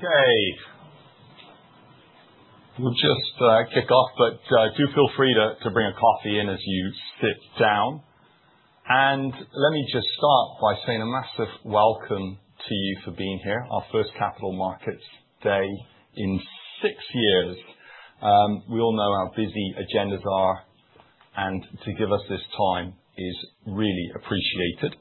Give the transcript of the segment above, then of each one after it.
Okay. We'll just kick off, but do feel free to bring a coffee in as you sit down, and let me just start by saying a massive welcome to you for being here. Our first Capital Markets Day in six years. We all know how busy agendas are, and to give us this time is really appreciated.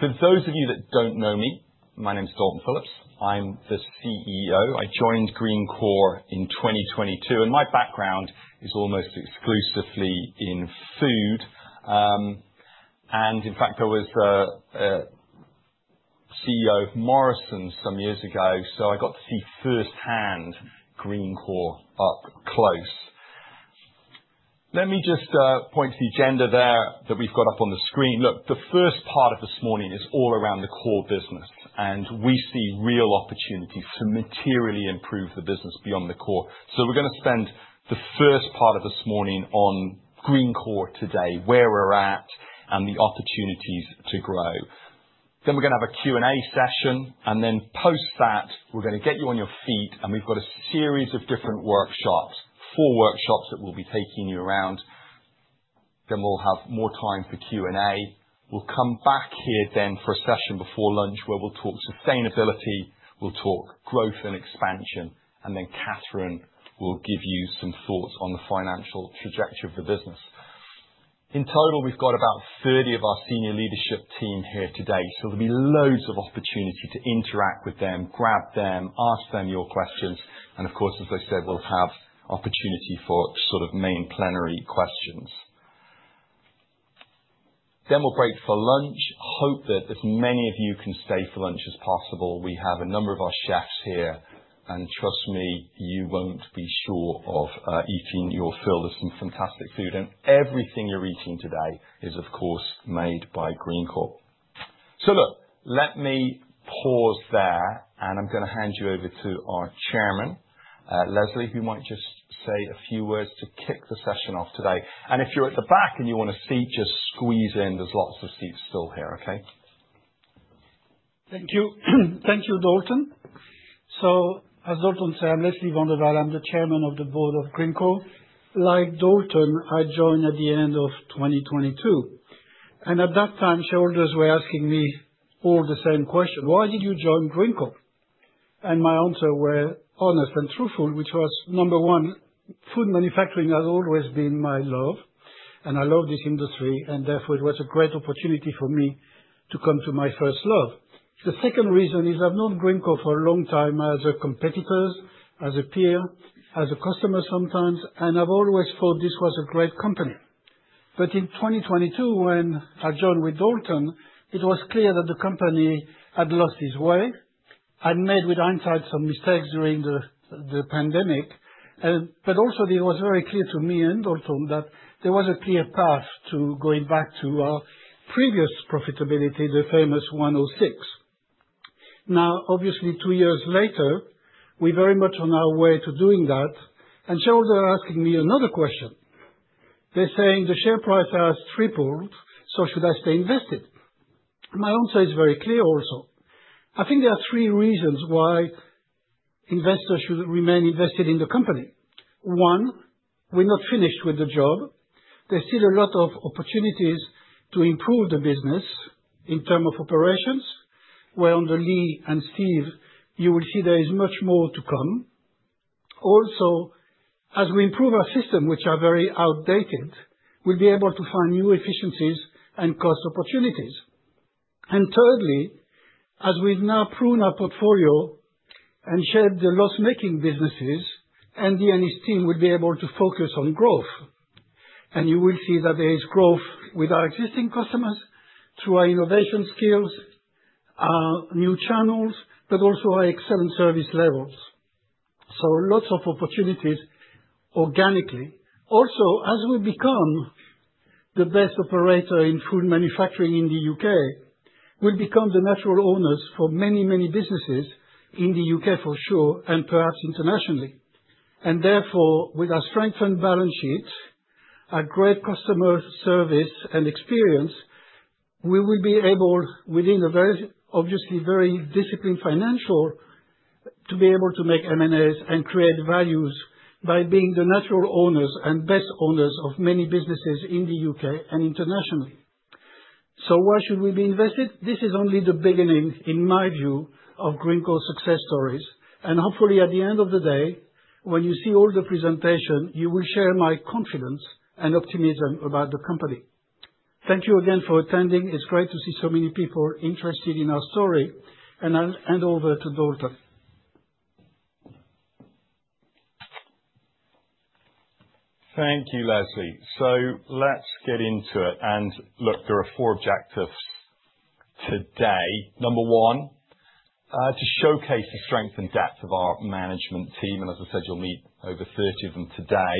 For those of you that don't know me, my name is Dalton Philips. I'm the CEO. I joined Greencore in 2022, and my background is almost exclusively in food, and in fact, I was CEO of Morrisons some years ago, so I got to see firsthand Greencore up close. Let me just point to the agenda there that we've got up on the screen. Look, the first part of this morning is all around the core business, and we see real opportunities to materially improve the business beyond the core. So we're going to spend the first part of this morning on Greencore today, where we're at, and the opportunities to grow. Then we're going to have a Q&A session, and then after that, we're going to get you on your feet, and we've got a series of different workshops, four workshops that we'll be taking you around. Then we'll have more time for Q&A. We'll come back here then for a session before lunch where we'll talk sustainability, we'll talk growth and expansion, and then Catherine will give you some thoughts on the financial trajectory of the business. In total, we've got about 30 of our senior leadership team here today, so there'll be loads of opportunity to interact with them, grab them, ask them your questions, and of course, as I said, we'll have opportunity for sort of main plenary questions. Then we'll break for lunch. Hope that as many of you can stay for lunch as possible. We have a number of our chefs here, and trust me, you won't be short of eating. You'll be filled with some fantastic food, and everything you're eating today is, of course, made by Greencore. So look, let me pause there, and I'm going to hand you over to our Chairman, Leslie, who might just say a few words to kick the session off today. If you're at the back and you want a seat, just squeeze in. There's lots of seats still here, okay? Thank you. Thank you, Dalton. So as Dalton said, I'm Leslie Van de Walle. I'm the Chairman of the Board of Greencore. Like Dalton, I joined at the end of 2022. And at that time, shareholders were asking me all the same question, "Why did you join Greencore?" And my answer was honest and truthful, which was, number one, food manufacturing has always been my love, and I love this industry, and therefore it was a great opportunity for me to come to my first love. The second reason is I've known Greencore for a long time as a competitor, as a peer, as a customer sometimes, and I've always thought this was a great company. But in 2022, when I joined with Dalton, it was clear that the company had lost its way. I'd made, with hindsight, some mistakes during the pandemic, but also it was very clear to me and Dalton that there was a clear path to going back to our previous profitability, the famous 106. Now, obviously, two years later, we're very much on our way to doing that, and shareholders are asking me another question. They're saying the share price has tripled, so should I stay invested? My answer is very clear also. I think there are three reasons why investors should remain invested in the company. One, we're not finished with the job. There's still a lot of opportunities to improve the business in terms of operations, where on the Lee and Steve, you will see there is much more to come. Also, as we improve our systems, which are very outdated, we'll be able to find new efficiencies and cost opportunities. Thirdly, as we've now pruned our portfolio and shed the loss-making businesses, Andy and his team will be able to focus on growth. You will see that there is growth with our existing customers through our innovation skills, our new channels, but also our excellent service levels. So lots of opportunities organically. Also, as we become the best operator in food manufacturing in the UK, we'll become the natural owners for many, many businesses in the UK for sure, and perhaps internationally. And therefore, with our strengthened balance sheet, our great customer service and experience, we will be able, within a very, obviously, very disciplined financial, to be able to make M&A and create value by being the natural owners and best owners of many businesses in the UK and internationally. So why should we be invested? This is only the beginning, in my view, of Greencore's success stories, and hopefully, at the end of the day, when you see all the presentation, you will share my confidence and optimism about the company. Thank you again for attending. It's great to see so many people interested in our story, and I'll hand over to Dalton. Thank you, Leslie. So let's get into it. And look, there are four objectives today. Number one, to showcase the strength and depth of our management team, and as I said, you'll meet over 30 of them today.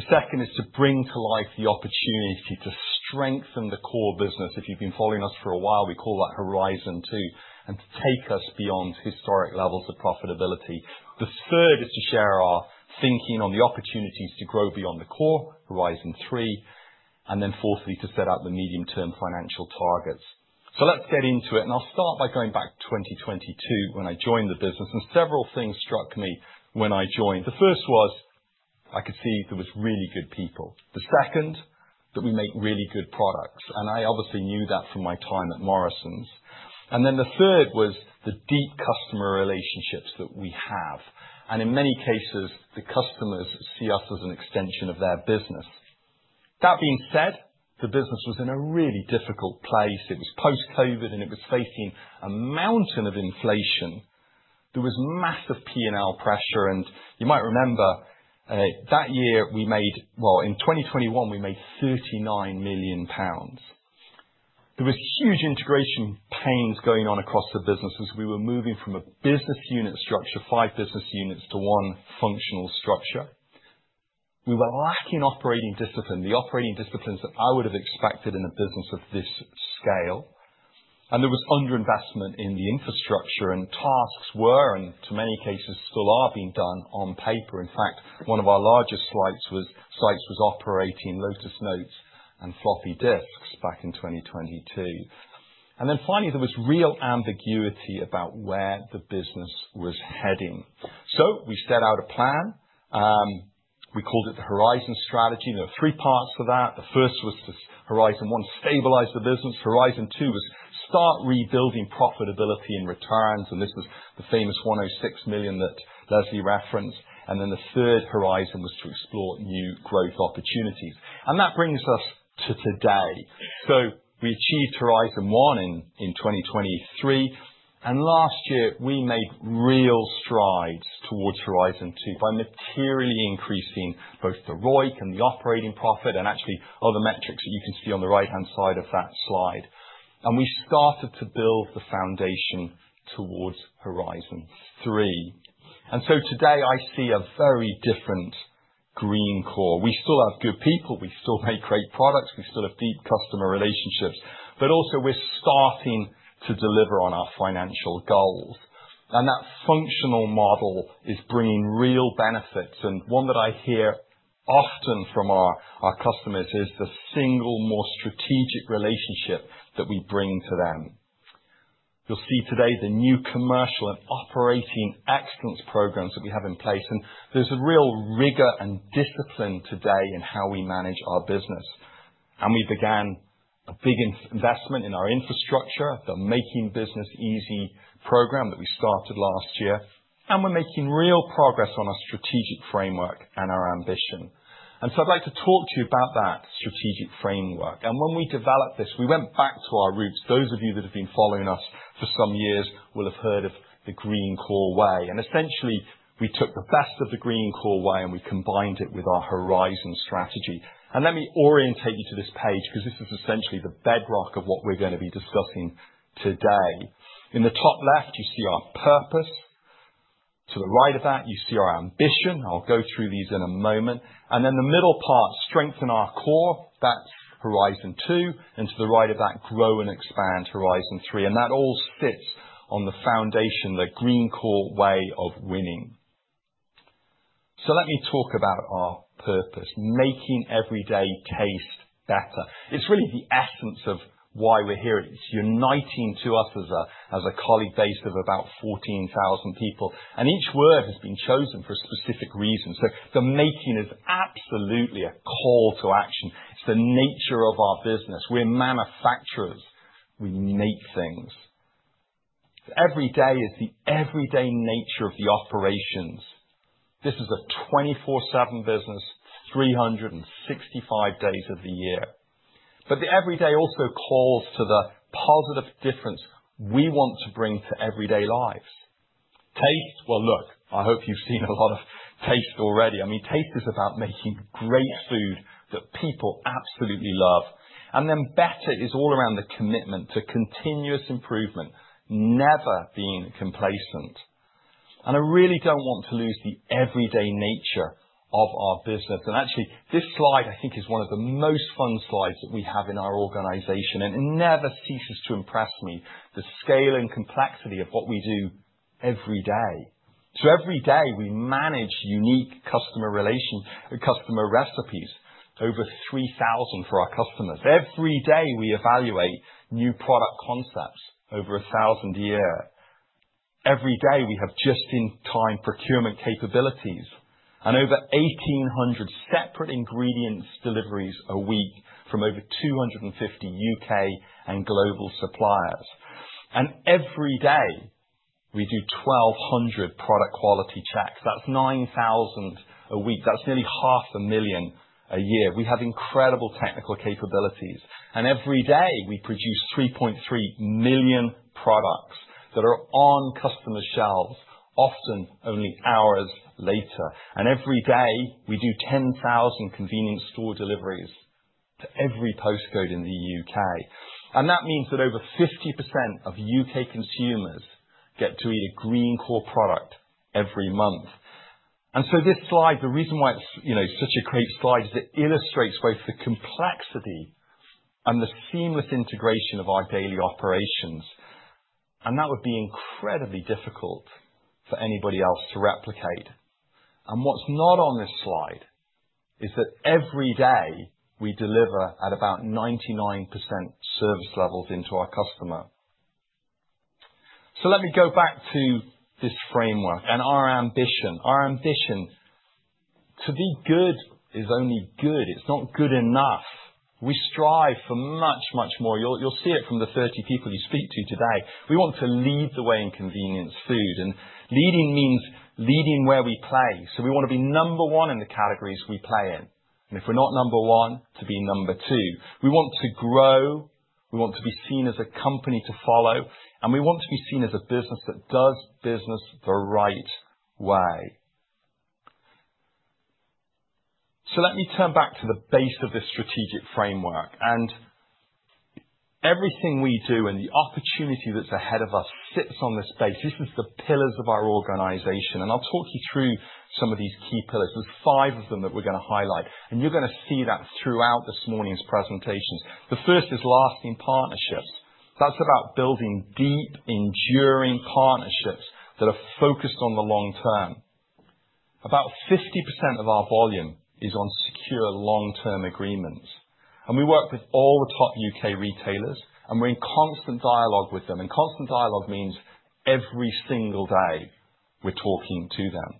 The second is to bring to life the opportunity to strengthen the core business. If you've been following us for a while, we call that Horizon Two, and to take us beyond historic levels of profitability. The third is to share our thinking on the opportunities to grow beyond the core, Horizon Three, and then fourthly, to set out the medium-term financial targets. So let's get into it. And I'll start by going back to 2022 when I joined the business, and several things struck me when I joined. The first was I could see there was really good people. The second, that we make really good products, and I obviously knew that from my time at Morrisons. And then the third was the deep customer relationships that we have. And in many cases, the customers see us as an extension of their business. That being said, the business was in a really difficult place. It was post-COVID, and it was facing a mountain of inflation. There was massive P&L pressure, and you might remember that year we made, well, in 2021, we made 39 million pounds. There was huge integration pains going on across the business as we were moving from a business unit structure, five business units to one functional structure. We were lacking operating discipline, the operating disciplines that I would have expected in a business of this scale. There was underinvestment in the infrastructure, and tasks were, and in many cases still are, being done on paper. In fact, one of our largest sites was operating lotus notes and floppy disks back in 2022. Then finally, there was real ambiguity about where the business was heading. We set out a plan. We called it the Horizon Strategy. There are three parts to that. The first was Horizon 1, to stabilize the business. Horizon 2 was to start rebuilding profitability and returns, and this was the famous 106 million that Leslie referenced. The third horizon was to explore new growth opportunities. That brings us to today. So we achieved Horizon 1 in 2023, and last year we made real strides towards Horizon 2 by materially increasing both the ROIC and the operating profit and actually other metrics that you can see on the right-hand side of that slide. And we started to build the foundation towards Horizon 3. And so today I see a very different Greencore. We still have good people, we still make great products, we still have deep customer relationships, but also we're starting to deliver on our financial goals. And that functional model is bringing real benefits, and one that I hear often from our customers is the single more strategic relationship that we bring to them. You'll see today the new commercial and operating excellence programs that we have in place, and there's a real rigor and discipline today in how we manage our business. We began a big investment in our infrastructure, the Making Business Easier program that we started last year, and we're making real progress on our strategic framework and our ambition. So I'd like to talk to you about that strategic framework. When we developed this, we went back to our roots. Those of you that have been following us for some years will have heard of the Greencore Way. Essentially, we took the best of the Greencore Way and we combined it with our Horizon Strategy. Let me orient you to this page because this is essentially the bedrock of what we're going to be discussing today. In the top left, you see our purpose. To the right of that, you see our ambition. I'll go through these in a moment. And then the middle part, strengthen our core, that's Horizon 2, and to the right of that, grow and expand Horizon 3. And that all sits on the foundation, the Greencore Way of Winning. So let me talk about our purpose: Making everyday taste better. It's really the essence of why we're here. It's uniting to us as a colleague base of about 14,000 people, and each word has been chosen for a specific reason. So the making is absolutely a call to action. It's the nature of our business. We're manufacturers. We make things. Every day is the everyday nature of the operations. This is a 24/7 business, 365 days of the year. But the everyday also calls to the positive difference we want to bring to everyday lives. Taste, well, look, I hope you've seen a lot of taste already. I mean, taste is about making great food that people absolutely love. And then better is all around the commitment to continuous improvement, never being complacent. And I really don't want to lose the everyday nature of our business. And actually, this slide, I think, is one of the most fun slides that we have in our organization, and it never ceases to impress me, the scale and complexity of what we do every day. So every day we manage unique customer relations, customer recipes, over 3,000 for our customers. Every day we evaluate new product concepts over a thousand a year. Every day we have just-in-time procurement capabilities and over 1,800 separate ingredients deliveries a week from over 250 UK and global suppliers. And every day we do 1,200 product quality checks. That's 9,000 a week. That's nearly 500,000 a year. We have incredible technical capabilities, and every day we produce 3.3 million products that are on customer shelves, often only hours later. And every day we do 10,000 convenience store deliveries to every postcode in the UK And that means that over 50% of UK consumers get to eat a Greencore product every month. And so this slide, the reason why it's such a great slide is it illustrates both the complexity and the seamless integration of our daily operations. And that would be incredibly difficult for anybody else to replicate. And what's not on this slide is that every day we deliver at about 99% service levels into our customer. So let me go back to this framework and our ambition. Our ambition to be good is only good. It's not good enough. We strive for much, much more. You'll see it from the 30 people you speak to today. We want to lead the way in convenience food, and leading means leading where we play. So we want to be number one in the categories we play in. And if we're not number one, to be number two. We want to grow. We want to be seen as a company to follow, and we want to be seen as a business that does business the right way. So let me turn back to the base of this strategic framework. And everything we do and the opportunity that's ahead of us sits on this base. This is the pillars of our organization, and I'll talk you through some of these key pillars. There's five of them that we're going to highlight, and you're going to see that throughout this morning's presentations. The first is lasting partnerships. That's about building deep, enduring partnerships that are focused on the long term. About 50% of our volume is on secure long-term agreements. We work with all the top UK retailers, and we're in constant dialogue with them. Constant dialogue means every single day we're talking to them.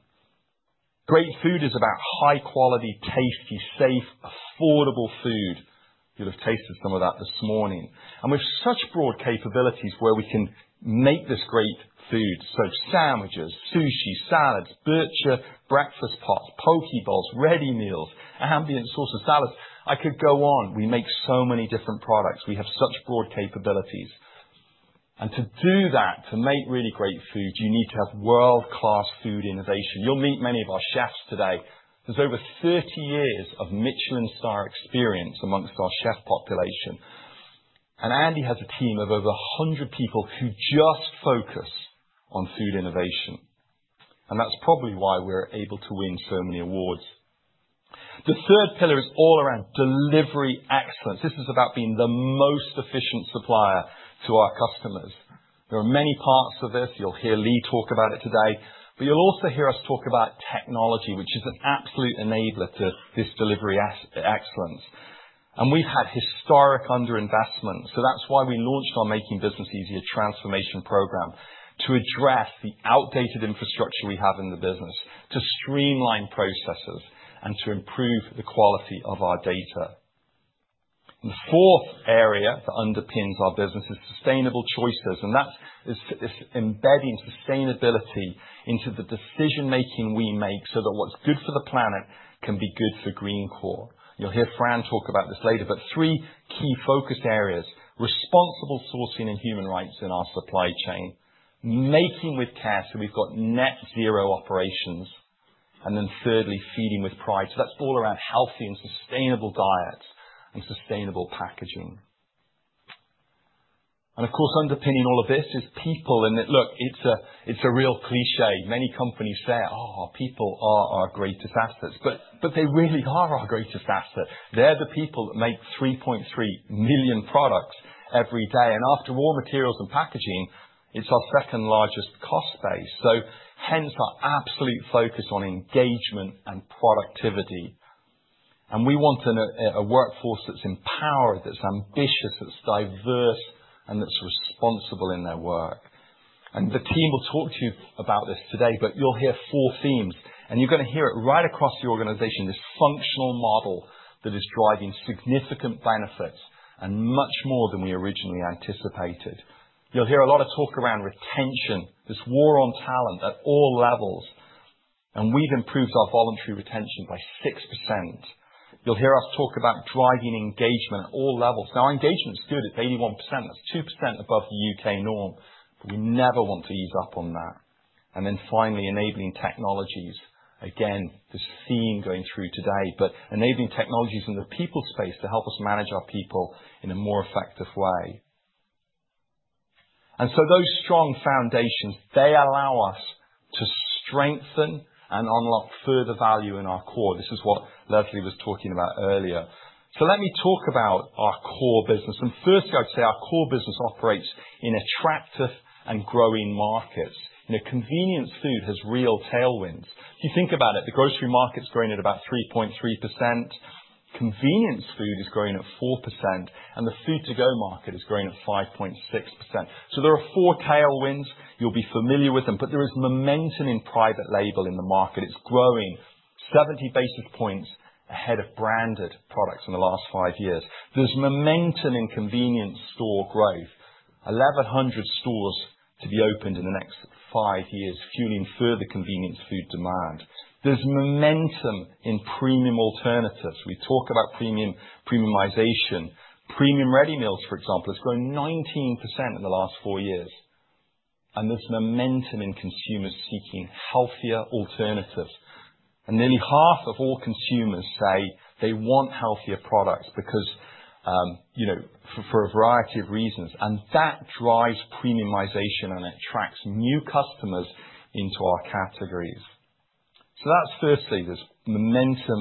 Great food is about high-quality, tasty, safe, affordable food. You'll have tasted some of that this morning. We have such broad capabilities where we can make this great food. So sandwiches, sushi, salads, burgers, breakfast pots, poke bowls, ready meals, ambient sauces, salads. I could go on. We make so many different products. We have such broad capabilities. To do that, to make really great food, you need to have world-class food innovation. You'll meet many of our chefs today. There's over 30 years of Michelin-star experience amongst our chef population. Andy has a team of over 100 people who just focus on food innovation. That's probably why we're able to win so many awards. The third pillar is all around delivery excellence. This is about being the most efficient supplier to our customers. There are many parts of this. You'll hear Lee talk about it today, but you'll also hear us talk about technology, which is an absolute enabler to this delivery excellence. We've had historic underinvestment. That's why we launched our Making Business Easier transformation program to address the outdated infrastructure we have in the business, to streamline processes, and to improve the quality of our data. The fourth area that underpins our business is sustainable choices, and that is embedding sustainability into the decision-making we make so that what's good for the planet can be good for Greencore. You'll hear Fran talk about this later, but three key focus areas: responsible sourcing and human rights in our supply chain, Making with Care, so we've got net-zero operations, and then thirdly, Feeding with Pride, so that's all around healthy and sustainable diets and sustainable packaging, and of course, underpinning all of this is people, and look, it's a real cliché. Many companies say, "Oh, people are our greatest assets," but they really are our greatest asset. They're the people that make 3.3 million products every day, and after raw materials and packaging, it's our second largest cost base, so hence our absolute focus on engagement and productivity, and we want a workforce that's empowered, that's ambitious, that's diverse, and that's responsible in their work. The team will talk to you about this today, but you'll hear four themes, and you're going to hear it right across the organization, this functional model that is driving significant benefits and much more than we originally anticipated. You'll hear a lot of talk around retention, this war on talent at all levels, and we've improved our voluntary retention by 6%. You'll hear us talk about driving engagement at all levels. Now, our engagement's good at 81%. That's 2% above the UK norm, but we never want to ease up on that. Then finally, enabling technologies. Again, this theme going through today, but enabling technologies in the people space to help us manage our people in a more effective way. So those strong foundations, they allow us to strengthen and unlock further value in our core. This is what Leslie was talking about earlier. Let me talk about our core business. Firstly, I'd say our core business operates in attractive and growing markets. Convenience food has real tailwinds. If you think about it, the grocery market's growing at about 3.3%. Convenience food is growing at 4%, and the food-to-go market is growing at 5.6%. There are four tailwinds you'll be familiar with them, but there is momentum in private label in the market. It's growing 70 basis points ahead of branded products in the last five years. There's momentum in convenience store growth, 1,100 stores to be opened in the next five years, fueling further convenience food demand. There's momentum in premium alternatives. We talk about premiumization. Premium ready meals, for example, has grown 19% in the last four years. There's momentum in consumers seeking healthier alternatives. Nearly half of all consumers say they want healthier products for a variety of reasons. And that drives premiumization, and it attracts new customers into our categories. So that's firstly. There's momentum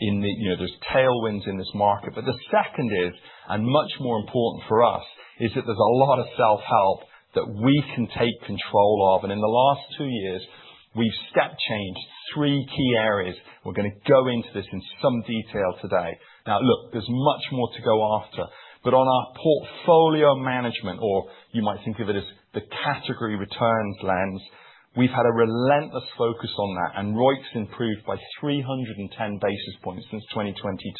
in the, there's tailwinds in this market. But the second is, and much more important for us, is that there's a lot of self-help that we can take control of. And in the last two years, we've step-changed three key areas. We're going to go into this in some detail today. Now, look, there's much more to go after. But on our portfolio management, or you might think of it as the category returns lens, we've had a relentless focus on that, and ROIC's improved by 310 basis points since 2022.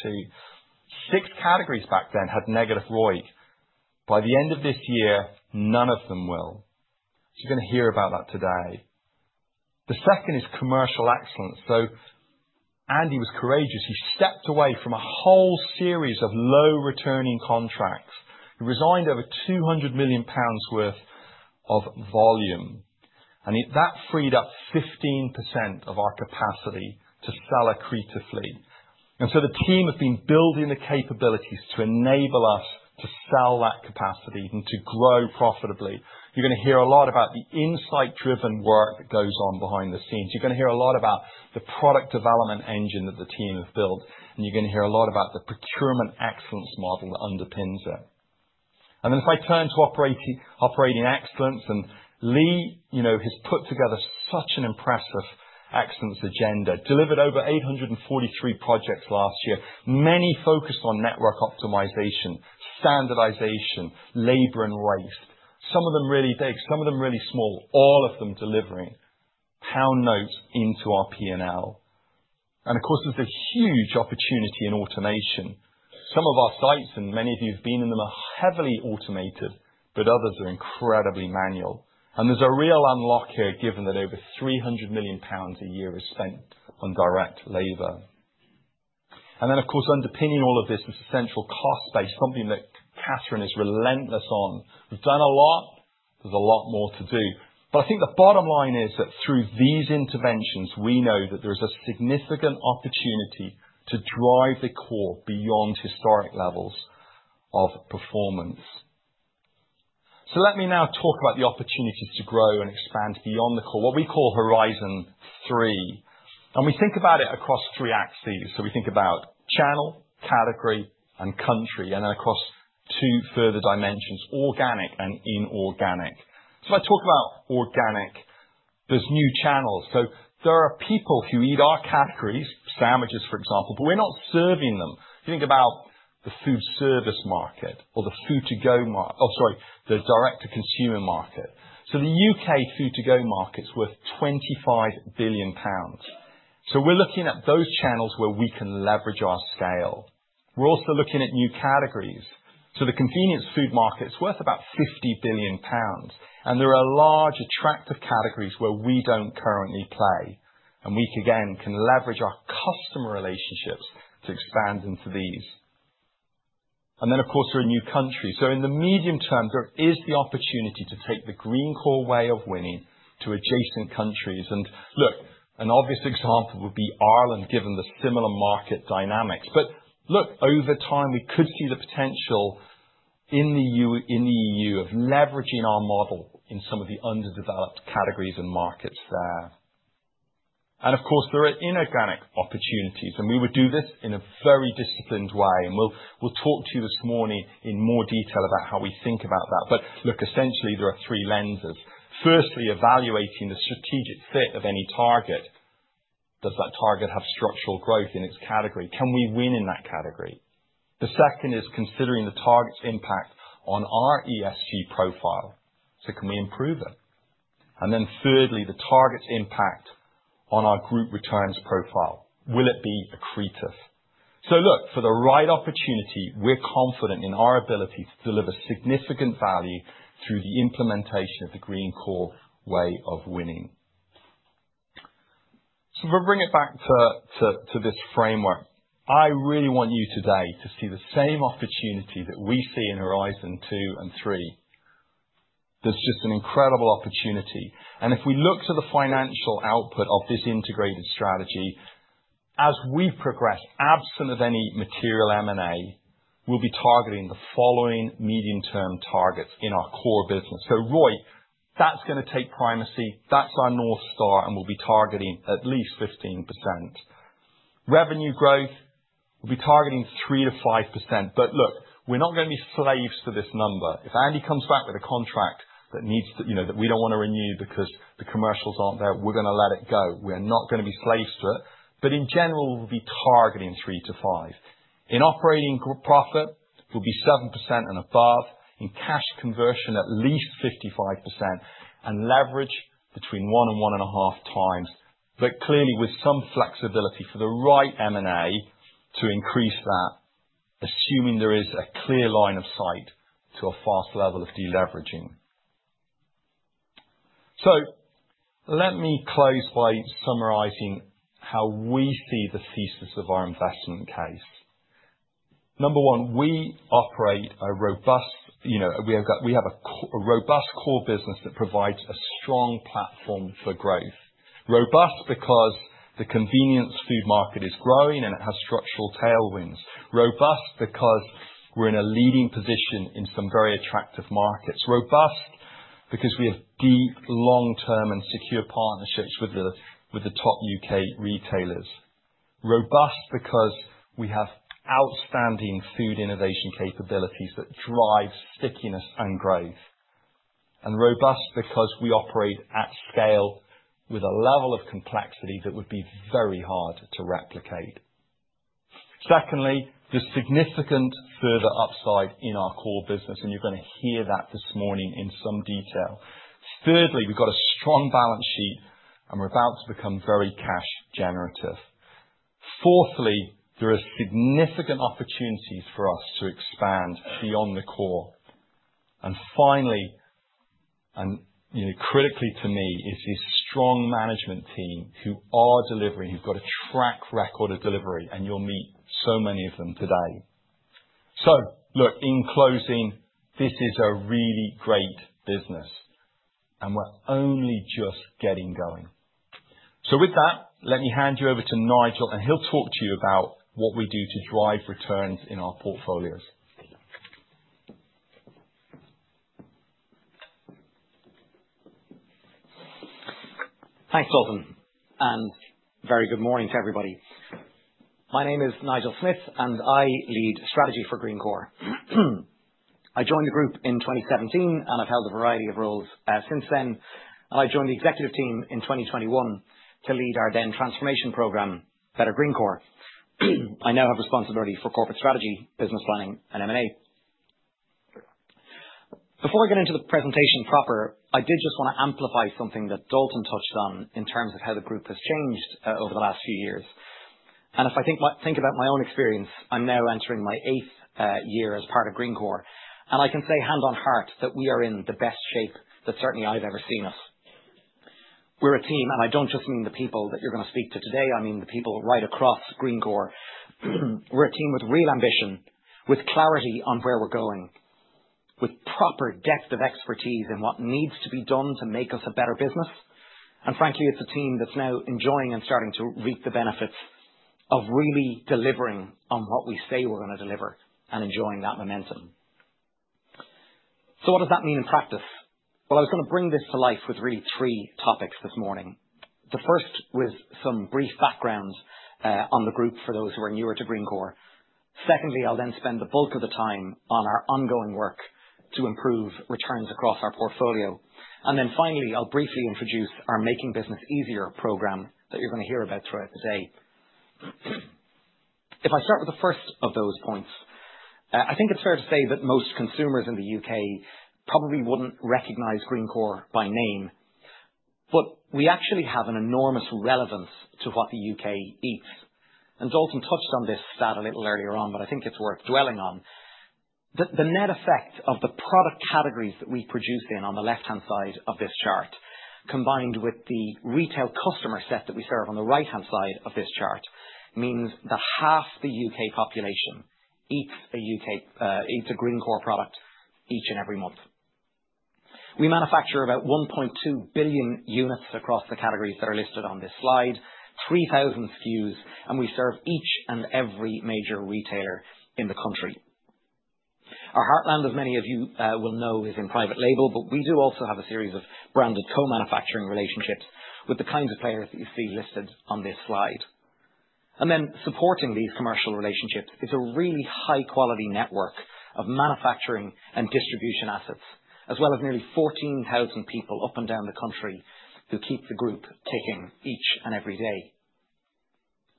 Six categories back then had negative ROIC. By the end of this year, none of them will. So you're going to hear about that today. The second is commercial excellence. So Andy was courageous. He stepped away from a whole series of low-returning contracts. He resigned over 200 million pounds worth of volume, and that freed up 15% of our capacity to sell accretively. And so the team has been building the capabilities to enable us to sell that capacity and to grow profitably. You're going to hear a lot about the insight-driven work that goes on behind the scenes. You're going to hear a lot about the product development engine that the team has built, and you're going to hear a lot about the procurement excellence model that underpins it. And then if I turn to operating excellence, and Lee has put together such an impressive excellence agenda, delivered over 843 projects last year, many focused on network optimization, standardization, labor, and rates. Some of them really big, some of them really small, all of them delivering pound notes into our P&L. And of course, there's a huge opportunity in automation. Some of our sites, and many of you have been in them, are heavily automated, but others are incredibly manual. And there's a real unlock here, given that over 300 million pounds a year is spent on direct labor. And then, of course, underpinning all of this is the central cost base, something that Catherine is relentless on. We've done a lot. There's a lot more to do. But I think the bottom line is that through these interventions, we know that there is a significant opportunity to drive the core beyond historic levels of performance. So let me now talk about the opportunities to grow and expand beyond the core, what we call Horizon 3. We think about it across three axes. We think about channel, category, and country, and then across two further dimensions, organic and inorganic. If I talk about organic, there are new channels. There are people who eat our categories, sandwiches, for example, but we're not serving them. If you think about the foodservice market or the food-to-go, oh, sorry, the direct-to-consumer market. The UK food-to-go market is worth 25 billion pounds. We're looking at those channels where we can leverage our scale. We're also looking at new categories. The convenience food market is worth about 50 billion pounds, and there are large attractive categories where we don't currently play. We, again, can leverage our customer relationships to expand into these. Then, of course, there are new countries. In the medium term, there is the opportunity to take the Greencore Way of Winning to adjacent countries. And look, an obvious example would be Ireland, given the similar market dynamics. But look, over time, we could see the potential in the EU of leveraging our model in some of the underdeveloped categories and markets there. And of course, there are inorganic opportunities, and we would do this in a very disciplined way. And we'll talk to you this morning in more detail about how we think about that. But look, essentially, there are three lenses. Firstly, evaluating the strategic fit of any target. Does that target have structural growth in its category? Can we win in that category? The second is considering the target's impact on our ESG profile. So can we improve it? And then thirdly, the target's impact on our group returns profile. Will it be accretive? So look, for the right opportunity, we're confident in our ability to deliver significant value through the implementation of the Greencore Way of Winning. So if I bring it back to this framework, I really want you today to see the same opportunity that we see in Horizon 2 and 3. There's just an incredible opportunity. And if we look to the financial output of this integrated strategy, as we progress, absent of any material M&A, we'll be targeting the following medium-term targets in our core business. So ROIC, that's going to take primacy. That's our North Star, and we'll be targeting at least 15%. Revenue growth, we'll be targeting 3%-5%. But look, we're not going to be slaves to this number. If Andy comes back with a contract that we don't want to renew because the commercials aren't there, we're going to let it go. We're not going to be slaves to it. But in general, we'll be targeting 3-5. In operating profit, it'll be 7% and above. In cash conversion, at least 55%, and leverage between 1-1.5 times, but clearly with some flexibility for the right M&A to increase that, assuming there is a clear line of sight to a fast level of deleveraging. So let me close by summarizing how we see the thesis of our investment case. Number one, we operate a robust—we have a robust core business that provides a strong platform for growth. Robust because the convenience food market is growing and it has structural tailwinds. Robust because we're in a leading position in some very attractive markets. Robust because we have deep, long-term, and secure partnerships with the top UK retailers. Robust because we have outstanding food innovation capabilities that drive stickiness and growth. And robust because we operate at scale with a level of complexity that would be very hard to replicate. Secondly, there's significant further upside in our core business, and you're going to hear that this morning in some detail. Thirdly, we've got a strong balance sheet, and we're about to become very cash-generative. Fourthly, there are significant opportunities for us to expand beyond the core. And finally, and critically to me, is this strong management team who are delivering, who've got a track record of delivery, and you'll meet so many of them today. So look, in closing, this is a really great business, and we're only just getting going. So with that, let me hand you over to Nigel, and he'll talk to you about what we do to drive returns in our portfolios. Thanks, Dalton. Very good morning to everybody. My name is Nigel Smith, and I lead strategy for Greencore. I joined the group in 2017, and I've held a variety of roles since then. I joined the executive team in 2021 to lead our then transformation program, Better Greencore. I now have responsibility for corporate strategy, business planning, and M&A. Before I get into the presentation proper, I did just want to amplify something that Dalton touched on in terms of how the group has changed over the last few years. If I think about my own experience, I'm now entering my eighth year as part of Greencore. I can say hand on heart that we are in the best shape that certainly I've ever seen us. We're a team, and I don't just mean the people that you're going to speak to today. I mean the people right across Greencore. We're a team with real ambition, with clarity on where we're going, with proper depth of expertise in what needs to be done to make us a better business. And frankly, it's a team that's now enjoying and starting to reap the benefits of really delivering on what we say we're going to deliver and enjoying that momentum. So what does that mean in practice? Well, I was going to bring this to life with really three topics this morning. The first was some brief background on the group for those who are newer to Greencore. Secondly, I'll then spend the bulk of the time on our ongoing work to improve returns across our portfolio. And then finally, I'll briefly introduce our Making Business Easier program that you're going to hear about throughout the day. If I start with the first of those points, I think it's fair to say that most consumers in the UK probably wouldn't recognize Greencore by name, but we actually have an enormous relevance to what the UK eats. And Dalton touched on this stat a little earlier on, but I think it's worth dwelling on. The net effect of the product categories that we produce in on the left-hand side of this chart, combined with the retail customer set that we serve on the right-hand side of this chart, means that half the UK population eats a Greencore product each and every month. We manufacture about 1.2 billion units across the categories that are listed on this slide, 3,000 SKUs, and we serve each and every major retailer in the country. Our heartland, as many of you will know, is in private label, but we do also have a series of branded co-manufacturing relationships with the kinds of players that you see listed on this slide, and then supporting these commercial relationships is a really high-quality network of manufacturing and distribution assets, as well as nearly 14,000 people up and down the country who keep the group ticking each and every day.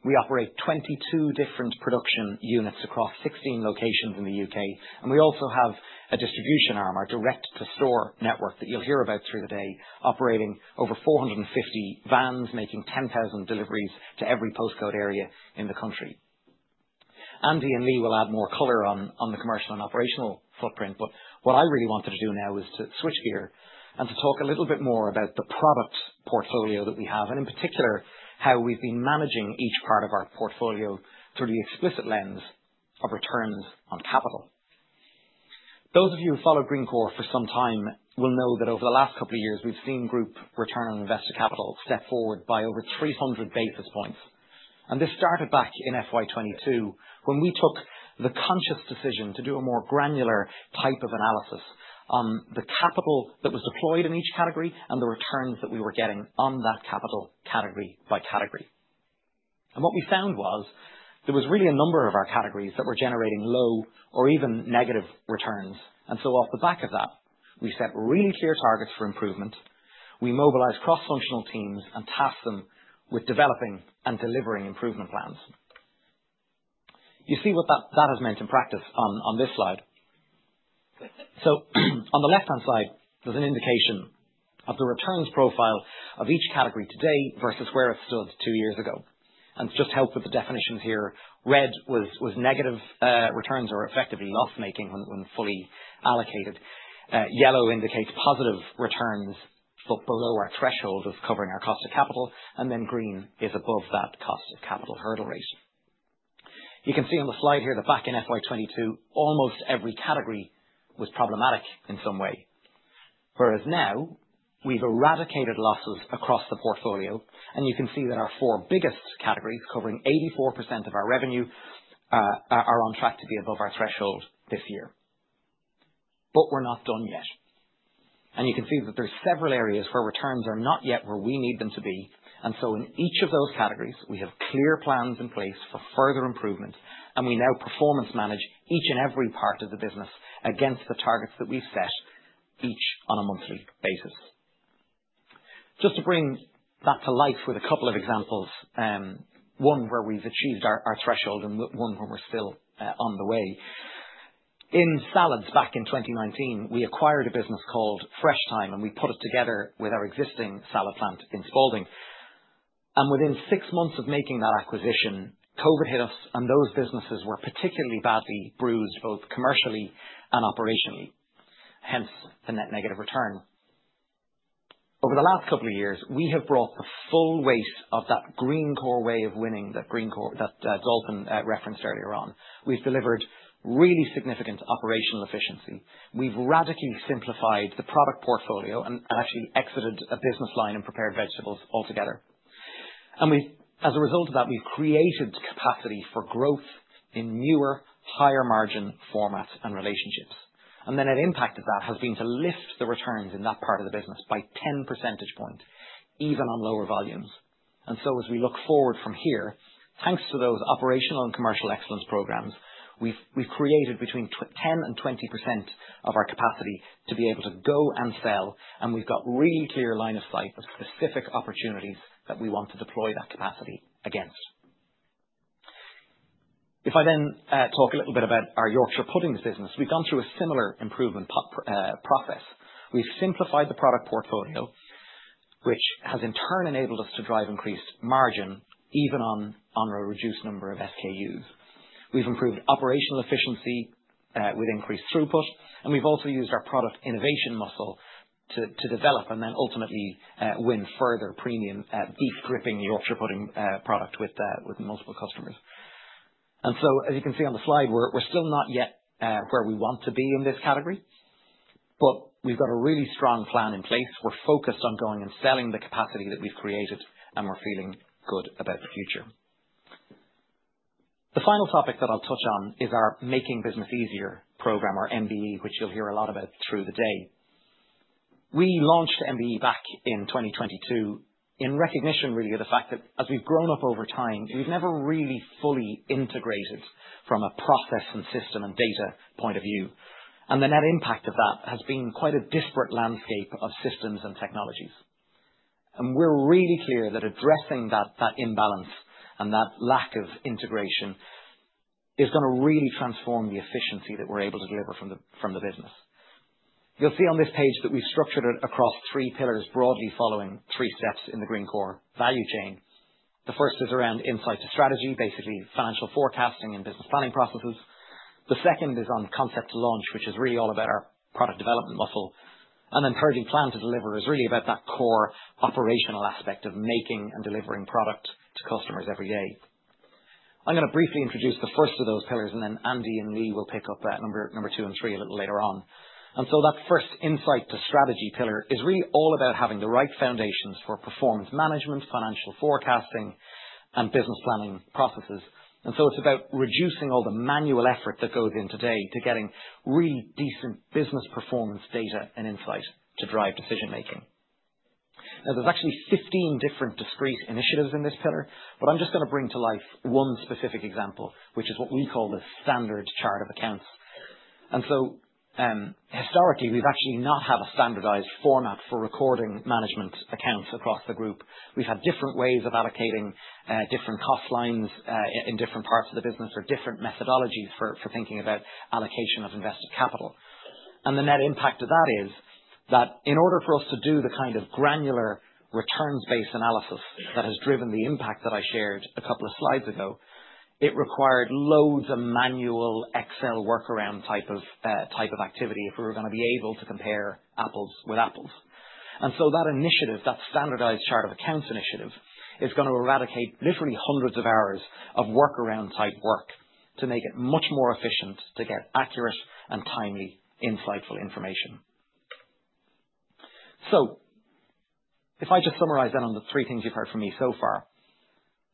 We operate 22 different production units across 16 locations in the UK, and we also have a distribution arm, our direct-to-store network that you'll hear about through the day, operating over 450 vans, making 10,000 deliveries to every postcode area in the country. Andy and Lee will add more color on the commercial and operational footprint, but what I really wanted to do now is to switch gear and to talk a little bit more about the product portfolio that we have, and in particular, how we've been managing each part of our portfolio through the explicit lens of returns on capital. Those of you who follow Greencore for some time will know that over the last couple of years, we've seen Group return on invested capital step forward by over 300 basis points. And this started back in FY22 when we took the conscious decision to do a more granular type of analysis on the capital that was deployed in each category and the returns that we were getting on that capital category by category. What we found was there was really a number of our categories that were generating low or even negative returns. So off the back of that, we set really clear targets for improvement. We mobilized cross-functional teams and tasked them with developing and delivering improvement plans. You see what that has meant in practice on this slide. On the left-hand side, there's an indication of the returns profile of each category today versus where it stood two years ago. Just to help with the definitions here, red was negative returns or effectively loss-making when fully allocated. Yellow indicates positive returns below our threshold of covering our cost of capital, and then green is above that cost of capital hurdle rate. You can see on the slide here that back in FY22, almost every category was problematic in some way. Whereas now, we've eradicated losses across the portfolio, and you can see that our four biggest categories covering 84% of our revenue are on track to be above our threshold this year. But we're not done yet. And you can see that there are several areas where returns are not yet where we need them to be. And so in each of those categories, we have clear plans in place for further improvement, and we now performance manage each and every part of the business against the targets that we've set each on a monthly basis. Just to bring that to life with a couple of examples, one where we've achieved our threshold and one where we're still on the way. In salads back in 2019, we acquired a business called Freshtime, and we put it together with our existing salad plant in Spalding. Within six months of making that acquisition, COVID hit us, and those businesses were particularly badly bruised both commercially and operationally. Hence the net negative return. Over the last couple of years, we have brought the full weight of that Greencore Way of Winning that Dalton referenced earlier on. We've delivered really significant operational efficiency. We've radically simplified the product portfolio and actually exited a business line in prepared vegetables altogether. And as a result of that, we've created capacity for growth in newer, higher-margin formats and relationships. And then an impact of that has been to lift the returns in that part of the business by 10 percentage points, even on lower volumes. As we look forward from here, thanks to those operational and commercial excellence programs, we've created between 10% and 20% of our capacity to be able to go and sell, and we've got really clear line of sight of specific opportunities that we want to deploy that capacity against. If I then talk a little bit about our Yorkshire puddings business, we've gone through a similar improvement process. We've simplified the product portfolio, which has in turn enabled us to drive increased margin, even on a reduced number of SKUs. We've improved operational efficiency with increased throughput, and we've also used our product innovation muscle to develop and then ultimately win further premium beef-dripping Yorkshire pudding product with multiple customers. So, as you can see on the slide, we're still not yet where we want to be in this category, but we've got a really strong plan in place. We're focused on going and selling the capacity that we've created, and we're feeling good about the future. The final topic that I'll touch on is our Making Business Easier program, or MBE, which you'll hear a lot about through the day. We launched MBE back in 2022 in recognition, really, of the fact that as we've grown up over time, we've never really fully integrated from a process and system and data point of view. The net impact of that has been quite a disparate landscape of systems and technologies. We're really clear that addressing that imbalance and that lack of integration is going to really transform the efficiency that we're able to deliver from the business. You'll see on this page that we've structured it across three pillars, broadly following three steps in the Greencore value chain. The first is around Insight to Strategy, basically financial forecasting and business planning processes. The second is on Concept to Launch, which is really all about our product development muscle. And then third, we Plan to Deliver is really about that core operational aspect of making and delivering product to customers every day. I'm going to briefly introduce the first of those pillars, and then Andy and Lee will pick up number two and three a little later on. And so that first Insight to Strategy pillar is really all about having the right foundations for performance management, financial forecasting, and business planning processes. And so it's about reducing all the manual effort that goes in today to getting really decent business performance data and insight to drive decision-making. Now, there's actually 15 different discrete initiatives in this pillar, but I'm just going to bring to life one specific example, which is what we call the standard chart of accounts. And so historically, we've actually not had a standardized format for recording management accounts across the group. We've had different ways of allocating different cost lines in different parts of the business or different methodologies for thinking about allocation of invested capital. And the net impact of that is that in order for us to do the kind of granular returns-based analysis that has driven the impact that I shared a couple of slides ago, it required loads of manual Excel workaround type of activity if we were going to be able to compare apples with apples. That initiative, that standardized chart of accounts initiative, is going to eradicate literally hundreds of hours of workaround type work to make it much more efficient to get accurate and timely, insightful information. So if I just summarize then on the three things you've heard from me so far,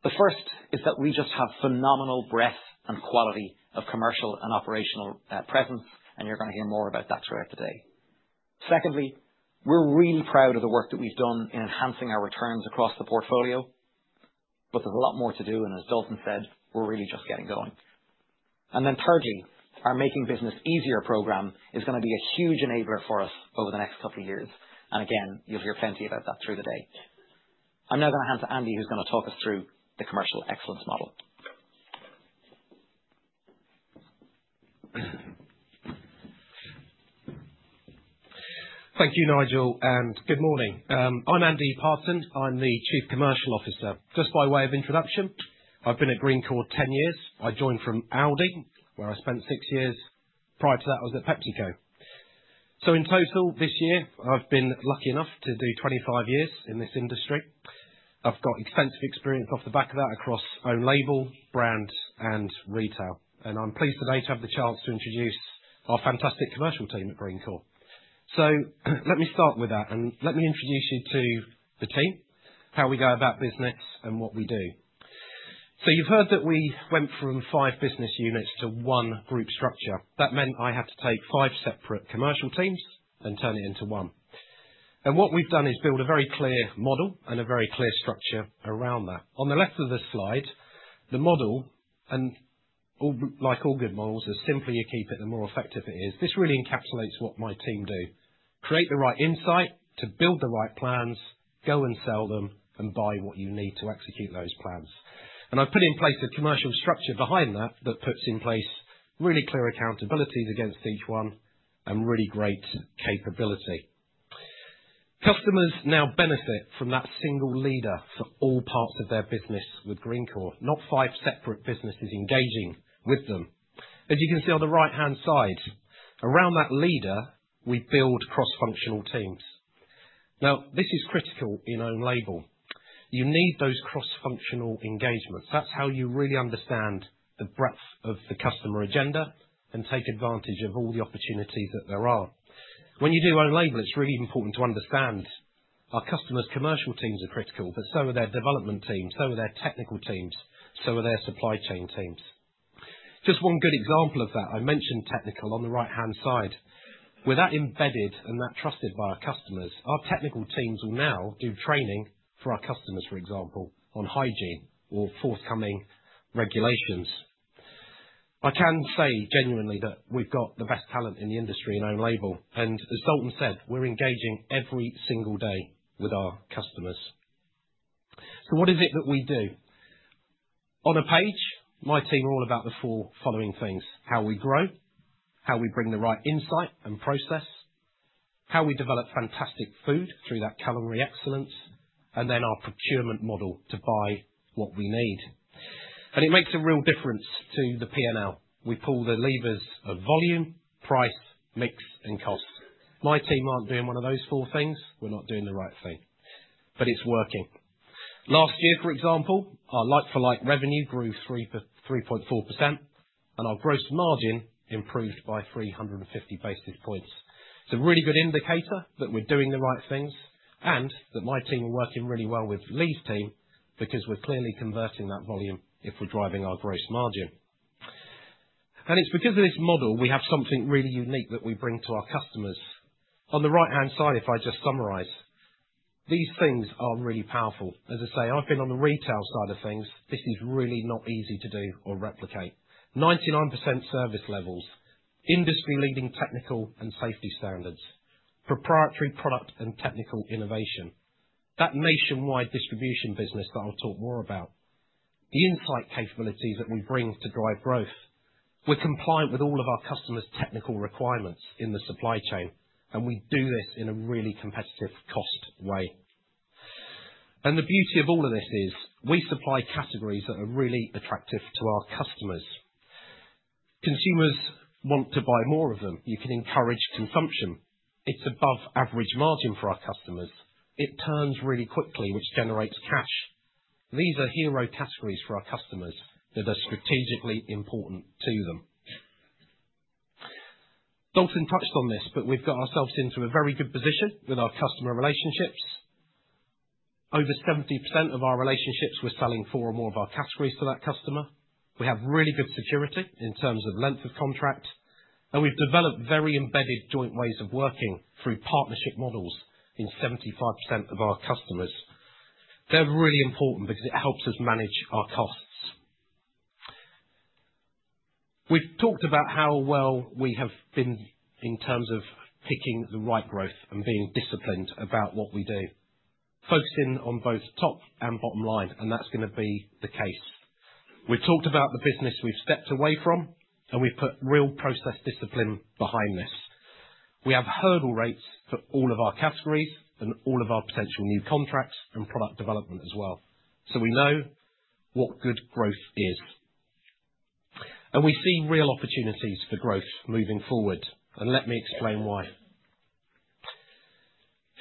the first is that we just have phenomenal breadth and quality of commercial and operational presence, and you're going to hear more about that throughout the day. Secondly, we're really proud of the work that we've done in enhancing our returns across the portfolio, but there's a lot more to do. And as Dalton said, we're really just getting going. And then thirdly, our Making Business Easier program is going to be a huge enabler for us over the next couple of years. And again, you'll hear plenty about that through the day. I'm now going to hand to Andy, who's going to talk us through the commercial excellence model. Thank you, Nigel, and good morning. I'm Andy Parton. I'm the Chief Commercial Officer. Just by way of introduction, I've been at Greencore 10 years. I joined from Aldi, where I spent six years. Prior to that, I was at PepsiCo. So in total, this year, I've been lucky enough to do 25 years in this industry. I've got extensive experience off the back of that across own label, brands, and retail. And I'm pleased today to have the chance to introduce our fantastic commercial team at Greencore. So let me start with that, and let me introduce you to the team, how we go about business, and what we do. So you've heard that we went from five business units to one group structure. That meant I had to take five separate commercial teams and turn it into one. And what we've done is build a very clear model and a very clear structure around that. On the left of this slide, the model, and like all good models, the simpler you keep it, the more effective it is. This really encapsulates what my team do: create the right insight to build the right plans, go and sell them, and buy what you need to execute those plans. And I've put in place a commercial structure behind that that puts in place really clear accountabilities against each one and really great capability. Customers now benefit from that single leader for all parts of their business with Greencore, not five separate businesses engaging with them. As you can see on the right-hand side, around that leader, we build cross-functional teams. Now, this is critical in own label. You need those cross-functional engagements. That's how you really understand the breadth of the customer agenda and take advantage of all the opportunities that there are. When you do own label, it's really important to understand our customers' commercial teams are critical, but so are their development teams, so are their technical teams, so are their supply chain teams. Just one good example of that, I mentioned technical on the right-hand side. With that embedded and that trusted by our customers, our technical teams will now do training for our customers, for example, on hygiene or forthcoming regulations. I can say genuinely that we've got the best talent in the industry in own label. And as Dalton said, we're engaging every single day with our customers. So what is it that we do? On a page, my team are all about the four following things: how we grow, how we bring the right insight and process, how we develop fantastic food through that culinary excellence, and then our procurement model to buy what we need. And it makes a real difference to the P&L. We pull the levers of volume, price, mix, and cost. My team aren't doing one of those four things. We're not doing the right thing, but it's working. Last year, for example, our like-for-like revenue grew 3.4%, and our gross margin improved by 350 basis points. It's a really good indicator that we're doing the right things and that my team are working really well with Lee's team because we're clearly converting that volume if we're driving our gross margin. And it's because of this model we have something really unique that we bring to our customers. On the right-hand side, if I just summarize, these things are really powerful. As I say, I've been on the retail side of things. This is really not easy to do or replicate. 99% service levels, industry-leading technical and safety standards, proprietary product and technical innovation, that nationwide distribution business that I'll talk more about, the insight capabilities that we bring to drive growth. We're compliant with all of our customers' technical requirements in the supply chain, and we do this in a really competitive cost way. And the beauty of all of this is we supply categories that are really attractive to our customers. Consumers want to buy more of them. You can encourage consumption. It's above average margin for our customers. It turns really quickly, which generates cash. These are hero categories for our customers that are strategically important to them. Dalton touched on this, but we've got ourselves into a very good position with our customer relationships. Over 70% of our relationships, we're selling four or more of our categories to that customer. We have really good security in terms of length of contract, and we've developed very embedded joint ways of working through partnership models in 75% of our customers. They're really important because it helps us manage our costs. We've talked about how well we have been in terms of picking the right growth and being disciplined about what we do, focusing on both top and bottom line, and that's going to be the case. We've talked about the business we've stepped away from, and we've put real process discipline behind this. We have hurdle rates for all of our categories and all of our potential new contracts and product development as well. So we know what good growth is. And we see real opportunities for growth moving forward. And let me explain why.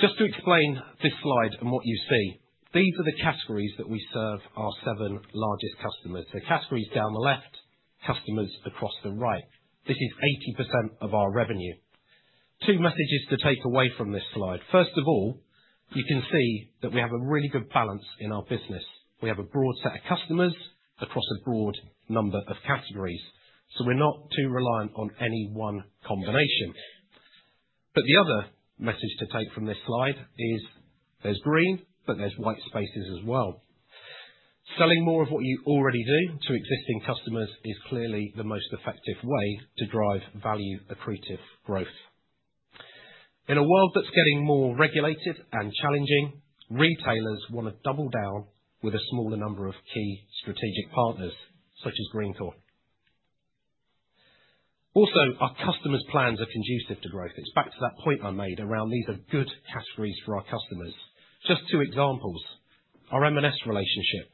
Just to explain this slide and what you see, these are the categories that we serve our seven largest customers. So categories down the left, customers across the right. This is 80% of our revenue. Two messages to take away from this slide. First of all, you can see that we have a really good balance in our business. We have a broad set of customers across a broad number of categories. So we're not too reliant on any one combination. But the other message to take from this slide is there's green, but there's white spaces as well. Selling more of what you already do to existing customers is clearly the most effective way to drive value-accretive growth. In a world that's getting more regulated and challenging, retailers want to double down with a smaller number of key strategic partners, such as Greencore. Also, our customers' plans are conducive to growth. It's back to that point I made around these are good categories for our customers. Just two examples. Our M&S relationship.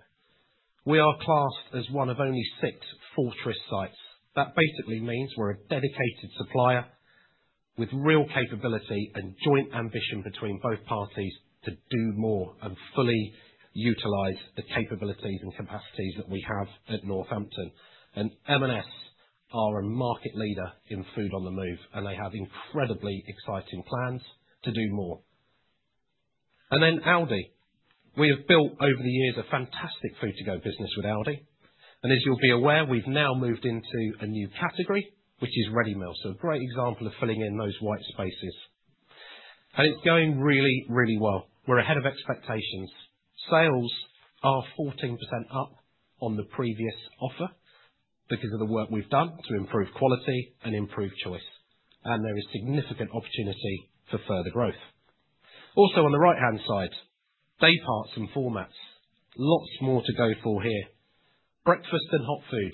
We are classed as one of only six fortress sites. That basically means we're a dedicated supplier with real capability and joint ambition between both parties to do more and fully utilize the capabilities and capacities that we have at Northampton, and M&S are a market leader in food on the move, and they have incredibly exciting plans to do more, and then Aldi. We have built over the years a fantastic food-to-go business with Aldi, and as you'll be aware, we've now moved into a new category, which is ready meals. A great example of filling in those white spaces. It's going really, really well. We're ahead of expectations. Sales are 14% up on the previous offer because of the work we've done to improve quality and improve choice. There is significant opportunity for further growth. Also, on the right-hand side, day parts and formats. Lots more to go for here. Breakfast and hot food.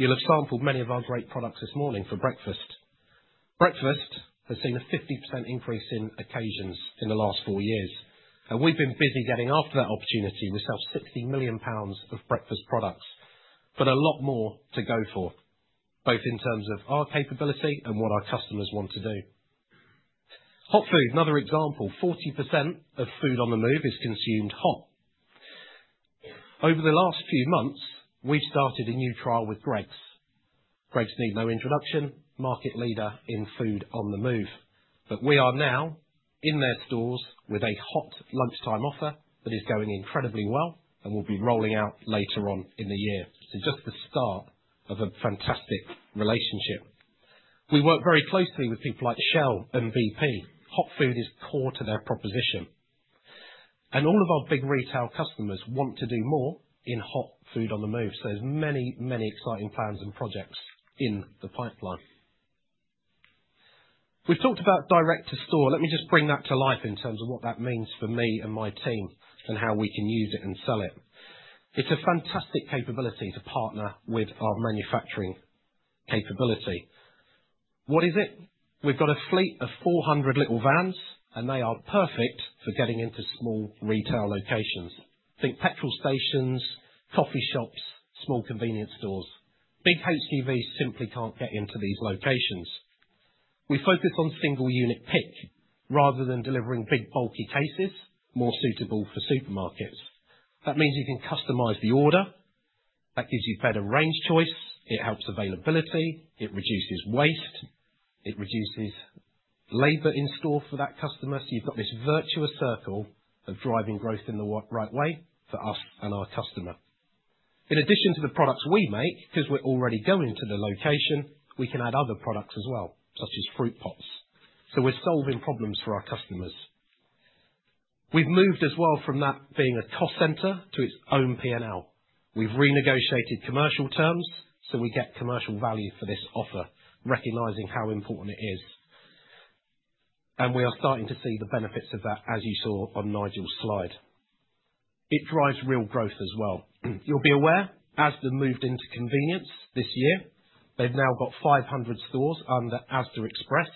You'll have sampled many of our great products this morning for breakfast. Breakfast has seen a 50% increase in occasions in the last four years. We've been busy getting after that opportunity. We sell 60 million pounds of breakfast products, but a lot more to go for, both in terms of our capability and what our customers want to do. Hot food, another example. 40% of food on the move is consumed hot. Over the last few months, we've started a new trial with Greggs. Greggs need no introduction, market leader in food on the move. But we are now in their stores with a hot lunchtime offer that is going incredibly well and will be rolling out later on in the year. So just the start of a fantastic relationship. We work very closely with people like Shell and BP. Hot food is core to their proposition. And all of our big retail customers want to do more in hot food on the move. So there's many, many exciting plans and projects in the pipeline. We've talked about direct-to-store. Let me just bring that to life in terms of what that means for me and my team and how we can use it and sell it. It's a fantastic capability to partner with our manufacturing capability. What is it? We've got a fleet of 400 little vans, and they are perfect for getting into small retail locations. Think petrol stations, coffee shops, small convenience stores. Big HGVs' simply can't get into these locations. We focus on single unit pick rather than delivering big bulky cases more suitable for supermarkets. That means you can customize the order. That gives you better range choice. It helps availability. It reduces waste. It reduces labor in store for that customer. So you've got this virtuous circle of driving growth in the right way for us and our customer. In addition to the products we make, because we're already going to the location, we can add other products as well, such as fruit pots. So we're solving problems for our customers. We've moved as well from that being a cost center to its own P&L. We've renegotiated commercial terms so we get commercial value for this offer, recognizing how important it is, and we are starting to see the benefits of that, as you saw on Nigel's slide. It drives real growth as well. You'll be aware, as they've moved into convenience this year, they've now got 500 stores under Asda Express.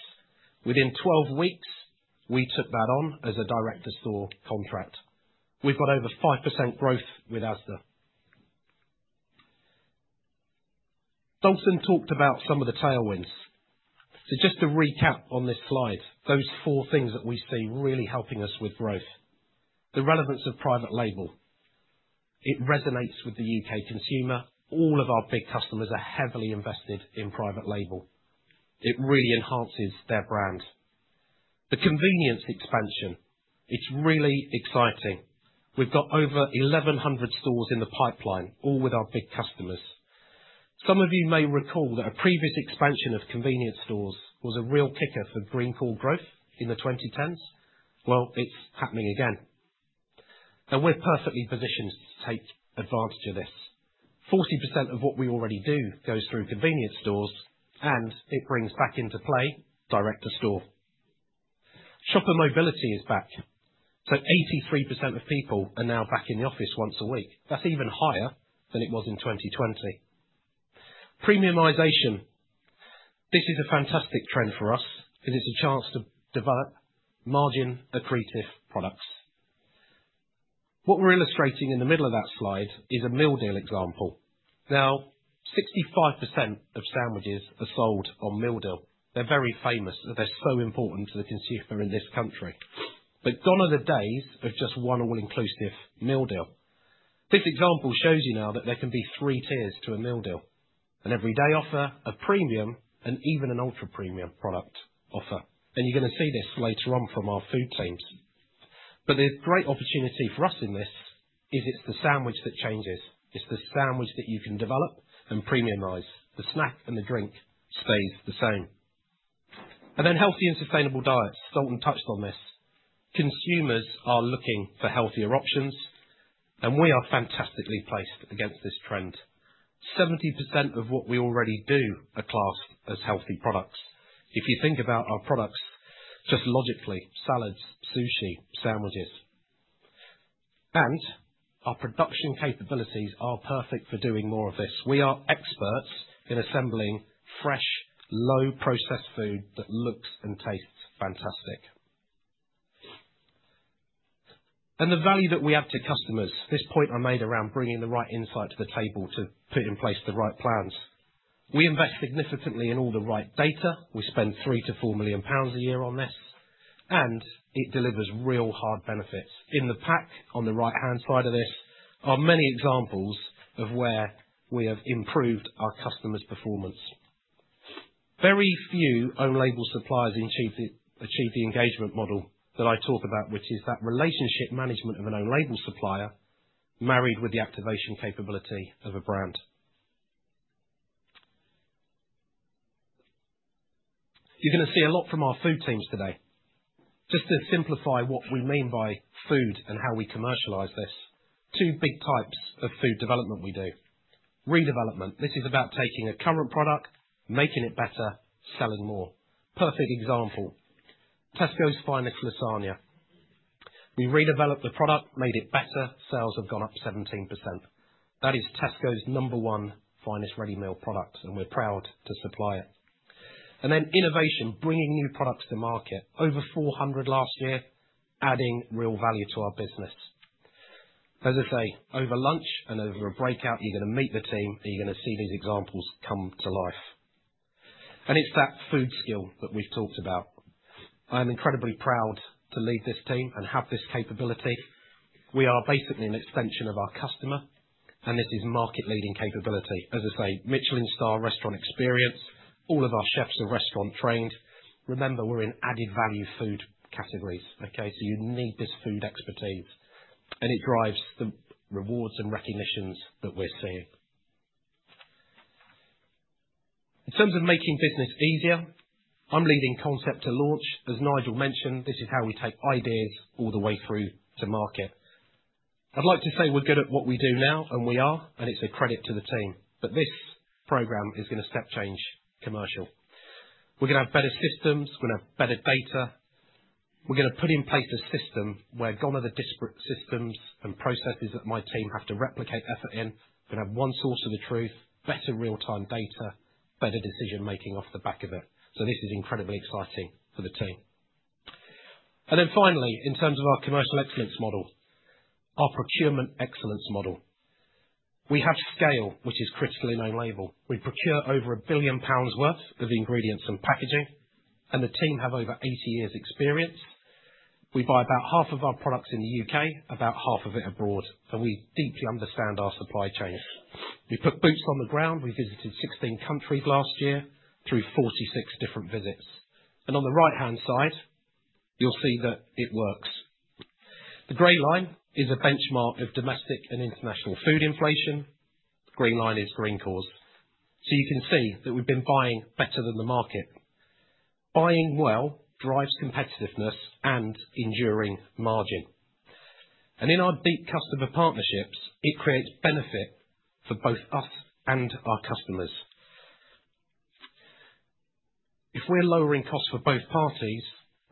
Within 12 weeks, we took that on as a direct-to-store contract. We've got over 5% growth with Asda. Dalton talked about some of the tailwinds, so just to recap on this slide, those four things that we see really helping us with growth: the relevance of private label. It resonates with the UK consumer. All of our big customers are heavily invested in private label. It really enhances their brand. The convenience expansion. It's really exciting. We've got over 1,100 stores in the pipeline, all with our big customers. Some of you may recall that a previous expansion of convenience stores was a real kicker for Greencore growth in the 2010s. It's happening again. We're perfectly positioned to take advantage of this. 40% of what we already do goes through convenience stores, and it brings back into play direct-to-store. Shopper mobility is back. 83% of people are now back in the office once a week. That's even higher than it was in 2020. Premiumization. This is a fantastic trend for us because it's a chance to develop margin-accretive products. What we're illustrating in the middle of that slide is a Meal Deal example. Now, 65% of sandwiches are sold on Meal Deal. They're very famous that they're so important to the consumer in this country. Gone are the days of just one all-inclusive Meal Deal. This example shows you now that there can be three tiers to a Meal Deal: an everyday offer, a premium, and even an ultra-premium product offer. And you're going to see this later on from our food teams. But the great opportunity for us in this is it's the sandwich that changes. It's the sandwich that you can develop and premiumize. The snack and the drink stays the same. And then healthy and sustainable diets. Dalton touched on this. Consumers are looking for healthier options, and we are fantastically placed against this trend. 70% of what we already do are classed as healthy products. If you think about our products, just logically, salads, sushi, sandwiches. And our production capabilities are perfect for doing more of this. We are experts in assembling fresh, low-process food that looks and tastes fantastic. And the value that we add to customers. This point I made around bringing the right insight to the table to put in place the right plans. We invest significantly in all the right data. We spend 3 million-4 million pounds a year on this, and it delivers real hard benefits. In the pack on the right-hand side of this are many examples of where we have improved our customers' performance. Very few own-label suppliers achieve the engagement model that I talk about, which is that relationship management of an own-label supplier married with the activation capability of a brand. You're going to see a lot from our food teams today. Just to simplify what we mean by food and how we commercialize this, two big types of food development we do: redevelopment. This is about taking a current product, making it better, selling more. Perfect example, Tesco Finest lasagna. We redeveloped the product, made it better. Sales have gone up 17%. That is Tesco's number one finest ready meal product, and we're proud to supply it, and then innovation, bringing new products to market. Over 400 last year, adding real value to our business. As I say, over lunch and over a breakout, you're going to meet the team, and you're going to see these examples come to life, and it's that food skill that we've talked about. I am incredibly proud to lead this team and have this capability. We are basically an extension of our customer, and this is market-leading capability. As I say, Michelin-star restaurant experience. All of our chefs are restaurant-trained. Remember, we're in added-value food categories, okay? So you need this food expertise, and it drives the rewards and recognitions that we're seeing. In terms of Making Business Easier, I'm leading Concept to Launch. As Nigel mentioned, this is how we take ideas all the way through to market. I'd like to say we're good at what we do now, and we are, and it's a credit to the team. But this program is going to step change commercial. We're going to have better systems. We're going to have better data. We're going to put in place a system where gone are the disparate systems and processes that my team have to replicate effort in. We're going to have one source of the truth, better real-time data, better decision-making off the back of it. So this is incredibly exciting for the team. And then finally, in terms of our commercial excellence model, our procurement excellence model, we have scale, which is a critical enabler. We procure over 1 billion pounds worth of ingredients and packaging, and the team have over 80 years' experience. We buy about half of our products in the UK, about half of it abroad, and we deeply understand our supply chains. We put boots on the ground. We visited 16 countries last year through 46 different visits. And on the right-hand side, you'll see that it works. The gray line is a benchmark of domestic and international food inflation. Green line is Greencore's. So you can see that we've been buying better than the market. Buying well drives competitiveness and enduring margin. And in our deep customer partnerships, it creates benefit for both us and our customers. If we're lowering costs for both parties,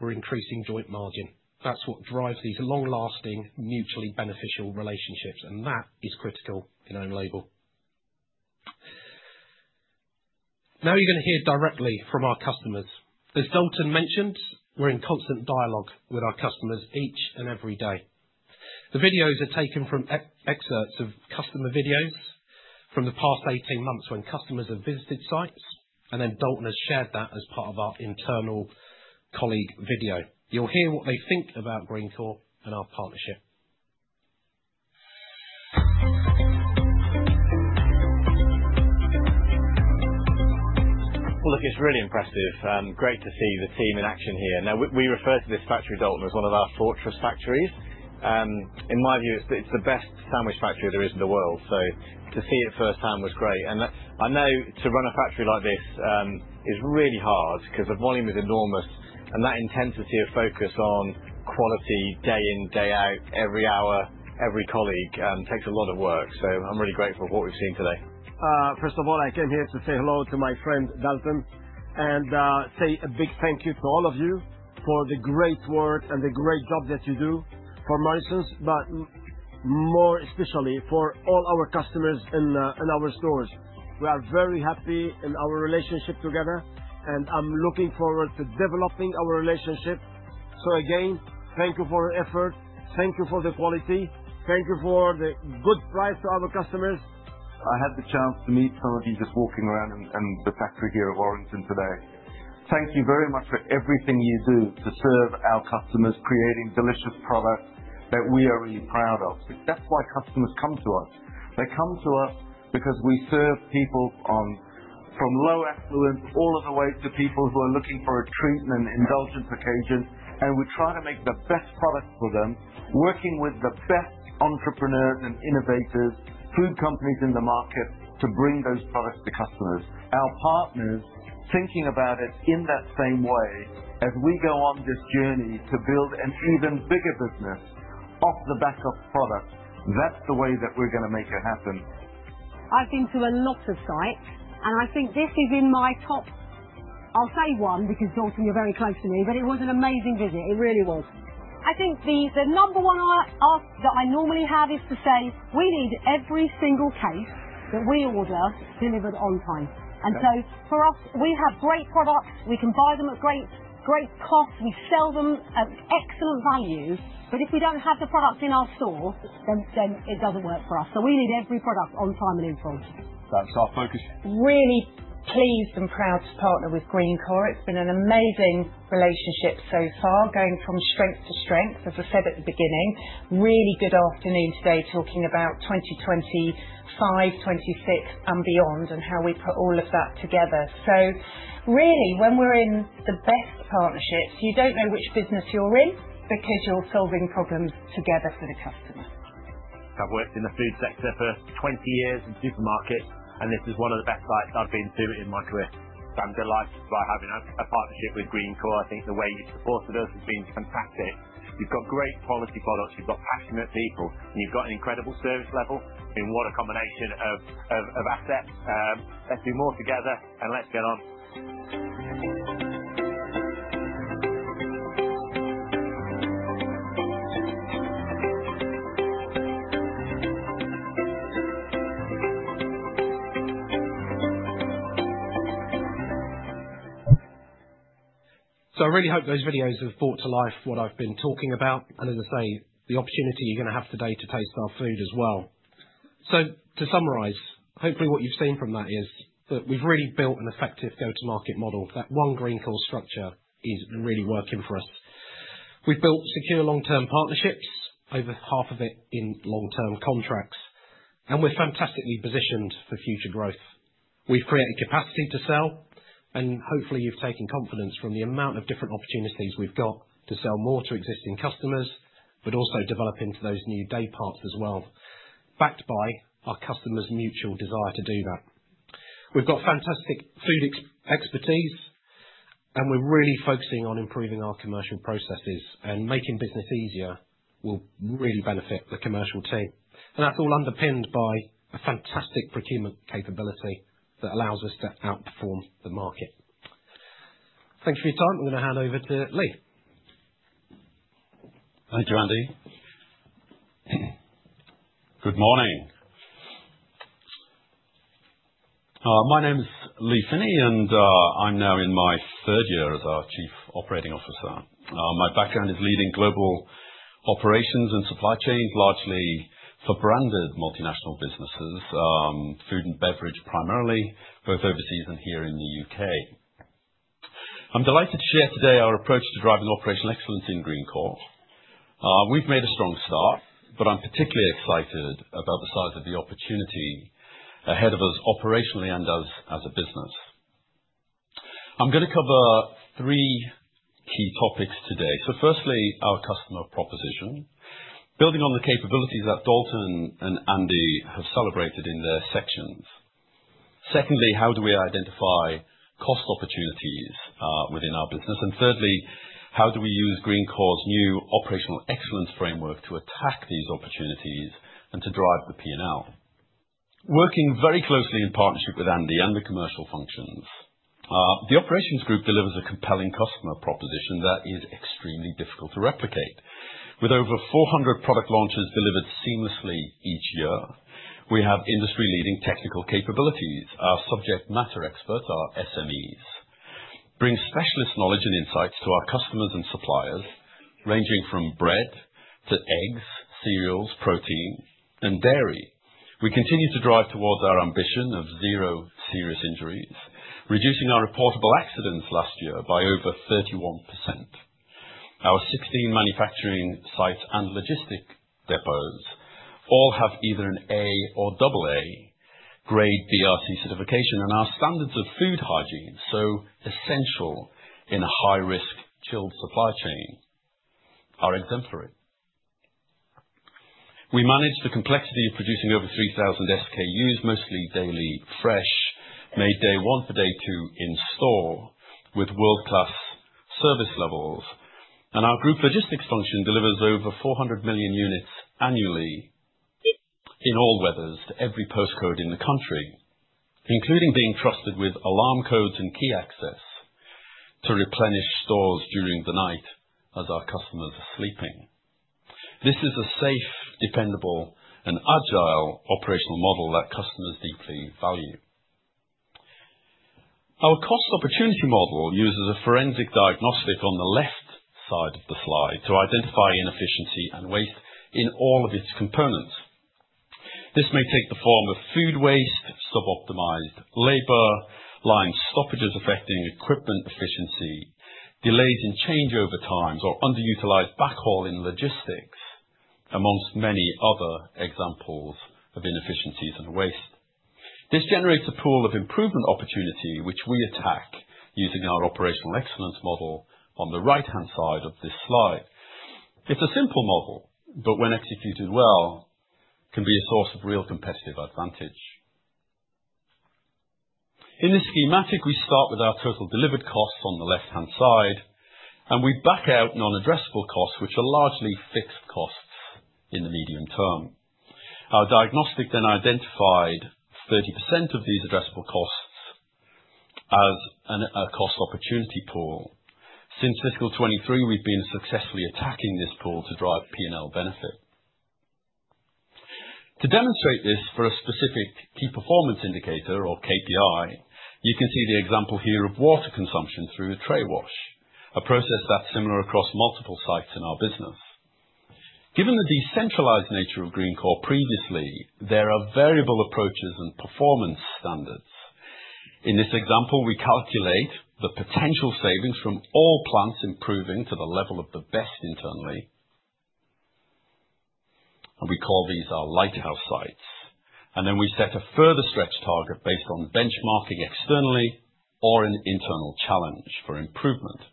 we're increasing joint margin. That's what drives these long-lasting, mutually beneficial relationships, and that is critical in own label. Now you're going to hear directly from our customers. As Dalton mentioned, we're in constant dialogue with our customers each and every day. The videos are taken from excerpts of customer videos from the past 18 months, when customers have visited sites, and then Dalton has shared that as part of our internal colleague video. You'll hear what they think about Greencore and our partnership. Look, it's really impressive. Great to see the team in action here. Now, we refer to this factory, Dalton, as one of our fortress factories. In my view, it's the best sandwich factory there is in the world. To see it firsthand was great. I know to run a factory like this is really hard because the volume is enormous, and that intensity of focus on quality day in, day out, every hour, every colleague takes a lot of work. I'm really grateful for what we've seen today. First of all, I came here to say hello to my friend Dalton and say a big thank you to all of you for the great work and the great job that you do for Morrisons, but more especially for all our customers in our stores. We are very happy in our relationship together, and I'm looking forward to developing our relationship. So again, thank you for the effort. Thank you for the quality. Thank you for the good price to our customers. I had the chance to meet some of you just walking around in the factory here at Warrington today. Thank you very much for everything you do to serve our customers, creating delicious products that we are really proud of. That's why customers come to us. They come to us because we serve people from low affluence all of the way to people who are looking for a treat and an indulgence occasion. And we try to make the best product for them, working with the best entrepreneurs and innovators, food companies in the market to bring those products to customers. Our partners thinking about it in that same way as we go on this journey to build an even bigger business off the back of product. That's the way that we're going to make it happen. I've been to a lot of sites, and I think this is in my top, I'll say one, because Dalton, you're very close to me, but it was an amazing visit. It really was. I think the number one ask that I normally have is to say, "We need every single case that we order delivered on time." And so for us, we have great products. We can buy them at great costs. We sell them at excellent value. But if we don't have the products in our stores, then it doesn't work for us. So we need every product on time and in full. That's our focus. Really pleased and proud to partner with Greencore. It's been an amazing relationship so far, going from strength to strength. As I said at the beginning, really good afternoon today talking about 2025, 2026, and beyond, and how we put all of that together. So really, when we're in the best partnerships, you don't know which business you're in because you're solving problems together for the customer. I've worked in the food sector for 20 years in supermarkets, and this is one of the best sites I've been to in my career. I'm delighted by having a partnership with Greencore. I think the way you've supported us has been fantastic. You've got great quality products. You've got passionate people, and you've got an incredible service level. I mean, what a combination of assets. Let's do more together, and let's get on. So I really hope those videos have brought to life what I've been talking about, and as I say, the opportunity you're going to have today to taste our food as well, so to summarise, hopefully what you've seen from that is that we've really built an effective go-to-market model, that one Greencore structure is really working for us. We've built secure long-term partnerships, over half of it in long-term contracts, and we're fantastically positioned for future growth. We've created capacity to sell, and hopefully you've taken confidence from the amount of different opportunities we've got to sell more to existing customers, but also develop into those new day parts as well, backed by our customers' mutual desire to do that. We've got fantastic food expertise, and we're really focusing on improving our commercial processes, and making business easier will really benefit the commercial team. And that's all underpinned by a fantastic procurement capability that allows us to outperform the market. Thanks for your time. I'm going to hand over to Lee. Thank you, Andy. Good morning. My name is Lee Finney, and I'm now in my third year as our Chief Operating Officer. My background is leading global operations and supply chains, largely for branded multinational businesses, food and beverage primarily, both overseas and here in the UK. I'm delighted to share today our approach to driving operational excellence in Greencore. We've made a strong start, but I'm particularly excited about the size of the opportunity ahead of us operationally and as a business. I'm going to cover three key topics today. So firstly, our customer proposition, building on the capabilities that Dalton and Andy have celebrated in their sections. Secondly, how do we identify cost opportunities within our business? And thirdly, how do we use Greencore's new operational excellence framework to attack these opportunities and to drive the P&L? Working very closely in partnership with Andy and the commercial functions, the operations group delivers a compelling customer proposition that is extremely difficult to replicate. With over 400 product launches delivered seamlessly each year, we have industry-leading technical capabilities. Our subject matter experts, our SMEs, bring specialist knowledge and insights to our customers and suppliers ranging from bread to eggs, cereals, protein, and dairy. We continue to drive towards our ambition of zero serious injuries, reducing our reportable accidents last year by over 31%. Our 16 manufacturing sites and logistic depots all have either an A or double A grade BRC Certification, and our standards of food hygiene, so essential in a high-risk chilled supply chain, are exemplary. We manage the complexity of producing over 3,000 SKUs, mostly daily fresh, made day one for day two in store, with world-class service levels. And our group logistics function delivers over 400 million units annually in all weathers to every postcode in the country, including being trusted with alarm codes and key access to replenish stores during the night as our customers are sleeping. This is a safe, dependable, and agile operational model that customers deeply value. Our cost opportunity model uses a forensic diagnostic on the left side of the slide to identify inefficiency and waste in all of its components. This may take the form of food waste, suboptimized labor, line stoppages affecting equipment efficiency, delays in changeover times, or underutilized backhaul in logistics, among many other examples of inefficiencies and waste. This generates a pool of improvement opportunity, which we attack using our operational excellence model on the right-hand side of this slide. It's a simple model, but when executed well, can be a source of real competitive advantage. In this schematic, we start with our total delivered costs on the left-hand side, and we back out non-addressable costs, which are largely fixed costs in the medium term. Our diagnostic then identified 30% of these addressable costs as a cost opportunity pool. Since fiscal 2023, we've been successfully attacking this pool to drive P&L benefit. To demonstrate this for a specific key performance indicator or KPI, you can see the example here of water consumption through a tray wash, a process that's similar across multiple sites in our business. Given the decentralized nature of Greencore previously, there are variable approaches and performance standards. In this example, we calculate the potential savings from all plants improving to the level of the best internally, and we call these our Lighthouse sites, and then we set a further stretch target based on benchmarking externally or an internal challenge for improvement.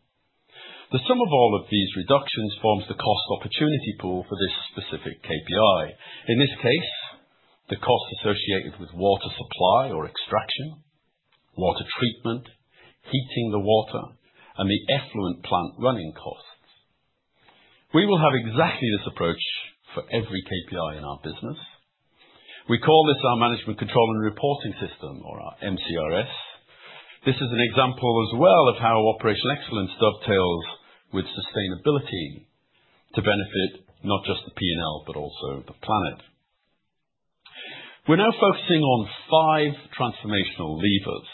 The sum of all of these reductions forms the cost opportunity pool for this specific KPI. In this case, the cost associated with water supply or extraction, water treatment, heating the water, and the effluent plant running costs. We will have exactly this approach for every KPI in our business. We call this our management control and reporting system, or our MCRS. This is an example as well of how operational excellence dovetails with sustainability to benefit not just the P&L, but also the planet. We're now focusing on five transformational levers,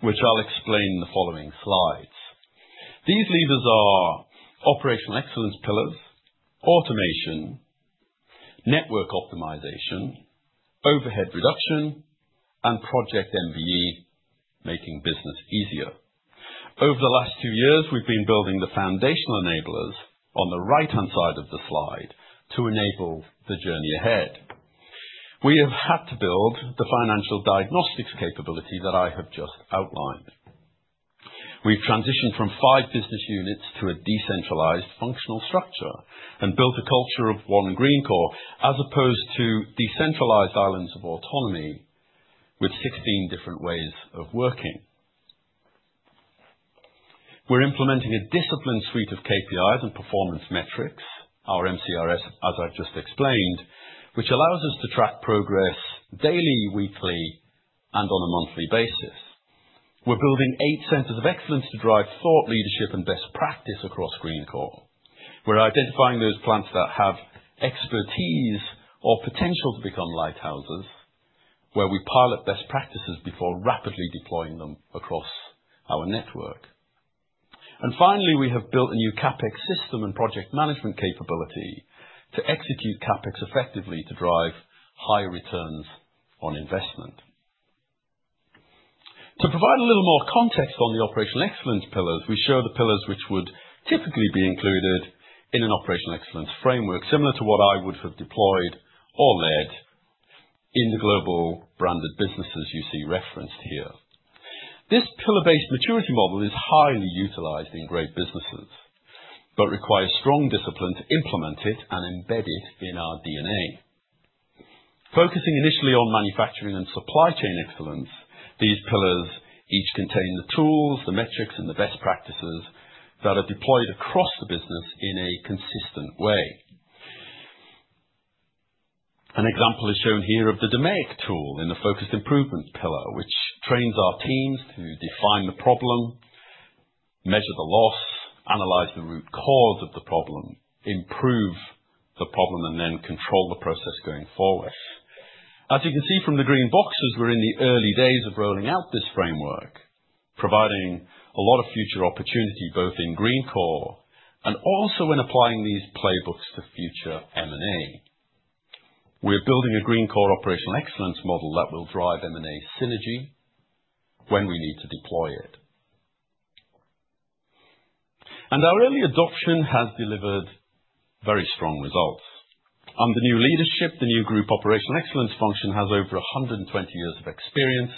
which I'll explain in the following slides. These levers are operational excellence pillars, automation, network optimization, overhead reduction, and project MBE, making business easier. Over the last two years, we've been building the foundational enablers on the right-hand side of the slide to enable the journey ahead. We have had to build the financial diagnostics capability that I have just outlined. We've transitioned from five business units to a decentralized functional structure and built a culture of one Greencore as opposed to decentralized islands of autonomy with 16 different ways of working. We're implementing a disciplined suite of KPIs and performance metrics, our MCRS, as I've just explained, which allows us to track progress daily, weekly, and on a monthly basis. We're building eight centers of excellence to drive thought leadership and best practice across Greencore. We're identifying those plants that have expertise or potential to become lighthouses, where we pilot best practices before rapidly deploying them across our network. And finally, we have built a new CapEx system and project management capability to execute CapEx effectively to drive high returns on investment. To provide a little more context on the operational excellence pillars, we show the pillars which would typically be included in an operational excellence framework, similar to what I would have deployed or led in the global branded businesses you see referenced here. This pillar-based maturity model is highly utilized in great businesses, but requires strong discipline to implement it and embed it in our DNA. Focusing initially on manufacturing and supply chain excellence, these pillars each contain the tools, the metrics, and the best practices that are deployed across the business in a consistent way. An example is shown here of the DMAIC tool in the focused improvement pillar, which trains our teams to define the problem, measure the loss, analyze the root cause of the problem, improve the problem, and then control the process going forward. As you can see from the green boxes, we're in the early days of rolling out this framework, providing a lot of future opportunity both in Greencore and also in applying these playbooks to future M&A. We're building a Greencore operational excellence model that will drive M&A synergy when we need to deploy it. And our early adoption has delivered very strong results. Under new leadership, the new group operational excellence function has over 120 years of experience,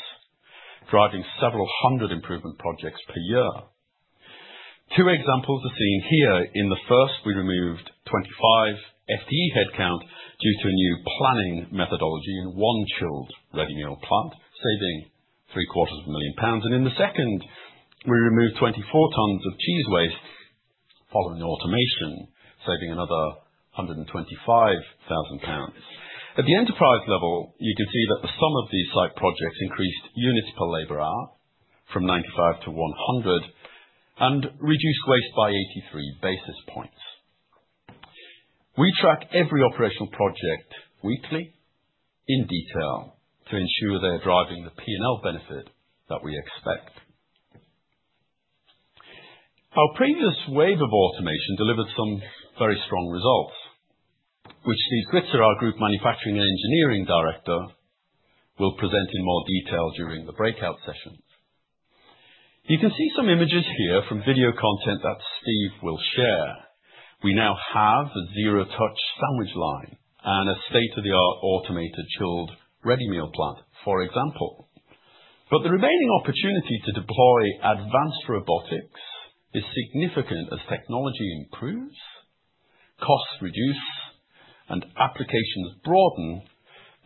driving several hundred improvement projects per year. Two examples are seen here. In the first, we removed 25 FTE headcount due to a new planning methodology in one chilled ready meal plant, saving 750,000 pounds. And in the second, we removed 24 tons of cheese waste following automation, saving another 125,000. At the enterprise level, you can see that the sum of these site projects increased units per labor hour from 95 to 100 and reduced waste by 83 basis points. We track every operational project weekly in detail to ensure they're driving the P&L benefit that we expect. Our previous wave of automation delivered some very strong results, which Steve Switzer, our Group Manufacturing and Engineering Director, will present in more detail during the breakout sessions. You can see some images here from video content that Steve will share. We now have a zero-touch sandwich line and a state-of-the-art automated chilled ready meal plant, for example. But the remaining opportunity to deploy advanced robotics is significant as technology improves, costs reduce, and applications broaden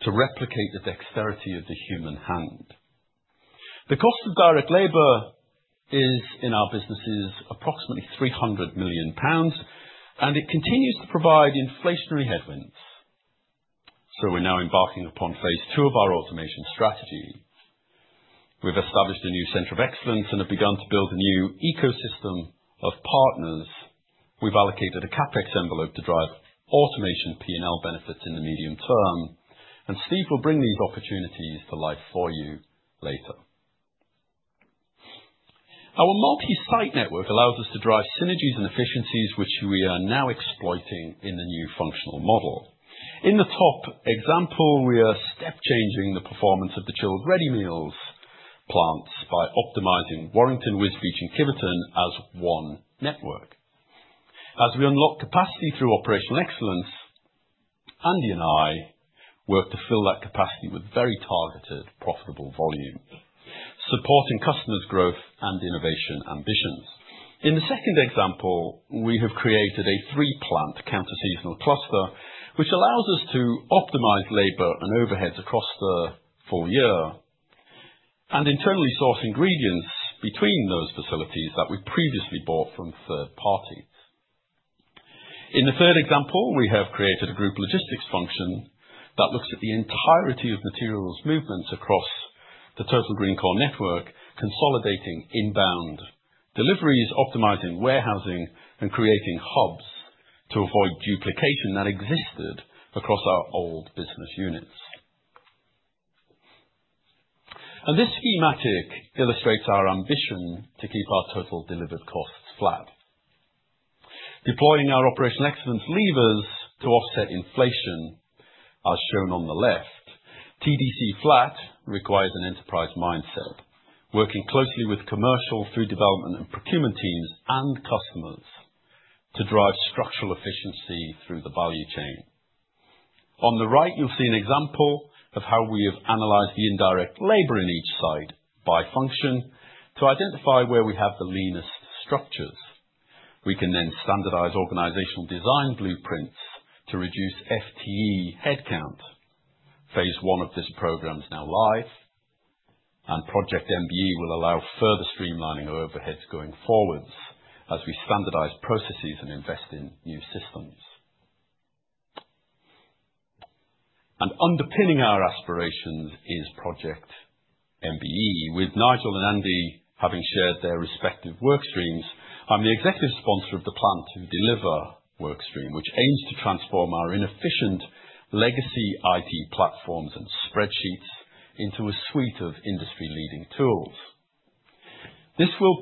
to replicate the dexterity of the human hand. The cost of direct labor is, in our businesses, approximately 300 million pounds, and it continues to provide inflationary headwinds. So we're now embarking upon phase two of our automation strategy. We've established a new center of excellence and have begun to build a new ecosystem of partners. We've allocated a CapEx envelope to drive automation P&L benefits in the medium term. And Steve will bring these opportunities to life for you later. Our multi-site network allows us to drive synergies and efficiencies, which we are now exploiting in the new functional model. In the top example, we are step-changing the performance of the chilled ready meals plants by optimizing Warrington, Wisbech, and Kiveton as one network. As we unlock capacity through operational excellence, Andy and I work to fill that capacity with very targeted, profitable volume, supporting customers' growth and innovation ambitions. In the second example, we have created a three-plant counter-seasonal cluster, which allows us to optimize labor and overheads across the full year and internally source ingredients between those facilities that we previously bought from third parties. In the third example, we have created a group logistics function that looks at the entirety of materials movements across the total Greencore network, consolidating inbound deliveries, optimizing warehousing, and creating hubs to avoid duplication that existed across our old business units. And this schematic illustrates our ambition to keep our total delivered costs flat. Deploying our operational excellence levers to offset inflation, as shown on the left, TDC flat requires an enterprise mindset, working closely with commercial, food development, and procurement teams and customers to drive structural efficiency through the value chain. On the right, you'll see an example of how we have analyzed the indirect labor in each site by function to identify where we have the leanest structures. We can then standardize organizational design blueprints to reduce FTE headcount. Phase one of this program is now live, and project MBE will allow further streamlining of overheads going forwards as we standardize processes and invest in new systems. And underpinning our aspirations is project MBE, with Nigel and Andy having shared their respective work streams. I'm the executive sponsor of the Plant to Deliver work stream, which aims to transform our inefficient legacy IT platforms and spreadsheets into a suite of industry-leading tools. This will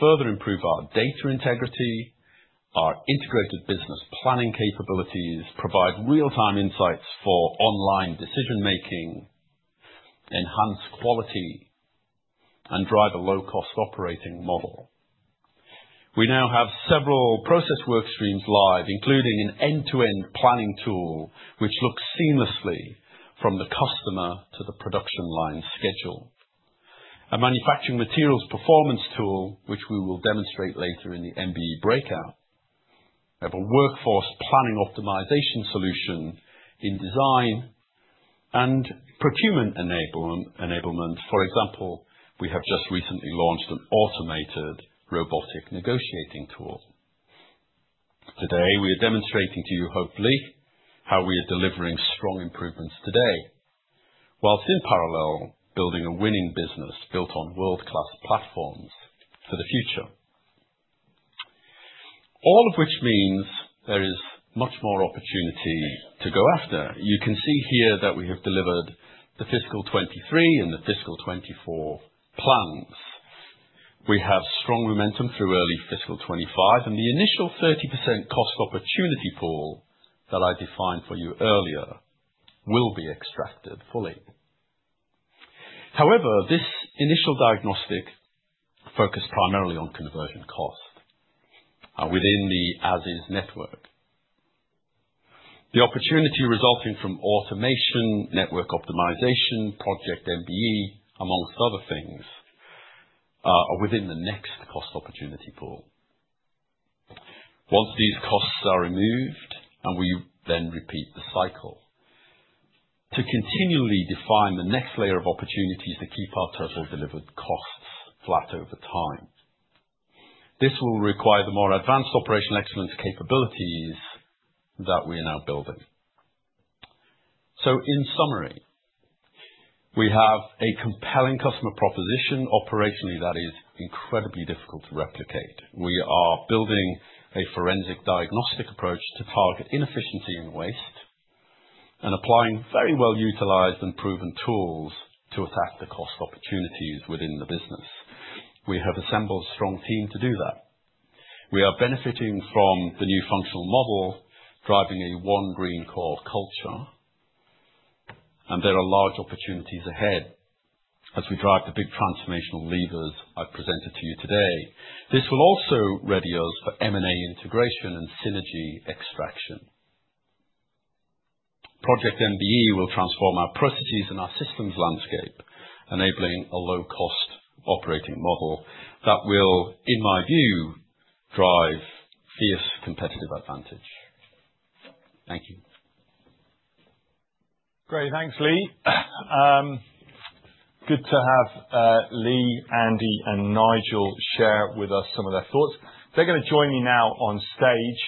further improve our data integrity, our integrated business planning capabilities, provide real-time insights for online decision-making, enhance quality, and drive a low-cost operating model. We now have several process work streams live, including an end-to-end planning tool, which looks seamlessly from the customer to the production line schedule, a manufacturing materials performance tool, which we will demonstrate later in the MBE breakout, a workforce planning optimization solution in design, and procurement enablement. For example, we have just recently launched an automated robotic negotiating tool. Today, we are demonstrating to you, hopefully, how we are delivering strong improvements today, whilst in parallel, building a winning business built on world-class platforms for the future. All of which means there is much more opportunity to go after. You can see here that we have delivered the fiscal 2023 and the fiscal 2024 plans. We have strong momentum through early fiscal 2025, and the initial 30% cost opportunity pool that I defined for you earlier will be extracted fully. However, this initial diagnostic focused primarily on conversion cost within the as-is network. The opportunity resulting from automation, network optimization, project MBE, among other things, are within the next cost opportunity pool. Once these costs are removed, we then repeat the cycle to continually define the next layer of opportunities to keep our total delivered costs flat over time. This will require the more advanced operational excellence capabilities that we are now building. So, in summary, we have a compelling customer proposition operationally that is incredibly difficult to replicate. We are building a forensic diagnostic approach to target inefficiency and waste and applying very well-utilized and proven tools to attack the cost opportunities within the business. We have assembled a strong team to do that. We are benefiting from the new functional model, driving a One Greencore culture, and there are large opportunities ahead as we drive the big transformational levers I've presented to you today. This will also ready us for M&A integration and synergy extraction. Project MBE will transform our processes and our systems landscape, enabling a low-cost operating model that will, in my view, drive fierce competitive advantage. Thank you. Great. Thanks, Lee. Good to have Lee, Andy, and Nigel share with us some of their thoughts. They're going to join me now on stage,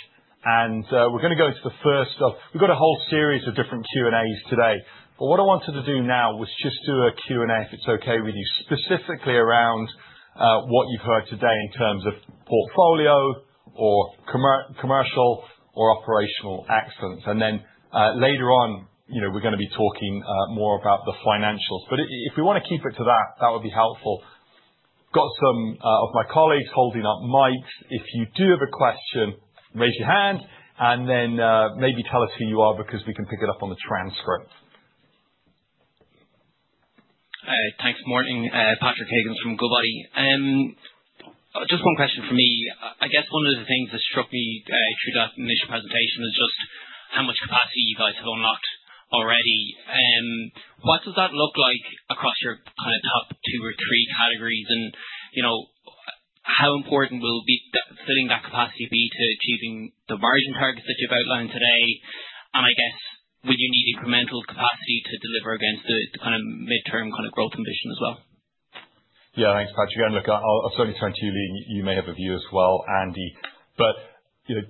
and we're going to go into the first of, we've got a whole series of different Q&As today. But what I wanted to do now was just do a Q&A, if it's okay with you, specifically around what you've heard today in terms of portfolio or commercial or operational excellence. And then later on, we're going to be talking more about the financials. But if we want to keep it to that, that would be helpful. Got some of my colleagues holding up mics. If you do have a question, raise your hand and then maybe tell us who you are because we can pick it up on the transcript. Thanks. Morning. Patrick Higgins from Goodbody. Just one question for me. I guess one of the things that struck me through that initial presentation is just how much capacity you guys have unlocked already. What does that look like across your kind of top two or three categories? And how important will filling that capacity be to achieving the margin targets that you've outlined today? And I guess, would you need incremental capacity to deliver against the kind of midterm kind of growth ambition as well? Yeah, thanks, Patrick. And look, I'll certainly turn to you, Lee. And you may have a view as well, Andy. But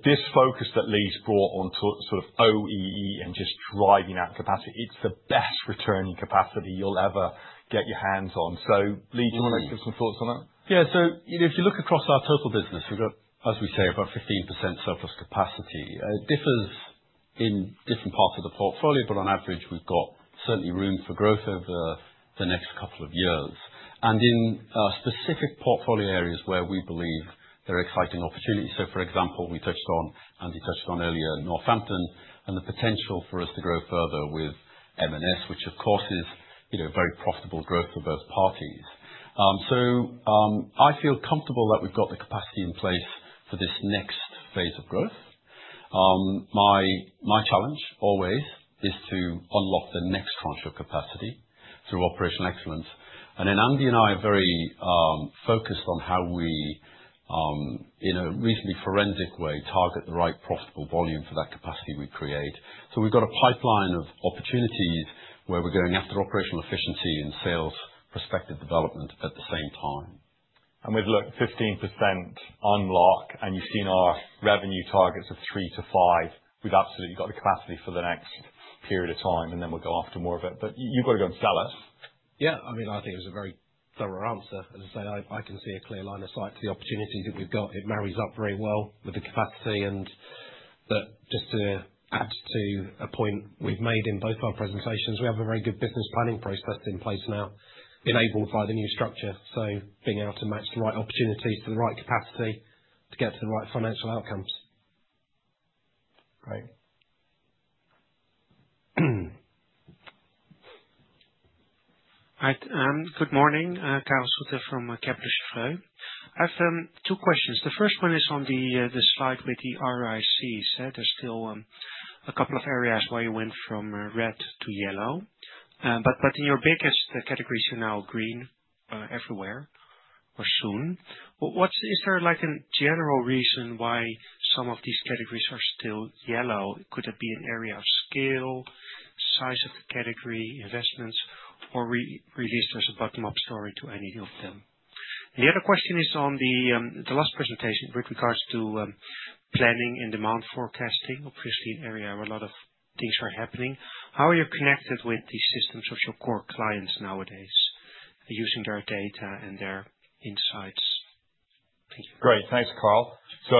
this focus that Lee's brought onto sort of OEE and just driving out capacity, it's the best returning capacity you'll ever get your hands on. So, Lee, do you want to give some thoughts on that? Yeah. So if you look across our total business, we've got, as we say, about 15% surplus capacity. It differs in different parts of the portfolio, but on average, we've got certainly room for growth over the next couple of years. And in specific portfolio areas where we believe there are exciting opportunities. So, for example, we touched on, Andy touched on earlier, Northampton and the potential for us to grow further with M&S, which, of course, is very profitable growth for both parties. I feel comfortable that we've got the capacity in place for this next phase of growth. My challenge, always, is to unlock the next tranche of capacity through operational excellence. And then Andy and I are very focused on how we, in a reasonably forensic way, target the right profitable volume for that capacity we create. We've got a pipeline of opportunities where we're going after operational efficiency and sales prospective development at the same time. And we've looked 15% unlock, and you've seen our revenue targets of three to five. We've absolutely got the capacity for the next period of time, and then we'll go after more of it. But you've got to go and sell us. Yeah. I mean, I think it was a very thorough answer. As I say, I can see a clear line of sight to the opportunity that we've got. It marries up very well with the capacity. And just to add to a point we've made in both our presentations, we have a very good business planning process in place now, enabled by the new structure. So being able to match the right opportunities to the right capacity to get to the right financial outcomes. Great. Good morning. Karel Zoete from Kepler Cheuvreux. I have two questions. The first one is on the slide with the ROICs. There's still a couple of areas where you went from red to yellow. But in your biggest categories, you're now green everywhere or soon. Is there a general reason why some of these categories are still yellow? Could it be an area of scale, size of the category, investments, or at least there's a bottom-up story to any of them? And the other question is on the last presentation with regards to planning and demand forecasting, obviously an area where a lot of things are happening. How are you connected with the systems of your core clients nowadays using their data and their insights? Thank you. Great. Thanks, Karel. So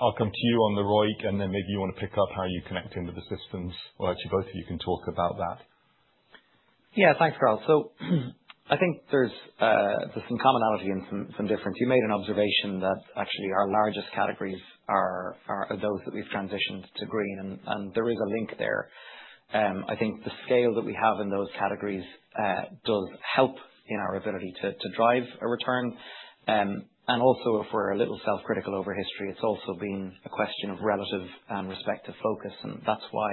I'll come to you on the ROIC, and then maybe you want to pick up how you connect into the systems. Or actually, both of you can talk about that. Yeah. Thanks, Karel. So I think there's some commonality and some difference. You made an observation that actually our largest categories are those that we've transitioned to green, and there is a link there. I think the scale that we have in those categories does help in our ability to drive a return. And also, if we're a little self-critical over history, it's also been a question of relative and respective focus. And that's why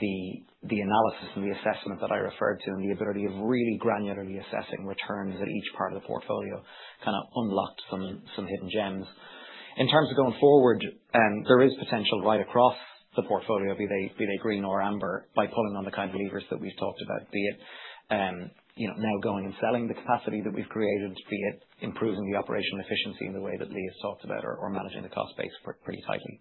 the analysis and the assessment that I referred to and the ability of really granularly assessing returns at each part of the portfolio kind of unlocked some hidden gems. In terms of going forward, there is potential right across the portfolio, be they green or amber, by pulling on the kind of levers that we've talked about, be it now going and selling the capacity that we've created, be it improving the operational efficiency in the way that Lee has talked about, or managing the cost base pretty tightly.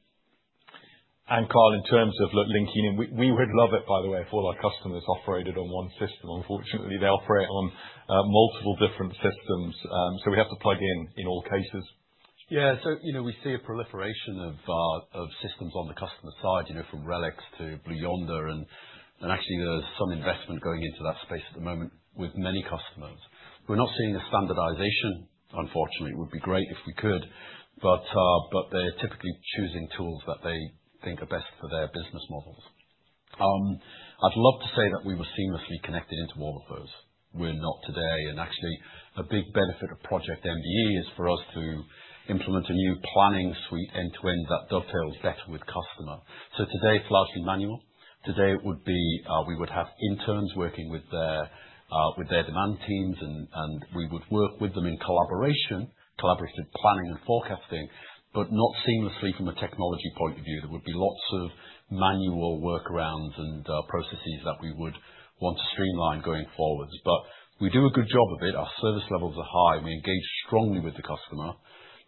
And Karel, in terms of linking in, we would love it, by the way, if all our customers operated on one system. Unfortunately, they operate on multiple different systems, so we have to plug in in all cases. Yeah. We see a proliferation of systems on the customer side, from RELEX to Blue Yonder. Actually, there's some investment going into that space at the moment with many customers. We're not seeing a standardization, unfortunately. It would be great if we could, but they're typically choosing tools that they think are best for their business models. I'd love to say that we were seamlessly connected into all of those. We're not today. Actually, a big benefit of Project MBE is for us to implement a new planning suite end-to-end that dovetails better with customer. Today, it's largely manual. Today, we would have interns working with their demand teams, and we would work with them in collaboration, collaborative planning and forecasting, but not seamlessly from a technology point of view. There would be lots of manual workarounds and processes that we would want to streamline going forwards. But we do a good job of it. Our service levels are high. We engage strongly with the customer.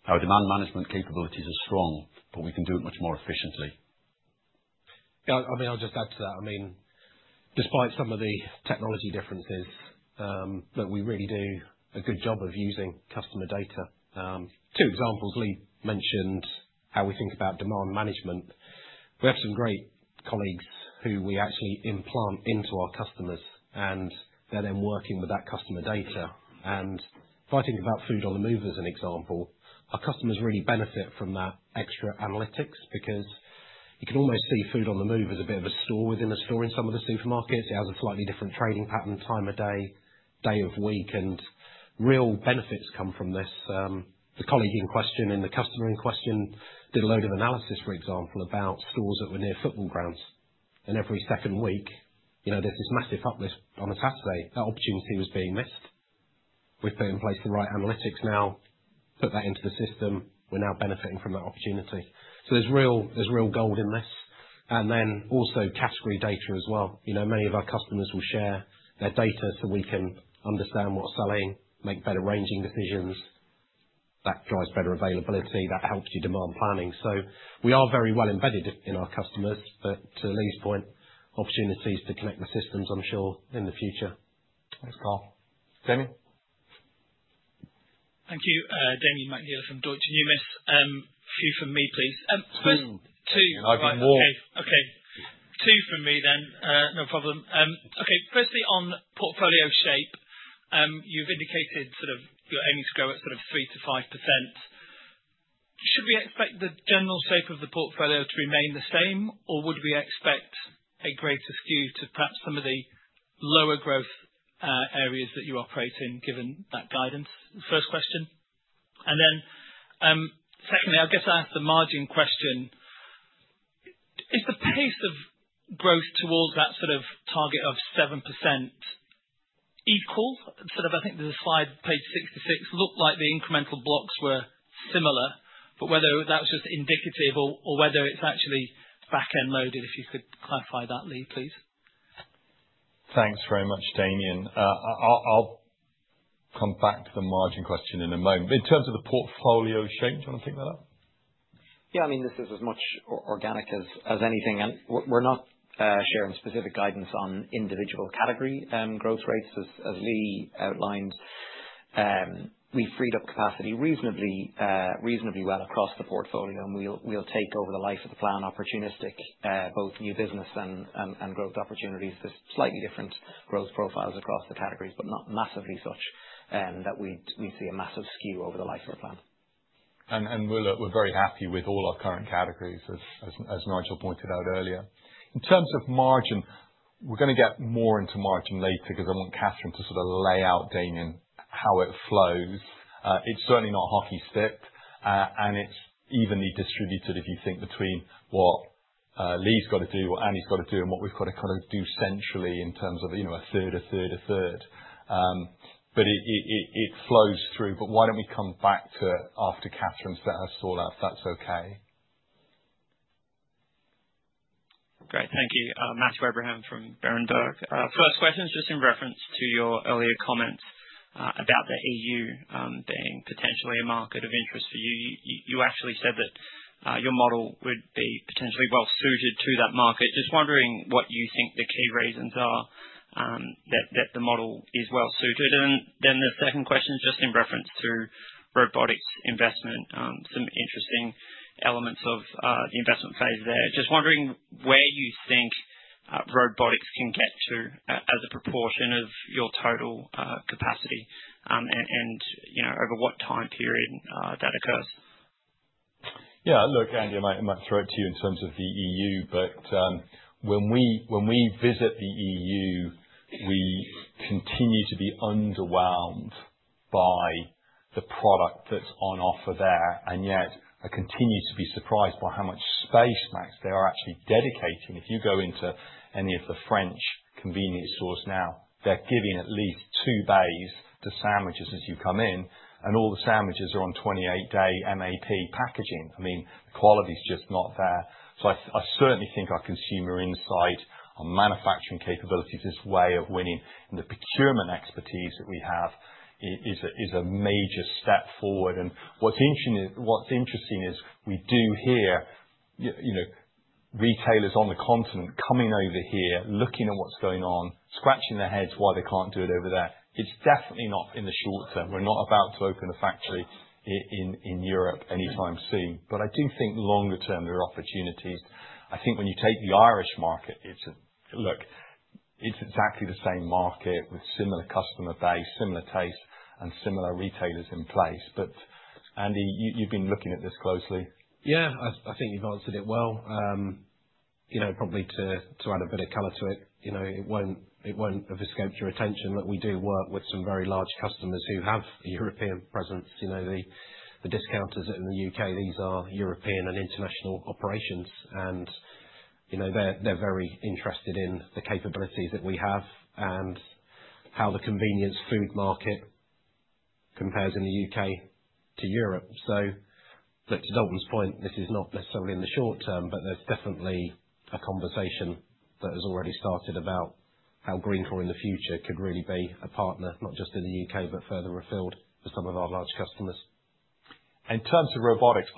Our demand management capabilities are strong, but we can do it much more efficiently. Yeah. I mean, I'll just add to that. I mean, despite some of the technology differences, we really do a good job of using customer data. Two examples. Lee mentioned how we think about demand management. We have some great colleagues who we actually implant into our customers, and they're then working with that customer data. And if I think about food on the move as an example, our customers really benefit from that extra analytics because you can almost see food on the move as a bit of a store within a store in some of the supermarkets. It has a slightly different trading pattern, time of day, day of week, and real benefits come from this. The colleague in question and the customer in question did a load of analysis, for example, about stores that were near football grounds, and every second week, there's this massive uplift on a Saturday. That opportunity was being missed. We've put in place the right analytics now, put that into the system. We're now benefiting from that opportunity, so there's real gold in this, and then also category data as well. Many of our customers will share their data so we can understand what's selling, make better ranging decisions. That drives better availability. That helps your demand planning, so we are very well embedded in our customers, but to Lee's point, opportunities to connect the systems, I'm sure, in the future. Thanks, Karel. Damian? Thank you. Damian McNeela from Deutsche Numis. A few from me, please. Firstly. And I've been warned. Okay. Two from me then. No problem. Okay. Firstly, on portfolio shape, you've indicated sort of you're aiming to grow at sort of 3%-5%. Should we expect the general shape of the portfolio to remain the same, or would we expect a greater skew to perhaps some of the lower growth areas that you operate in, given that guidance? First question. And then secondly, I guess I asked the margin question. Is the pace of growth towards that sort of target of 7% equal? Sort of I think the slide, page 66, looked like the incremental blocks were similar, but whether that was just indicative or whether it's actually back-end loaded, if you could clarify that, Lee, please. Thanks very much, Damien. I'll come back to the margin question in a moment. In terms of the portfolio shape, do you want to pick that up? Yeah. I mean, this is as much organic as anything. And we're not sharing specific guidance on individual category growth rates, as Lee outlined. We've freed up capacity reasonably well across the portfolio, and we'll take, over the life of the plan, opportunistic both new business and growth opportunities. There's slightly different growth profiles across the categories, but not massively such that we'd see a massive skew over the life of our plan. And we're very happy with all our current categories, as Nigel pointed out earlier. In terms of margin, we're going to get more into margin later because I want Catherine to sort of lay out, Damian, how it flows.It's certainly not hockey stick, and it's evenly distributed, if you think, between what Lee's got to do, what Andy's got to do, and what we've got to kind of do centrally in terms of a third, a third, a third. But it flows through. But why don't we come back to it after Catherine's set her stall out if that's okay? Great. Thank you. Matthew Abraham from Berenberg. First question is just in reference to your earlier comments about the EU being potentially a market of interest for you. You actually said that your model would be potentially well-suited to that market. Just wondering what you think the key reasons are that the model is well-suited. And then the second question is just in reference to robotics investment, some interesting elements of the investment phase there. Just wondering where you think robotics can get to as a proportion of your total capacity and over what time period that occurs. Yeah. Look, Andy, I might throw it to you in terms of the EU. But when we visit the EU, we continue to be underwhelmed by the product that's on offer there. And yet, I continue to be surprised by how much space M&S are actually dedicating. If you go into any of the French convenience stores now, they're giving at least two bays to sandwiches as you come in, and all the sandwiches are on 28-day MAP packaging. I mean, the quality's just not there. So I certainly think our consumer insight, our manufacturing capabilities, this way of winning and the procurement expertise that we have is a major step forward. And what's interesting is we do hear retailers on the continent coming over here, looking at what's going on, scratching their heads why they can't do it over there. It's definitely not in the short term. We're not about to open a factory in Europe anytime soon. But I do think longer term, there are opportunities. I think when you take the Irish market, look, it's exactly the same market with similar customer base, similar taste, and similar retailers in place. But Andy, you've been looking at this closely. Yeah. I think you've answered it well. Probably to add a bit of color to it, it won't have escaped your attention. Look, we do work with some very large customers who have a European presence. The discounters in the UK, these are European and international operations, and they're very interested in the capabilities that we have and how the convenience food market compares in the UK to Europe. So look, to Dalton's point, this is not necessarily in the short term, but there's definitely a conversation that has already started about how Greencore in the future could really be a partner, not just in the UK, but further afield for some of our large customers. In terms of robotics,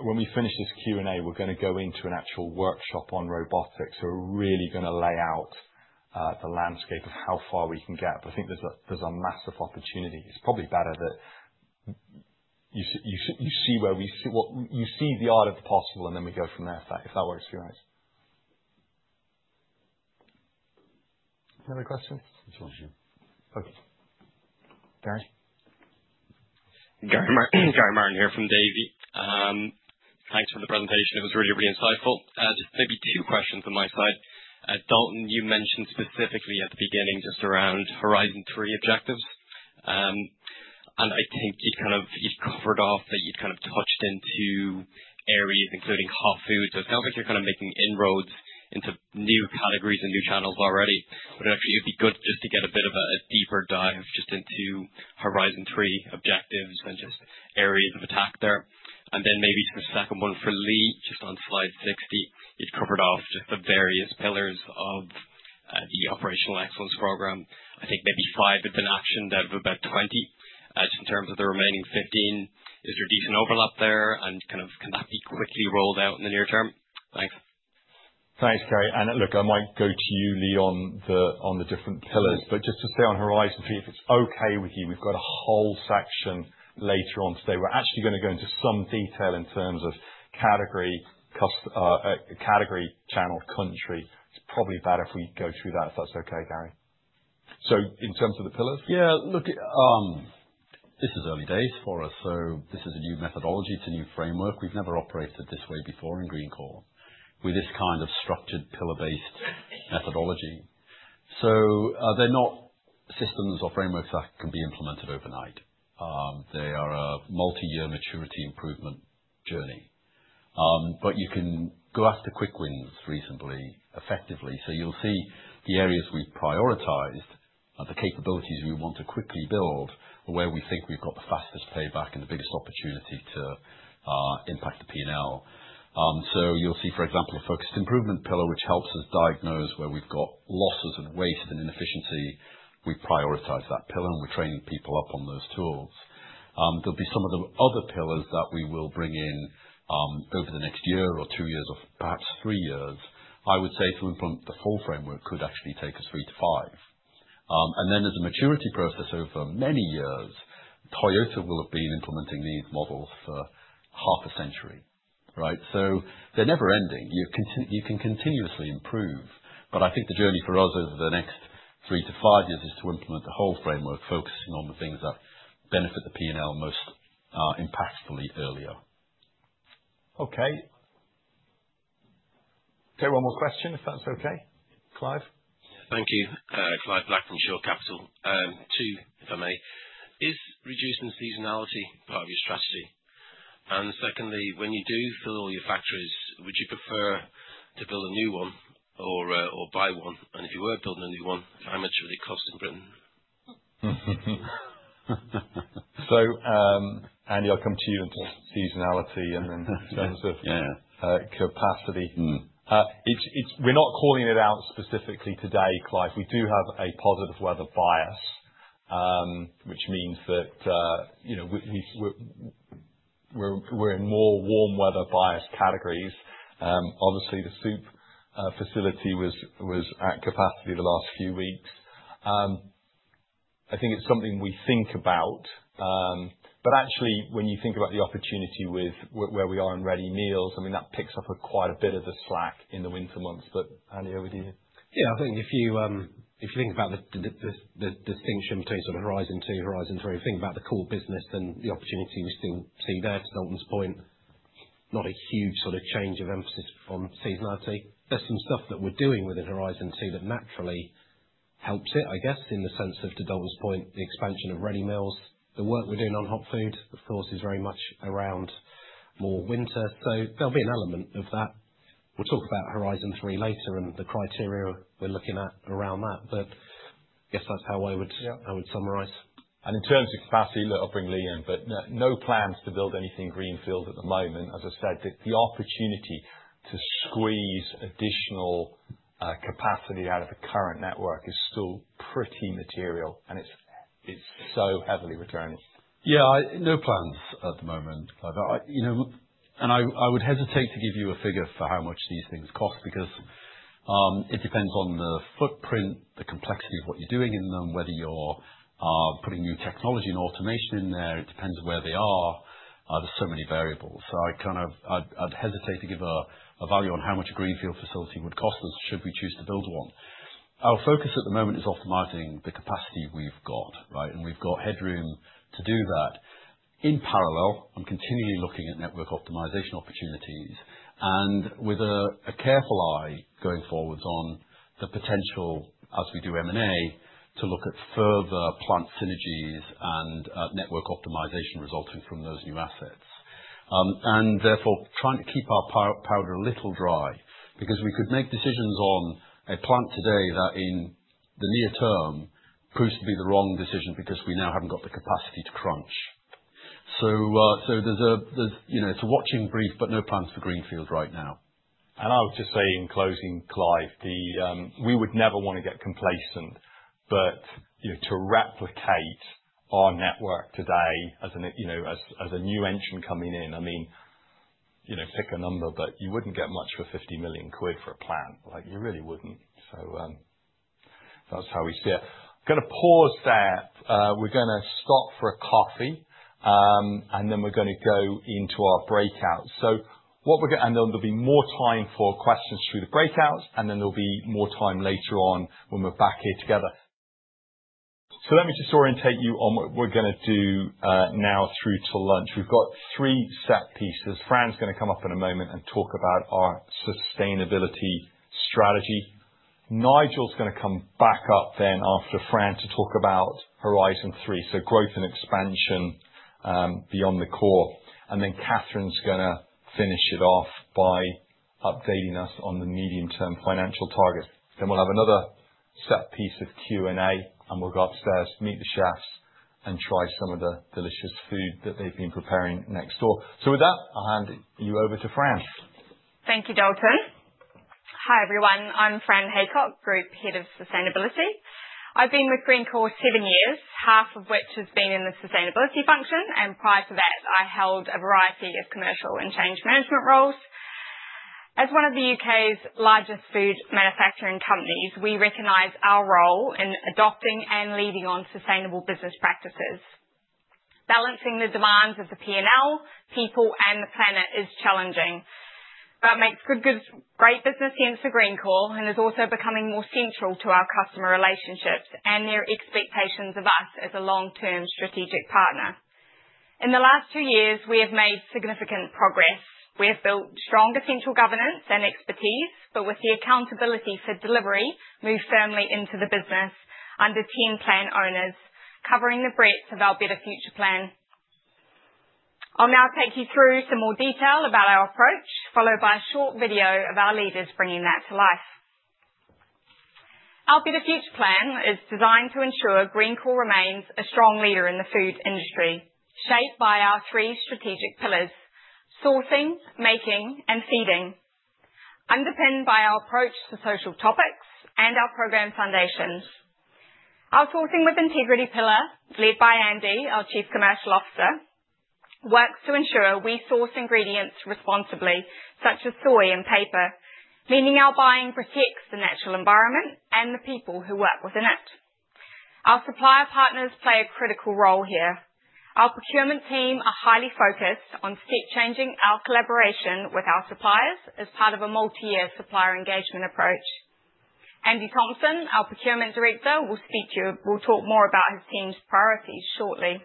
when we finish this Q&A, we're going to go into an actual workshop on robotics. We're really going to lay out the landscape of how far we can get. But I think there's a massive opportunity. It's probably better that you see where we see the art of the possible, and then we go from there, if that works for you guys. Another question? Okay. Gary. Gary Martin here from Davy. Thanks for the presentation. It was really, really insightful. Just maybe two questions on my side. Dalton, you mentioned specifically at the beginning just around Horizon 3 objectives. And I think you'd kind of covered off that you'd kind of touched into areas including hot food. So it sounds like you're kind of making inroads into new categories and new channels already. But actually, it'd be good just to get a bit of a deeper dive just into Horizon 3 objectives and just areas of attack there. And then maybe sort of second one for Lee, just on slide 60, you'd covered off just the various pillars of the operational excellence program. I think maybe five have been actioned out of about 20. Just in terms of the remaining 15, is there decent overlap there? And can that be quickly rolled out in the near term? Thanks. Thanks, Gary. And look, I might go to you, Lee, on the different pillars. But just to stay on Horizon 3, if it's okay with you, we've got a whole section later on today. We're actually going to go into some detail in terms of category, channel, country. It's probably better if we go through that, if that's okay, Gary. So in terms of the pillars? Yeah. Look, this is early days for us. So this is a new methodology. It's a new framework. We've never operated this way before in Greencore with this kind of structured pillar-based methodology. So they're not systems or frameworks that can be implemented overnight. They are a multi-year maturity improvement journey. But you can go after quick wins reasonably effectively. So you'll see the areas we've prioritized and the capabilities we want to quickly build are where we think we've got the fastest payback and the biggest opportunity to impact the P&L. So you'll see, for example, a focused improvement pillar which helps us diagnose where we've got losses and waste and inefficiency. We prioritize that pillar, and we're training people up on those tools. There'll be some of the other pillars that we will bring in over the next year or two years or perhaps three years. I would say to implement the full framework could actually take us three to five. And then as a maturity process over many years, Toyota will have been implementing these models for half a century. Right? So they're never-ending. You can continuously improve. But I think the journey for us over the next three to five years is to implement the whole framework focusing on the things that benefit the P&L most impactfully earlier. Okay. Okay. One more question, if that's okay. Clive. Thank you. Clive Black from Shore Capital. Two, if I may. Is reducing seasonality part of your strategy? And secondly, when you do fill all your factories, would you prefer to build a new one or buy one? And if you were building a new one, how much would it cost in Britain? So, Andy, I'll come to you in terms of seasonality and then in terms of capacity. We're not calling it out specifically today, Clive. We do have a positive weather bias, which means that we're in more warm weather bias categories. Obviously, the soup facility was at capacity the last few weeks. I think it's something we think about. But actually, when you think about the opportunity with where we are in ready meals, I mean, that picks up quite a bit of the slack in the winter months. But, Andy, over to you. Yeah. I think if you think about the distinction between sort of Horizon 2, Horizon 3, if you think about the core business and the opportunity we still see there, to Dalton's point, not a huge sort of change of emphasis on seasonality. There's some stuff that we're doing within Horizon 2 that naturally helps it, I guess, in the sense of, to Dalton's point, the expansion of ready meals. The work we're doing on hot food, of course, is very much around more winter. So there'll be an element of that. We'll talk about Horizon 3 later and the criteria we're looking at around that. But I guess that's how I would summarize. And in terms of capacity, look, I'll bring Lee in. But no plans to build anything greenfield at the moment. As I said, the opportunity to squeeze additional capacity out of a current network is still pretty material, and it's so heavily returning. Yeah. No plans at the moment, Clive. And I would hesitate to give you a figure for how much these things cost because it depends on the footprint, the complexity of what you're doing in them, whether you're putting new technology and automation in there. It depends where they are. There's so many variables. So I'd hesitate to give a value on how much a greenfield facility would cost us should we choose to build one. Our focus at the moment is optimizing the capacity we've got, right? And we've got headroom to do that. In parallel, I'm continually looking at network optimization opportunities and with a careful eye going forwards on the potential, as we do M&A, to look at further plant synergies and network optimization resulting from those new assets, and therefore trying to keep our powder a little dry because we could make decisions on a plant today that in the near term proves to be the wrong decision because we now haven't got the capacity to crunch, so there's a watching brief, but no plans for greenfield right now, and I would just say in closing, Clive, we would never want to get complacent, but to replicate our network today as a new entrant coming in, I mean, throw a number, but you wouldn't get much for 50 million quid for a plant. You really wouldn't, so that's how we see it. I'm going to pause there. We're going to stop for a coffee, and then we're going to go into our breakouts. So what we're going to, and there'll be more time for questions through the breakouts, and then there'll be more time later on when we're back here together. So let me just orientate you on what we're going to do now through to lunch. We've got three set pieces. Fran's going to come up in a moment and talk about our sustainability strategy. Nigel's going to come back up then after Fran to talk about Horizon 3, so growth and expansion beyond the core. And then Catherine's going to finish it off by updating us on the medium-term financial target. Then we'll have another set piece of Q&A, and we'll go upstairs, meet the chefs, and try some of the delicious food that they've been preparing next door. With that, I'll hand you over to Fran. Thank you, Dalton. Hi, everyone. I'm Fran Haycock, Group Head of Sustainability. I've been with Greencore seven years, half of which has been in the sustainability function. Prior to that, I held a variety of commercial and change management roles. As one of the UK's largest food manufacturing companies, we recognize our role in adopting and leading on sustainable business practices. Balancing the demands of the P&L, people, and the planet is challenging. That makes good business sense for Greencore and is also becoming more central to our customer relationships and their expectations of us as a long-term strategic partner. In the last two years, we have made significant progress. We have built strong central governance and expertise, but with the accountability for delivery, moved firmly into the business under 10 plan owners, covering the breadth of our Better Future Plan. I'll now take you through some more detail about our approach, followed by a short video of our leaders bringing that to life. Our Better Future Plan is designed to ensure Greencore remains a strong leader in the food industry, shaped by our three strategic pillars: sourcing, making, and feeding, underpinned by our approach to social topics and our program foundations. Our Sourcing with Integrity pillar, led by Andy, our Chief Commercial Officer, works to ensure we source ingredients responsibly, such as soy and paper, meaning our buying protects the natural environment and the people who work within it. Our supplier partners play a critical role here. Our procurement team are highly focused on step-changing our collaboration with our suppliers as part of a multi-year supplier engagement approach. Andy Parton, our Procurement Director, will talk more about his team's priorities shortly.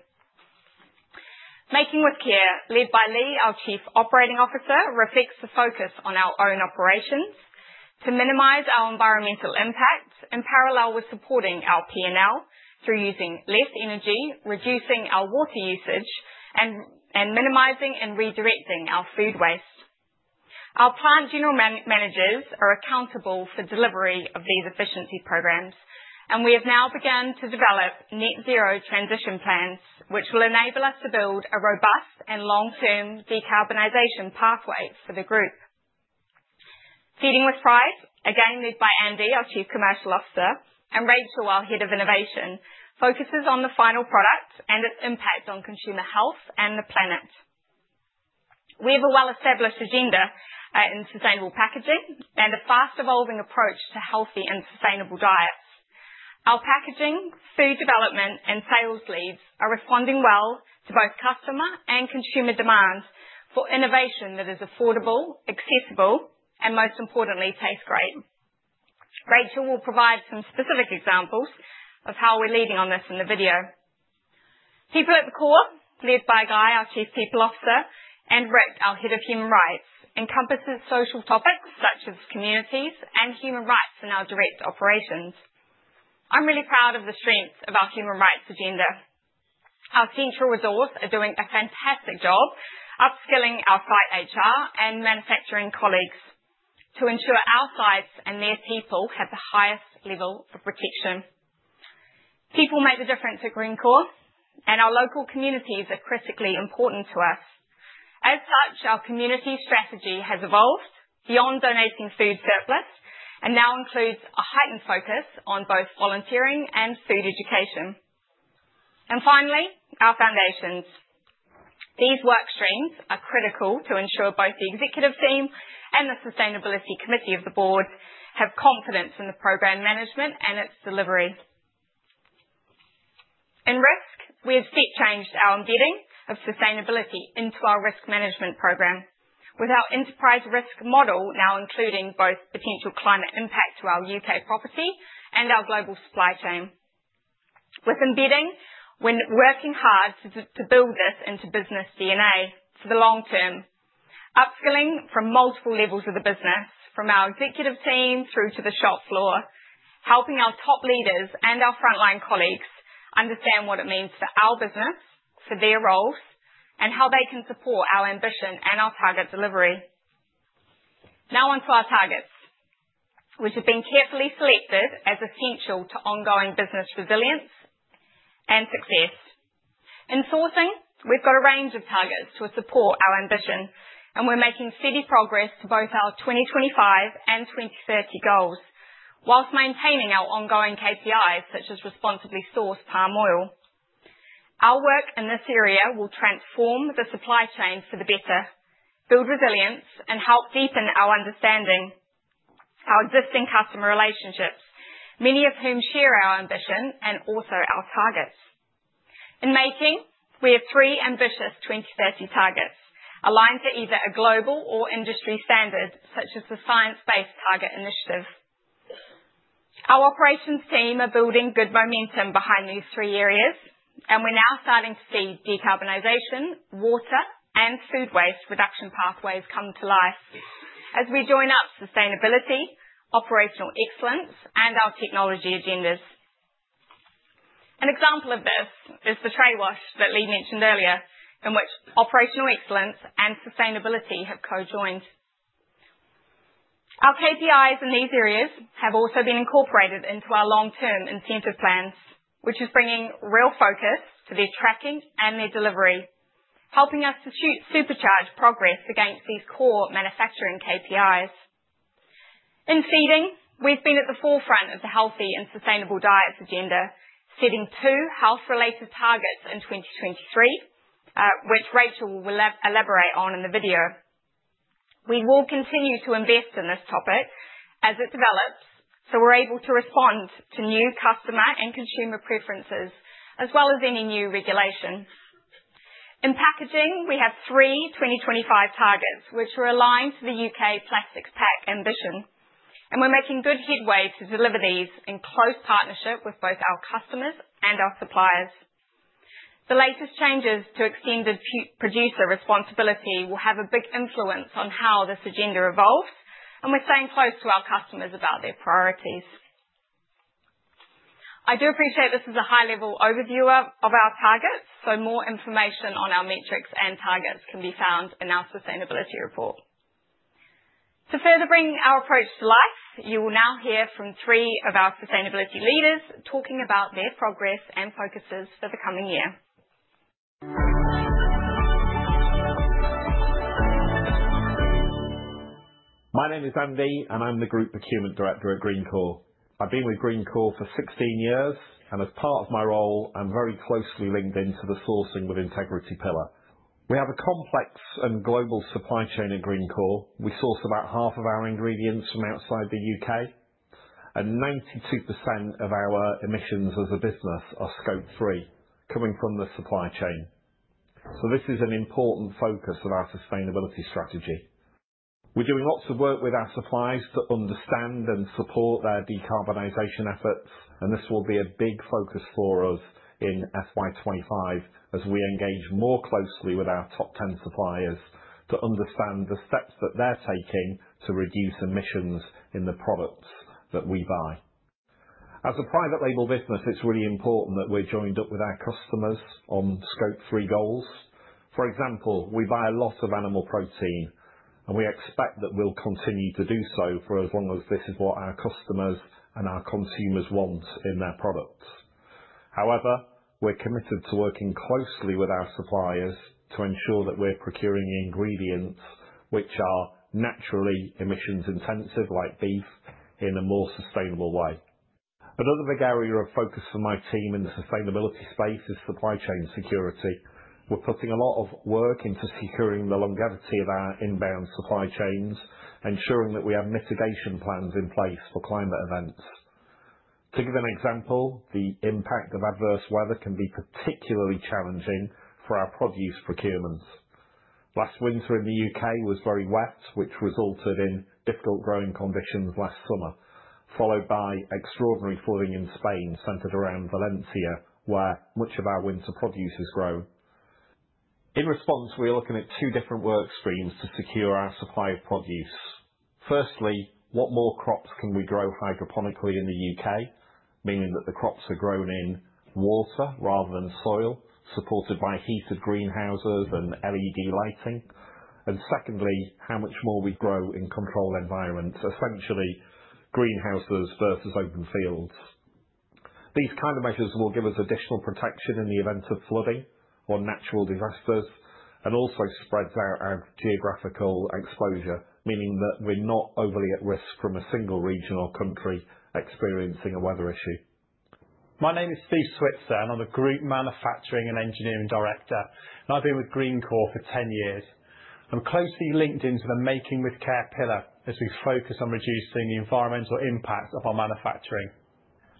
Making with care, led by Lee, our Chief Operating Officer, reflects the focus on our own operations to minimize our environmental impact in parallel with supporting our P&L through using less energy, reducing our water usage, and minimizing and redirecting our food waste. Our plant general managers are accountable for delivery of these efficiency programs, and we have now begun to develop Net Zero transition plans, which will enable us to build a robust and long-term decarbonization pathway for the group. Feeding with Pride, again led by Andy, our Chief Commercial Officer, and Rachel, our Head of Innovation, focuses on the final product and its impact on consumer health and the planet. We have a well-established agenda in sustainable packaging and a fast-evolving approach to healthy and sustainable diets. Our packaging, food development, and sales leads are responding well to both customer and consumer demand for innovation that is affordable, accessible, and most importantly, tastes great. Rachel will provide some specific examples of how we're leading on this in the video. People at the Core, led by Guy, our Chief People Officer, and Rick, our Head of Human Rights, encompasses social topics such as communities and human rights in our direct operations. I'm really proud of the strength of our human rights agenda. Our central resource is doing a fantastic job upskilling our site HR and manufacturing colleagues to ensure our sites and their people have the highest level of protection. People make a difference at Greencore, and our local communities are critically important to us. As such, our community strategy has evolved beyond donating food surplus and now includes a heightened focus on both volunteering and food education. And finally, our foundations. These work streams are critical to ensure both the executive team and the Sustainability Committee of the board have confidence in the program management and its delivery. In risk, we have step-changed our embedding of sustainability into our risk management program with our enterprise risk model now including both potential climate impact to our UK property and our global supply chain. With embedding, we're working hard to build this into business DNA for the long term, upskilling from multiple levels of the business, from our executive team through to the shop floor, helping our top leaders and our frontline colleagues understand what it means for our business, for their roles, and how they can support our ambition and our target delivery. Now onto our targets, which have been carefully selected as essential to ongoing business resilience and success. In sourcing, we've got a range of targets to support our ambition, and we're making steady progress to both our 2025 and 2030 goals while maintaining our ongoing KPIs such as responsibly sourced palm oil. Our work in this area will transform the supply chain for the better, build resilience, and help deepen our understanding, our existing customer relationships, many of whom share our ambition and also our targets. In making, we have three ambitious 2030 targets aligned to either a global or industry standard such as the Science Based Targets initiative. Our operations team are building good momentum behind these three areas, and we're now starting to see decarbonization, water, and food waste reduction pathways come to life as we join up sustainability, operational excellence, and our technology agendas. An example of this is the tray wash that Lee mentioned earlier, in which operational excellence and sustainability have co-joined. Our KPIs in these areas have also been incorporated into our long-term incentive plans, which is bringing real focus to their tracking and their delivery, helping us to supercharge progress against these core manufacturing KPIs. In feeding, we've been at the forefront of the healthy and sustainable diets agenda, setting two health-related targets in 2023, which Rachel will elaborate on in the video. We will continue to invest in this topic as it develops so we're able to respond to new customer and consumer preferences as well as any new regulations. In packaging, we have three 2025 targets, which are aligned to the UK Plastics Pact ambition, and we're making good headway to deliver these in close partnership with both our customers and our suppliers. The latest changes to Extended Producer Responsibility will have a big influence on how this agenda evolves, and we're staying close to our customers about their priorities. I do appreciate this as a high-level overview of our targets, so more information on our metrics and targets can be found in our Sustainability Report. To further bring our approach to life, you will now hear from three of our sustainability leaders talking about their progress and focuses for the coming year. My name is Andy, and I'm the Group Procurement Director at Greencore. I've been with Greencore for 16 years, and as part of my role, I'm very closely linked into the sourcing with integrity pillar. We have a complex and global supply chain at Greencore. We source about half of our ingredients from outside the UK, and 92% of our emissions as a business are Scope 3, coming from the supply chain. So this is an important focus of our sustainability strategy. We're doing lots of work with our suppliers to understand and support their decarbonization efforts, and this will be a big focus for us in FY25 as we engage more closely with our top 10 suppliers to understand the steps that they're taking to reduce emissions in the products that we buy. As a private label business, it's really important that we're joined up with our customers on scope three goals. For example, we buy a lot of animal protein, and we expect that we'll continue to do so for as long as this is what our customers and our consumers want in their products. However, we're committed to working closely with our suppliers to ensure that we're procuring ingredients which are naturally emissions-intensive, like beef, in a more sustainable way. Another big area of focus for my team in the sustainability space is supply chain security. We're putting a lot of work into securing the longevity of our inbound supply chains, ensuring that we have mitigation plans in place for climate events. To give an example, the impact of adverse weather can be particularly challenging for our produce procurements. Last winter in the UK was very wet, which resulted in difficult growing conditions last summer, followed by extraordinary flooding in Spain centered around Valencia, where much of our winter produce is grown. In response, we are looking at two different work streams to secure our supply of produce. Firstly, what more crops can we grow hydroponically in the UK, meaning that the crops are grown in water rather than soil, supported by heated greenhouses and LED lighting? And secondly, how much more we grow in controlled environments, essentially greenhouses versus open fields? These kind of measures will give us additional protection in the event of flooding or natural disasters and also spread out our geographical exposure, meaning that we're not overly at risk from a single region or country experiencing a weather issue. My name is Steve Switzer, and I'm a Group Manufacturing and Engineering Director, and I've been with Greencore for 10 years. I'm closely linked into the Making with Care pillar as we focus on reducing the environmental impact of our manufacturing.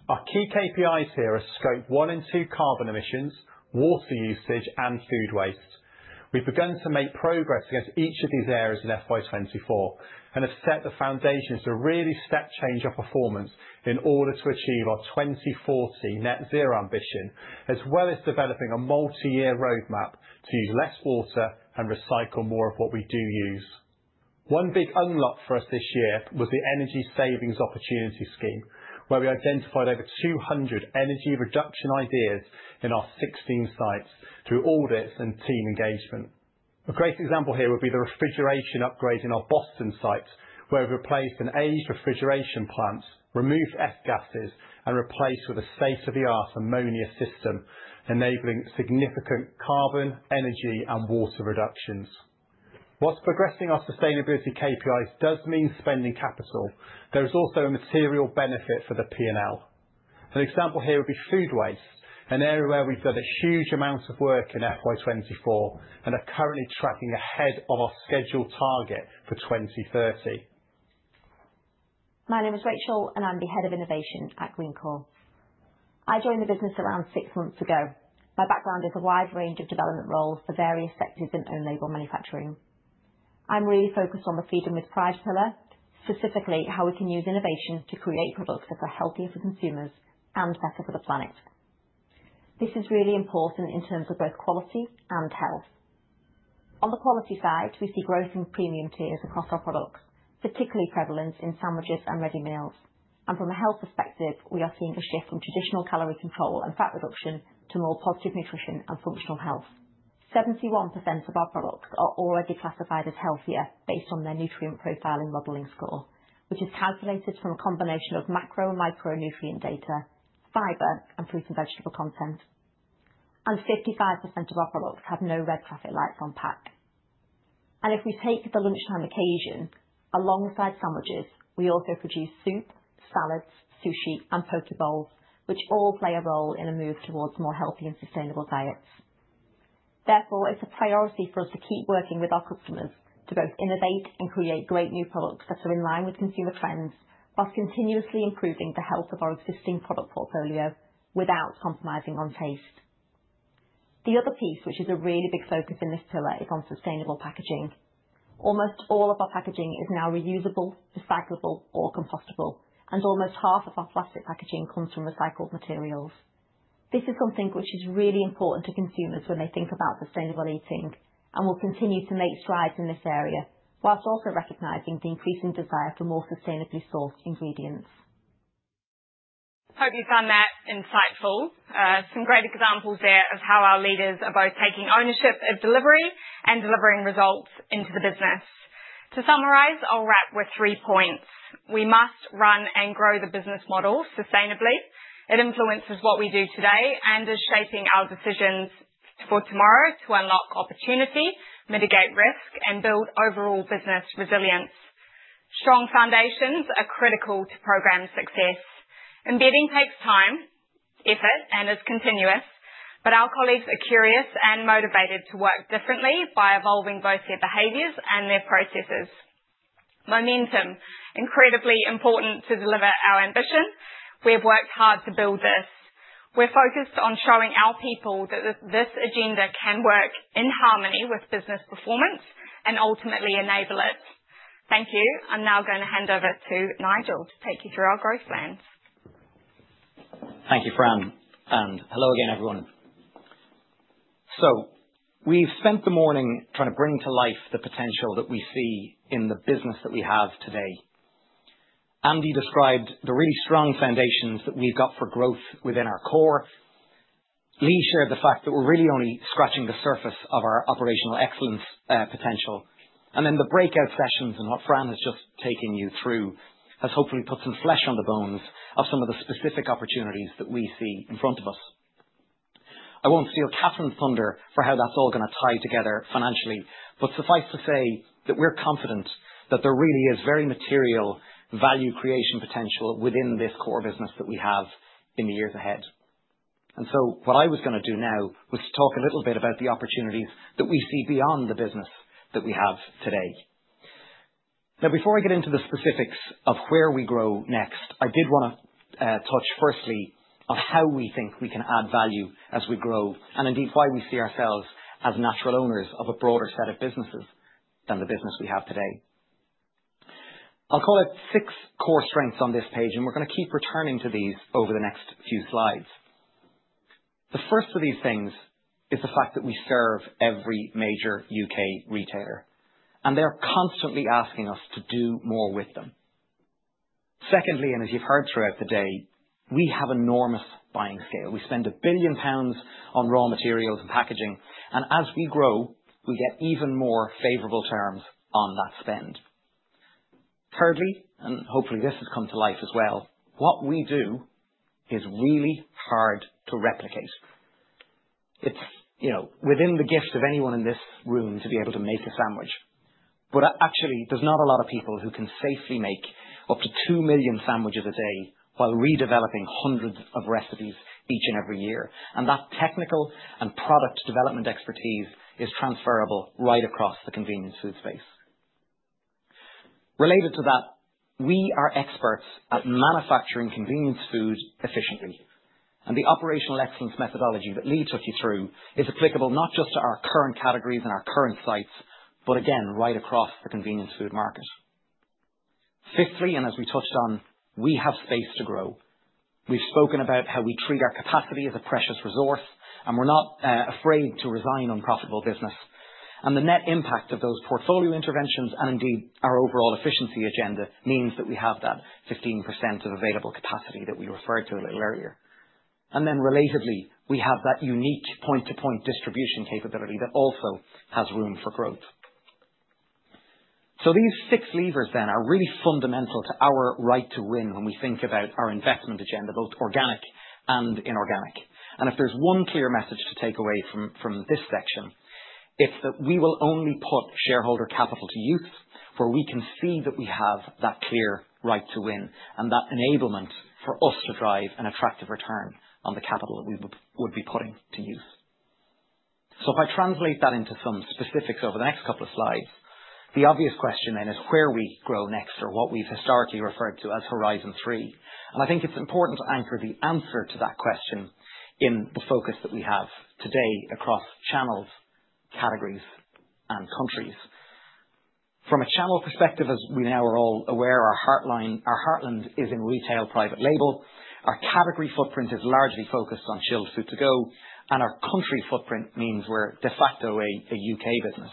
Our key KPIs here are Scope 1 and 2 carbon emissions, water usage, and food waste. We've begun to make progress against each of these areas in FY24 and have set the foundation to really step-change our performance in order to achieve our 2040 net-zero ambition, as well as developing a multi-year roadmap to use less water and recycle more of what we do use. One big unlock for us this year was the Energy Savings Opportunity Scheme, where we identified over 200 energy reduction ideas in our 16 sites through audits and team engagement. A great example here would be the refrigeration upgrade in our Boston site, where we replaced an aged refrigeration plant, removed F-gases, and replaced with a state-of-the-art ammonia system, enabling significant carbon, energy, and water reductions. Whilst progressing our sustainability KPIs does mean spending capital, there is also a material benefit for the P&L. An example here would be food waste, an area where we've done a huge amount of work in FY24 and are currently tracking ahead of our scheduled target for 2030. My name is Rachel, and I'm the Head of Innovation at Greencore. I joined the business around six months ago. My background is a wide range of development roles for various sectors in own-label manufacturing. I'm really focused on the Feeding with Pride pillar, specifically how we can use innovation to create products that are healthier for consumers and better for the planet. This is really important in terms of both quality and health. On the quality side, we see growth in premium tiers across our products, particularly prevalent in sandwiches and ready meals, and from a health perspective, we are seeing a shift from traditional calorie control and fat reduction to more positive nutrition and functional health. 71% of our products are already classified as healthier based on their nutrient profile and modeling score, which is calculated from a combination of macro and micronutrient data, fiber, and fruit and vegetable content. 55% of our products have no red traffic lights on pack. If we take the lunchtime occasion alongside sandwiches, we also produce soup, salads, sushi, and poke bowls, which all play a role in a move towards more healthy and sustainable diets. Therefore, it's a priority for us to keep working with our customers to both innovate and create great new products that are in line with consumer trends whilst continuously improving the health of our existing product portfolio without compromising on taste. The other piece, which is a really big focus in this pillar, is on sustainable packaging. Almost all of our packaging is now reusable, recyclable, or compostable, and almost half of our plastic packaging comes from recycled materials. This is something which is really important to consumers when they think about sustainable eating and will continue to make strides in this area while also recognizing the increasing desire for more sustainably sourced ingredients. Hope you found that insightful. Some great examples there of how our leaders are both taking ownership of delivery and delivering results into the business. To summarize, I'll wrap with three points. We must run and grow the business model sustainably. It influences what we do today and is shaping our decisions for tomorrow to unlock opportunity, mitigate risk, and build overall business resilience. Strong foundations are critical to program success. Embedding takes time, effort, and is continuous, but our colleagues are curious and motivated to work differently by evolving both their behaviors and their processes. Momentum, incredibly important to deliver our ambition. We have worked hard to build this. We're focused on showing our people that this agenda can work in harmony with business performance and ultimately enable it. Thank you. I'm now going to hand over to Nigel to take you through our growth plans. Thank you, Fran, and hello again, everyone. So we've spent the morning trying to bring to life the potential that we see in the business that we have today. Andy described the really strong foundations that we've got for growth within our core. Lee shared the fact that we're really only scratching the surface of our operational excellence potential. And then the breakout sessions and what Fran has just taken you through has hopefully put some flesh on the bones of some of the specific opportunities that we see in front of us. I won't steal Catherine's thunder for how that's all going to tie together financially, but suffice to say that we're confident that there really is very material value creation potential within this core business that we have in the years ahead. And so what I was going to do now was to talk a little bit about the opportunities that we see beyond the business that we have today. Now, before I get into the specifics of where we grow next, I did want to touch firstly on how we think we can add value as we grow and indeed why we see ourselves as natural owners of a broader set of businesses than the business we have today. I'll call it six core strengths on this page, and we're going to keep returning to these over the next few slides. The first of these things is the fact that we serve every major UK retailer, and they're constantly asking us to do more with them. Secondly, and as you've heard throughout the day, we have enormous buying scale. We spend 1 billion pounds on raw materials and packaging, and as we grow, we get even more favorable terms on that spend. Thirdly, and hopefully this has come to life as well, what we do is really hard to replicate. It's within the gift of anyone in this room to be able to make a sandwich, but actually, there's not a lot of people who can safely make up to two million sandwiches a day while redeveloping hundreds of recipes each and every year. And that technical and product development expertise is transferable right across the convenience food space. Related to that, we are experts at manufacturing convenience food efficiently, and the operational excellence methodology that Lee took you through is applicable not just to our current categories and our current sites, but again, right across the convenience food market. Fifthly, and as we touched on, we have space to grow. We've spoken about how we treat our capacity as a precious resource, and we're not afraid to resign on profitable business. And the net impact of those portfolio interventions and indeed our overall efficiency agenda means that we have that 15% of available capacity that we referred to a little earlier. And then relatedly, we have that unique point-to-point distribution capability that also has room for growth. So these six levers then are really fundamental to our right to win when we think about our investment agenda, both organic and inorganic. And if there's one clear message to take away from this section, it's that we will only put shareholder capital to use where we can see that we have that clear right to win and that enablement for us to drive an attractive return on the capital that we would be putting to use. So if I translate that into some specifics over the next couple of slides, the obvious question then is where we grow next or what we've historically referred to as Horizon 3. And I think it's important to anchor the answer to that question in the focus that we have today across channels, categories, and countries. From a channel perspective, as we now are all aware, our heartland is in retail private label. Our category footprint is largely focused on chilled food to go, and our country footprint means we're de facto a UK business.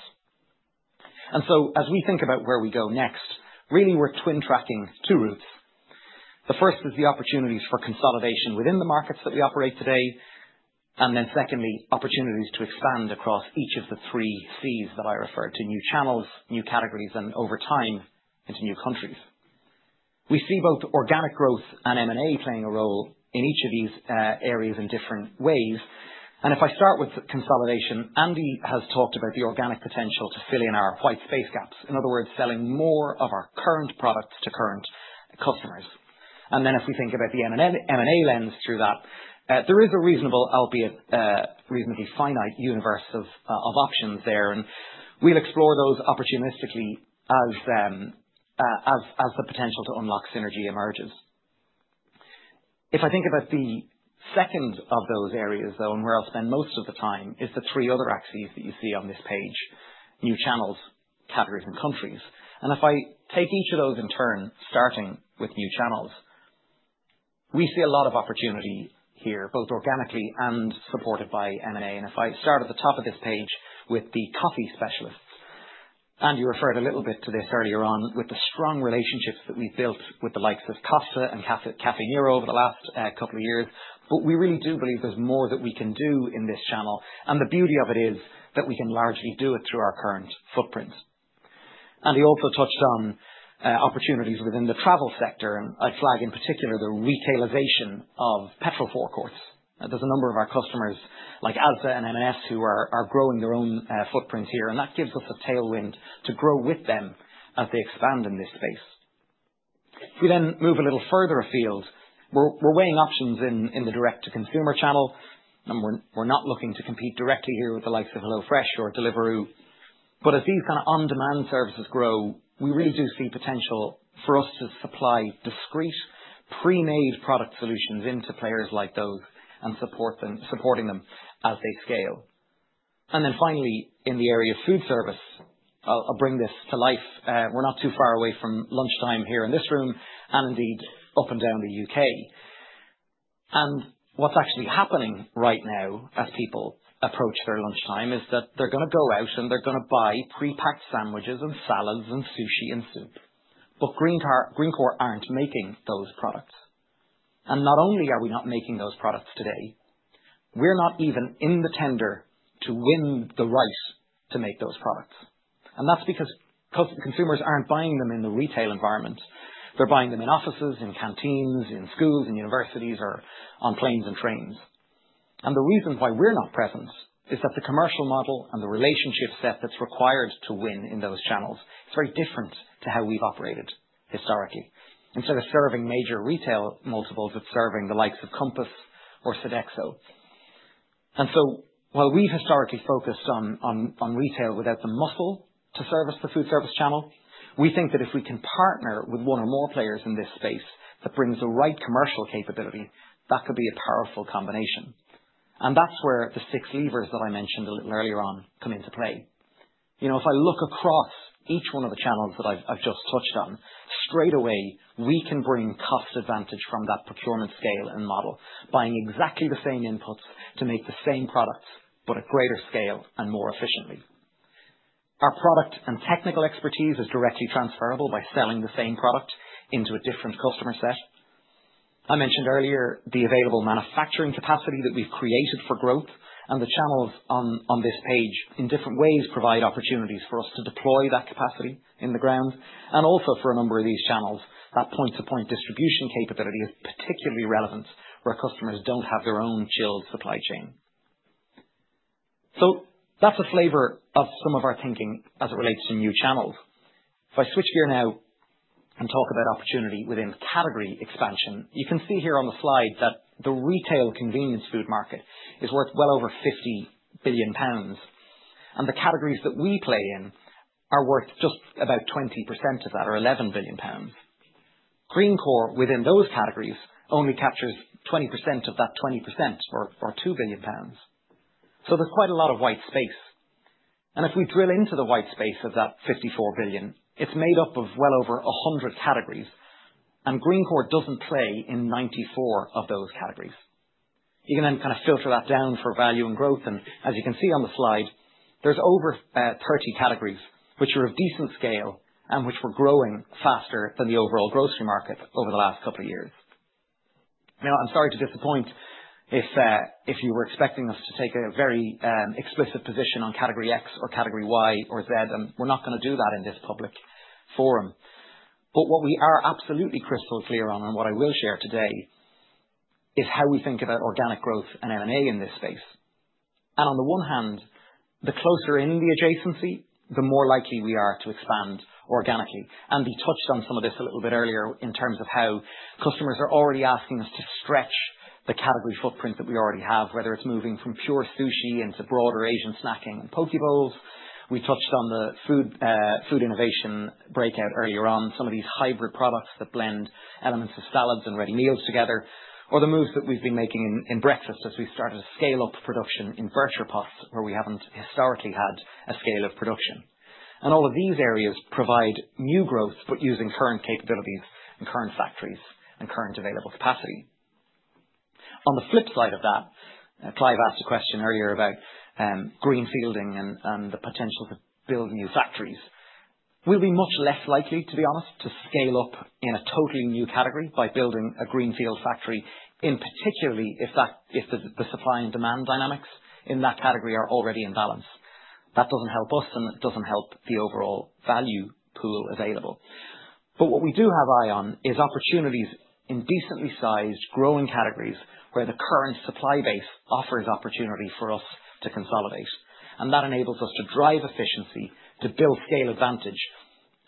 And so as we think about where we go next, really we're twin-tracking two routes. The first is the opportunities for consolidation within the markets that we operate today, and then secondly, opportunities to expand across each of the three C's that I referred to: new channels, new categories, and over time into new countries. We see both organic growth and M&A playing a role in each of these areas in different ways. And if I start with consolidation, Andy has talked about the organic potential to fill in our white space gaps, in other words, selling more of our current products to current customers. And then if we think about the M&A lens through that, there is a reasonable, albeit reasonably finite universe of options there, and we'll explore those opportunistically as the potential to unlock synergy emerges. If I think about the second of those areas, though, and where I'll spend most of the time, is the three other axes that you see on this page: new channels, categories, and countries. And if I take each of those in turn, starting with new channels, we see a lot of opportunity here, both organically and supported by M&A. And if I start at the top of this page with the coffee specialists, Andy referred a little bit to this earlier on with the strong relationships that we've built with the likes of Costa and Caffè Nero over the last couple of years, but we really do believe there's more that we can do in this channel. And the beauty of it is that we can largely do it through our current footprint. Andy also touched on opportunities within the travel sector, and I'd flag in particular the retailization of petrol forecourts. There's a number of our customers like Asda and M&S who are growing their own footprints here, and that gives us a tailwind to grow with them as they expand in this space. If we then move a little further afield, we're weighing options in the direct-to-consumer channel, and we're not looking to compete directly here with the likes of HelloFresh or Deliveroo. But as these kind of on-demand services grow, we really do see potential for us to supply discrete, pre-made product solutions into players like those and supporting them as they scale. And then finally, in the area of foodservice, I'll bring this to life. We're not too far away from lunchtime here in this room and indeed up and down the UK And what's actually happening right now as people approach their lunchtime is that they're going to go out and they're going to buy pre-packed sandwiches and salads and sushi and soup, but Greencore aren't making those products. And not only are we not making those products today, we're not even in the tender to win the right to make those products. And that's because consumers aren't buying them in the retail environment. They're buying them in offices, in canteens, in schools, in universities, or on planes and trains. And the reason why we're not present is that the commercial model and the relationship set that's required to win in those channels is very different to how we've operated historically. Instead of serving major retail multiples, it's serving the likes of Compass or Sodexo. And so while we've historically focused on retail without the muscle to service the foodservice channel, we think that if we can partner with one or more players in this space that brings the right commercial capability, that could be a powerful combination. And that's where the six levers that I mentioned a little earlier on come into play. If I look across each one of the channels that I've just touched on, straight away, we can bring cost advantage from that procurement scale and model, buying exactly the same inputs to make the same products, but at greater scale and more efficiently. Our product and technical expertise is directly transferable by selling the same product into a different customer set. I mentioned earlier the available manufacturing capacity that we've created for growth, and the channels on this page in different ways provide opportunities for us to deploy that capacity on the ground. And also for a number of these channels, that point-to-point distribution capability is particularly relevant where customers don't have their own chilled supply chain. So that's a flavor of some of our thinking as it relates to new channels. If I switch gear now and talk about opportunity within category expansion, you can see here on the slide that the retail convenience food market is worth well over 50 billion pounds, and the categories that we play in are worth just about 20% of that, or 11 billion pounds. Greencore, within those categories, only captures 20% of that 20%, or 2 billion pounds, so there's quite a lot of white space, and if we drill into the white space of that 54 billion, it's made up of well over 100 categories, and Greencore doesn't play in 94 of those categories. You can then kind of filter that down for value and growth, and as you can see on the slide, there's over 30 categories which are of decent scale and which were growing faster than the overall grocery market over the last couple of years. Now, I'm sorry to disappoint if you were expecting us to take a very explicit position on category X or category Y or Z, and we're not going to do that in this public forum. But what we are absolutely crystal clear on, and what I will share today, is how we think about organic growth and M&A in this space. And on the one hand, the closer in the adjacency, the more likely we are to expand organically. And we touched on some of this a little bit earlier in terms of how customers are already asking us to stretch the category footprint that we already have, whether it's moving from pure sushi into broader Asian snacking and poke bowls. We touched on the food innovation breakout earlier on, some of these hybrid products that blend elements of salads and ready meals together, or the moves that we've been making in breakfast as we've started to scale up production in Bircher pots where we haven't historically had a scale of production, and all of these areas provide new growth, but using current capabilities and current factories and current available capacity. On the flip side of that, Clive asked a question earlier about greenfielding and the potential to build new factories. We'll be much less likely, to be honest, to scale up in a totally new category by building a greenfield factory, in particular if the supply and demand dynamics in that category are already in balance. That doesn't help us, and it doesn't help the overall value pool available. What we do have an eye on is opportunities in decently sized growing categories where the current supply base offers opportunity for us to consolidate. That enables us to drive efficiency, to build scale advantage,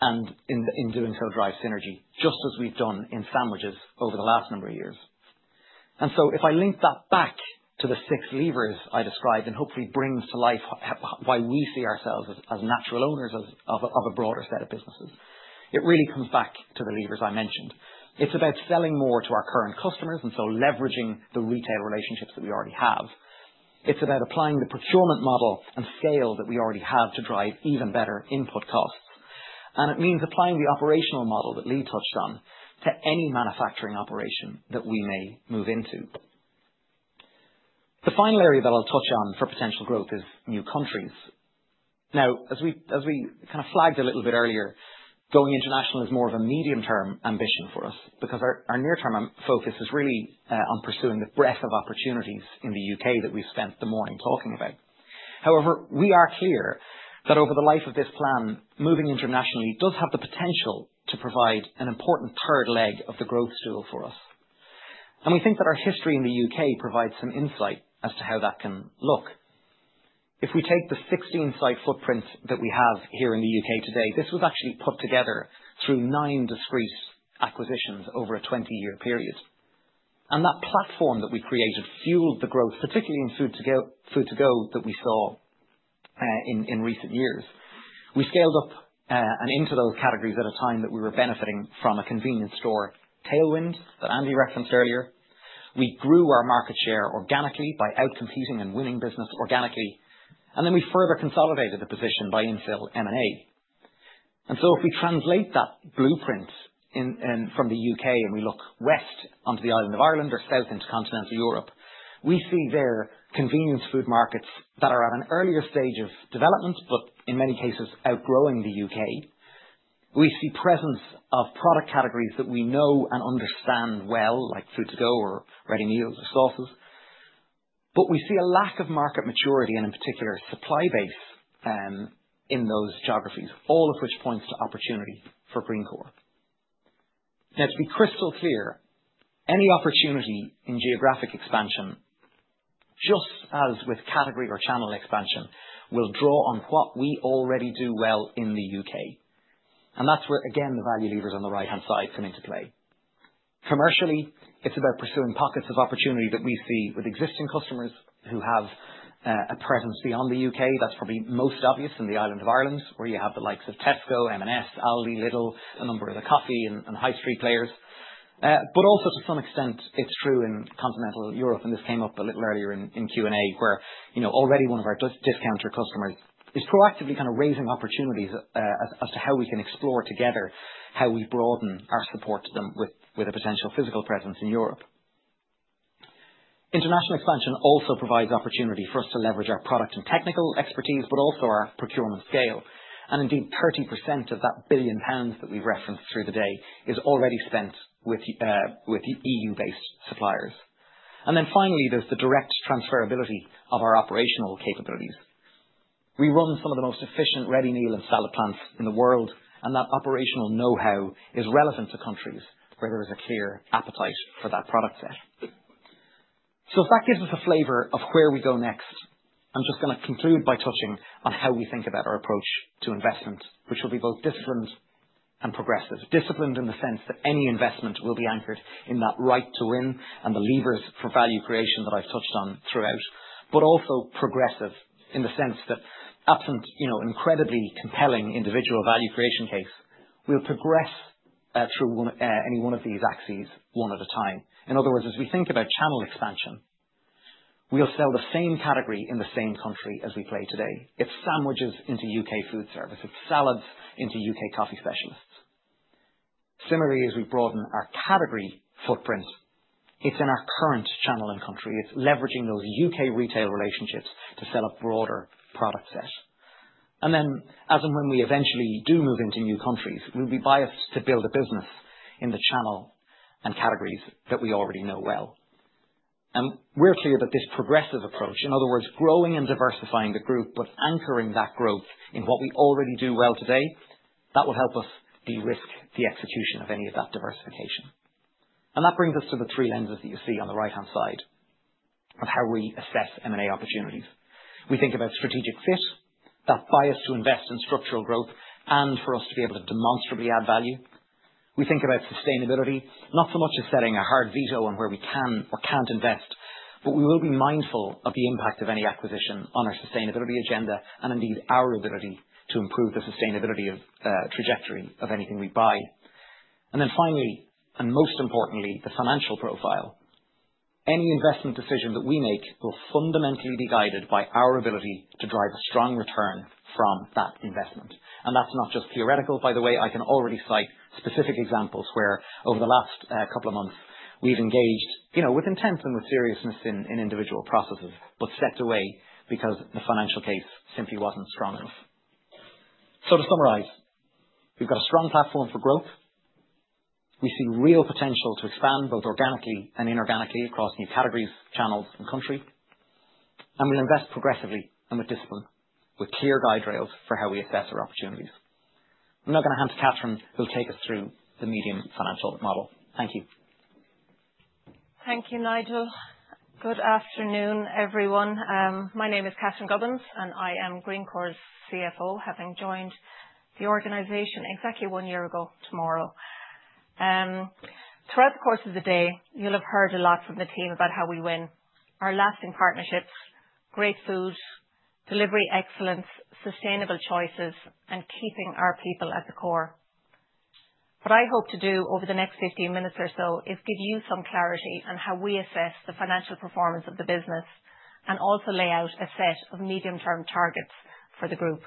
and in doing so, drive synergy, just as we've done in sandwiches over the last number of years. If I link that back to the six levers I described and hopefully bring to life why we see ourselves as natural owners of a broader set of businesses, it really comes back to the levers I mentioned. It's about selling more to our current customers and so leveraging the retail relationships that we already have. It's about applying the procurement model and scale that we already have to drive even better input costs. It means applying the operational model that Lee touched on to any manufacturing operation that we may move into. The final area that I'll touch on for potential growth is new countries. Now, as we kind of flagged a little bit earlier, going international is more of a medium-term ambition for us because our near-term focus is really on pursuing the breadth of opportunities in the UK that we've spent the morning talking about. However, we are clear that over the life of this plan, moving internationally does have the potential to provide an important third leg of the growth stool for us. And we think that our history in the UK provides some insight as to how that can look. If we take the 16-site footprint that we have here in the UK today, this was actually put together through nine discrete acquisitions over a 20-year period. And that platform that we created fueled the growth, particularly in food-to-go that we saw in recent years. We scaled up and into those categories at a time that we were benefiting from a convenience store tailwind that Andy referenced earlier. We grew our market share organically by outcompeting and winning business organically, and then we further consolidated the position by infill M&A. So if we translate that blueprint from the UK and we look west onto the island of Ireland or south into continental Europe, we see there convenience food markets that are at an earlier stage of development, but in many cases outgrowing the UK. We see presence of product categories that we know and understand well, like food to go or ready meals or sauces, but we see a lack of market maturity and in particular supply base in those geographies, all of which points to opportunity for Greencore. Now, to be crystal clear, any opportunity in geographic expansion, just as with category or channel expansion, will draw on what we already do well in the UK, and that's where, again, the value levers on the right-hand side come into play. Commercially, it's about pursuing pockets of opportunity that we see with existing customers who have a presence beyond the UK. That's probably most obvious in the island of Ireland, where you have the likes of Tesco, M&S, Aldi, Lidl, a number of the coffee and high street players, but also, to some extent, it's true in continental Europe, and this came up a little earlier in Q&A, where already one of our discounter customers is proactively kind of raising opportunities as to how we can explore together how we broaden our support to them with a potential physical presence in Europe. International expansion also provides opportunity for us to leverage our product and technical expertise, but also our procurement scale. And indeed, 30% of that 1 billion pounds that we've referenced through the day is already spent with EU-based suppliers. And then finally, there's the direct transferability of our operational capabilities. We run some of the most efficient ready meal and salad plants in the world, and that operational know-how is relevant to countries where there is a clear appetite for that product set. So if that gives us a flavor of where we go next, I'm just going to conclude by touching on how we think about our approach to investment, which will be both disciplined and progressive. Disciplined in the sense that any investment will be anchored in that right to win and the levers for value creation that I've touched on throughout, but also progressive in the sense that absent incredibly compelling individual value creation case, we'll progress through any one of these axes one at a time. In other words, as we think about channel expansion, we'll sell the same category in the same country as we play today. It's sandwiches into UK foodservice. It's salads into UK coffee specialists. Similarly, as we broaden our category footprint, it's in our current channel and country. It's leveraging those UK retail relationships to sell a broader product set. And then, as and when we eventually do move into new countries, we'll be biased to build a business in the channel and categories that we already know well. We're clear that this progressive approach, in other words, growing and diversifying the group, but anchoring that growth in what we already do well today, that will help us de-risk the execution of any of that diversification. That brings us to the three lenses that you see on the right-hand side of how we assess M&A opportunities. We think about strategic fit, that bias to invest in structural growth, and for us to be able to demonstrably add value. We think about sustainability, not so much as setting a hard veto on where we can or can't invest, but we will be mindful of the impact of any acquisition on our sustainability agenda and indeed our ability to improve the sustainability trajectory of anything we buy. Then finally, and most importantly, the financial profile. Any investment decision that we make will fundamentally be guided by our ability to drive a strong return from that investment, and that's not just theoretical, by the way. I can already cite specific examples where, over the last couple of months, we've engaged with intent and with seriousness in individual processes, but stepped away because the financial case simply wasn't strong enough, so to summarize, we've got a strong platform for growth. We see real potential to expand both organically and inorganically across new categories, channels, and countries. And we'll invest progressively and with discipline, with clear guide rails for how we assess our opportunities. I'm now going to hand over to Catherine, who'll take us through the medium-term financial model. Thank you. Thank you, Nigel. Good afternoon, everyone. My name is Catherine Gubbins, and I am Greencore's CFO, having joined the organization exactly one year ago tomorrow. Throughout the course of the day, you'll have heard a lot from the team about how we win our lasting partnerships, great food, delivery excellence, sustainable choices, and keeping our people at the core. What I hope to do over the next 15 minutes or so is give you some clarity on how we assess the financial performance of the business and also lay out a set of medium-term targets for the group.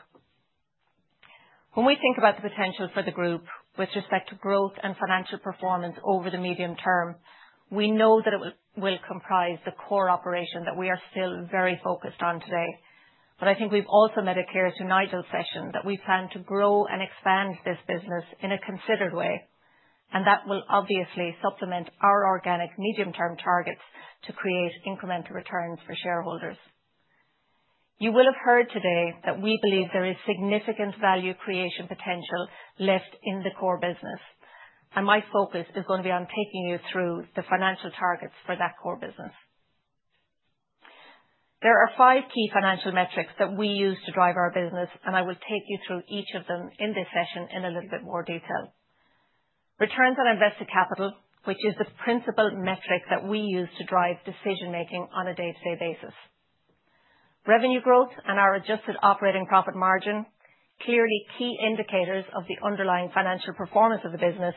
When we think about the potential for the group with respect to growth and financial performance over the medium term, we know that it will comprise the core operation that we are still very focused on today. But I think we've also made it clear to Nigel's session that we plan to grow and expand this business in a considered way, and that will obviously supplement our organic medium-term targets to create incremental returns for shareholders. You will have heard today that we believe there is significant value creation potential left in the core business, and my focus is going to be on taking you through the financial targets for that core business. There are five key financial metrics that we use to drive our business, and I will take you through each of them in this session in a little bit more detail. Return on invested capital, which is the principal metric that we use to drive decision-making on a day-to-day basis. Revenue growth and our adjusted operating profit margin, clearly key indicators of the underlying financial performance of the business,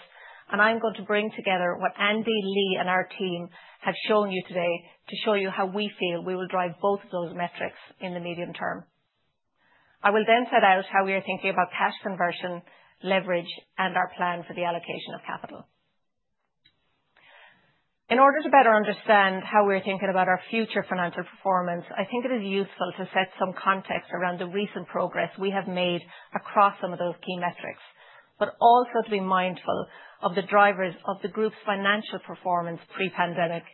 and I'm going to bring together what Andy, Lee, and our team have shown you today to show you how we feel we will drive both of those metrics in the medium term. I will then set out how we are thinking about cash conversion, leverage, and our plan for the allocation of capital. In order to better understand how we're thinking about our future financial performance, I think it is useful to set some context around the recent progress we have made across some of those key metrics, but also to be mindful of the drivers of the group's financial performance pre-pandemic.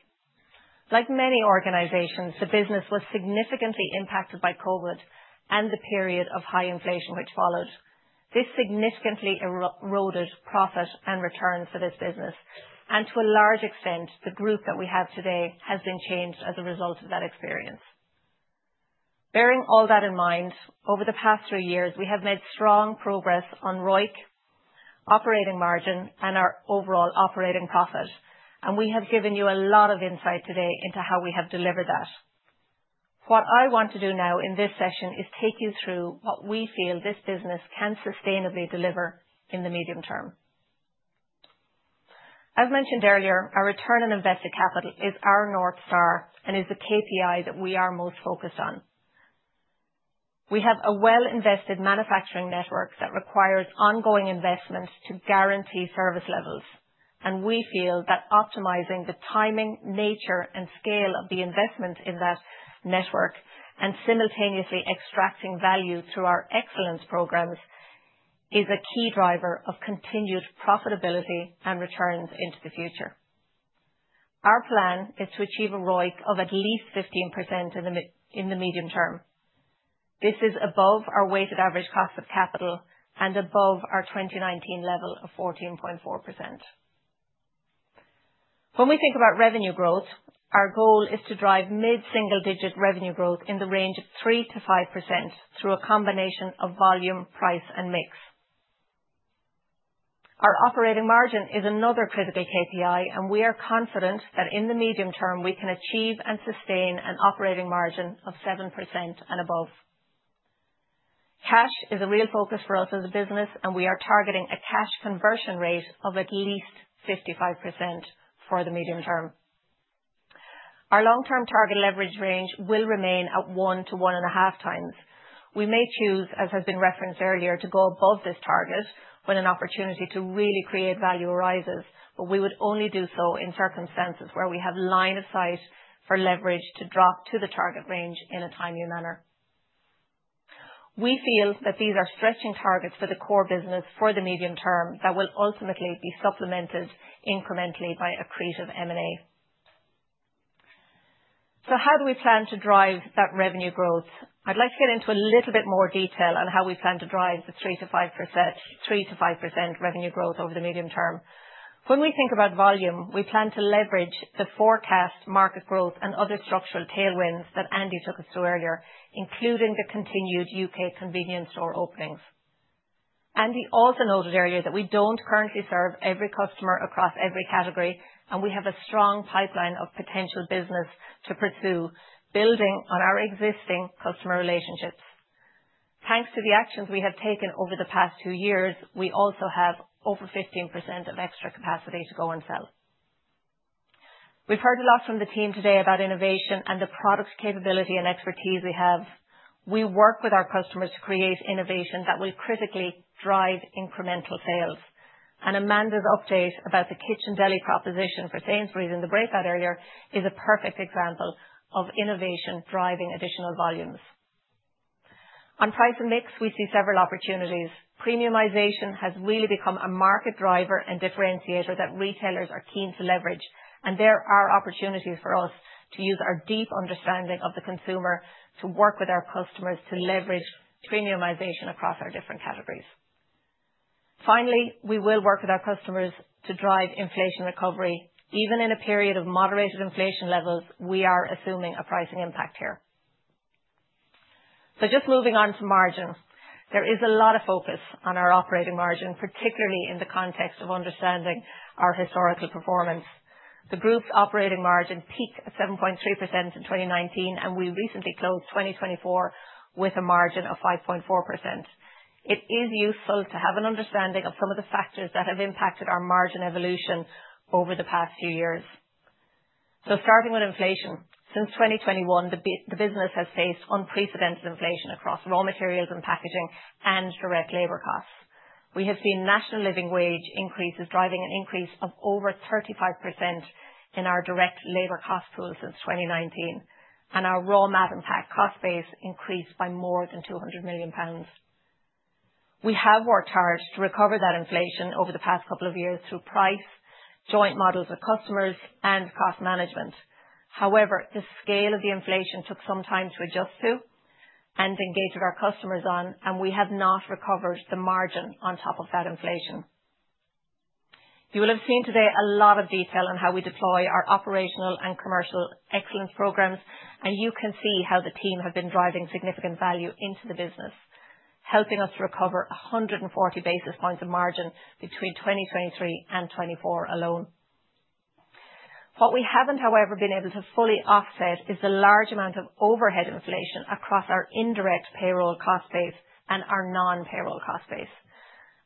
Like many organizations, the business was significantly impacted by COVID and the period of high inflation which followed. This significantly eroded profit and returns for this business, and to a large extent, the group that we have today has been changed as a result of that experience. Bearing all that in mind, over the past three years, we have made strong progress on ROIC, operating margin, and our overall operating profit, and we have given you a lot of insight today into how we have delivered that. What I want to do now in this session is take you through what we feel this business can sustainably deliver in the medium term. As mentioned earlier, our return on invested capital is our North Star and is the KPI that we are most focused on. We have a well-invested manufacturing network that requires ongoing investment to guarantee service levels, and we feel that optimizing the timing, nature, and scale of the investment in that network and simultaneously extracting value through our excellence programs is a key driver of continued profitability and returns into the future. Our plan is to achieve a ROIC of at least 15% in the medium term. This is above our weighted average cost of capital and above our 2019 level of 14.4%. When we think about revenue growth, our goal is to drive mid-single-digit revenue growth in the range of 3%-5% through a combination of volume, price, and mix. Our operating margin is another critical KPI, and we are confident that in the medium term, we can achieve and sustain an operating margin of 7% and above. Cash is a real focus for us as a business, and we are targeting a cash conversion rate of at least 55% for the medium term. Our long-term target leverage range will remain at 1 to 1.5 times. We may choose, as has been referenced earlier, to go above this target when an opportunity to really create value arises, but we would only do so in circumstances where we have line of sight for leverage to drop to the target range in a timely manner. We feel that these are stretching targets for the core business for the medium term that will ultimately be supplemented incrementally by accretive M&A. So how do we plan to drive that revenue growth? I'd like to get into a little bit more detail on how we plan to drive the 3%-5% revenue growth over the medium term. When we think about volume, we plan to leverage the forecast market growth and other structural tailwinds that Andy took us through earlier, including the continued UK convenience store openings. Andy also noted earlier that we don't currently serve every customer across every category, and we have a strong pipeline of potential business to pursue, building on our existing customer relationships. Thanks to the actions we have taken over the past two years, we also have over 15% of extra capacity to go and sell. We've heard a lot from the team today about innovation and the product capability and expertise we have. We work with our customers to create innovation that will critically drive incremental sales. And Amanda's update about the Kitchen Deli proposition for Sainsbury's in the breakout earlier is a perfect example of innovation driving additional volumes. On price and mix, we see several opportunities. Premiumization has really become a market driver and differentiator that retailers are keen to leverage, and there are opportunities for us to use our deep understanding of the consumer to work with our customers to leverage premiumization across our different categories. Finally, we will work with our customers to drive inflation recovery. Even in a period of moderated inflation levels, we are assuming a pricing impact here. So just moving on to margin, there is a lot of focus on our operating margin, particularly in the context of understanding our historical performance. The group's operating margin peaked at 7.3% in 2019, and we recently closed 2024 with a margin of 5.4%. It is useful to have an understanding of some of the factors that have impacted our margin evolution over the past few years. Starting with inflation, since 2021, the business has faced unprecedented inflation across raw materials and packaging and direct labor costs. We have seen National Living Wage increases driving an increase of over 35% in our direct labor cost pool since 2019, and our raw material cost base increased by more than 200 million pounds. We have worked hard to recover that inflation over the past couple of years through price, joint models with customers, and cost management. However, the scale of the inflation took some time to adjust to and engage with our customers on, and we have not recovered the margin on top of that inflation. You will have seen today a lot of detail on how we deploy our operational and commercial excellence programs, and you can see how the team have been driving significant value into the business, helping us to recover 140 basis points of margin between 2023 and 2024 alone. What we haven't, however, been able to fully offset is the large amount of overhead inflation across our indirect payroll cost base and our non-payroll cost base.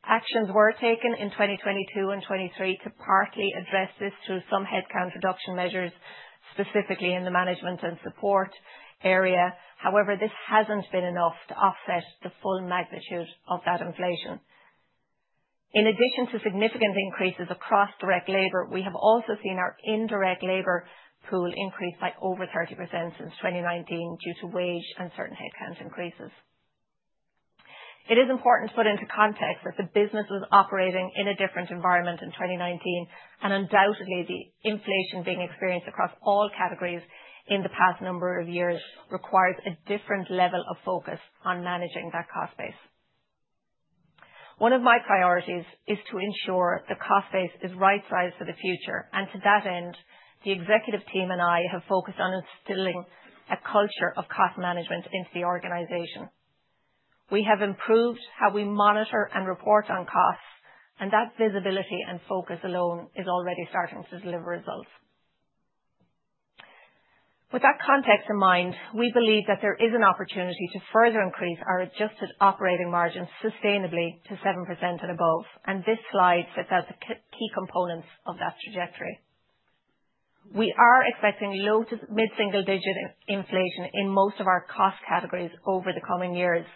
Actions were taken in 2022 and 2023 to partly address this through some headcount reduction measures, specifically in the management and support area. However, this hasn't been enough to offset the full magnitude of that inflation. In addition to significant increases across direct labor, we have also seen our indirect labor pool increase by over 30% since 2019 due to wage and certain headcount increases. It is important to put into context that the business was operating in a different environment in 2019, and undoubtedly, the inflation being experienced across all categories in the past number of years requires a different level of focus on managing that cost base. One of my priorities is to ensure the cost base is right-sized for the future, and to that end, the executive team and I have focused on instilling a culture of cost management into the organization. We have improved how we monitor and report on costs, and that visibility and focus alone is already starting to deliver results. With that context in mind, we believe that there is an opportunity to further increase our adjusted operating margin sustainably to 7% and above, and this slide sets out the key components of that trajectory. We are expecting low to mid-single-digit inflation in most of our cost categories over the coming years.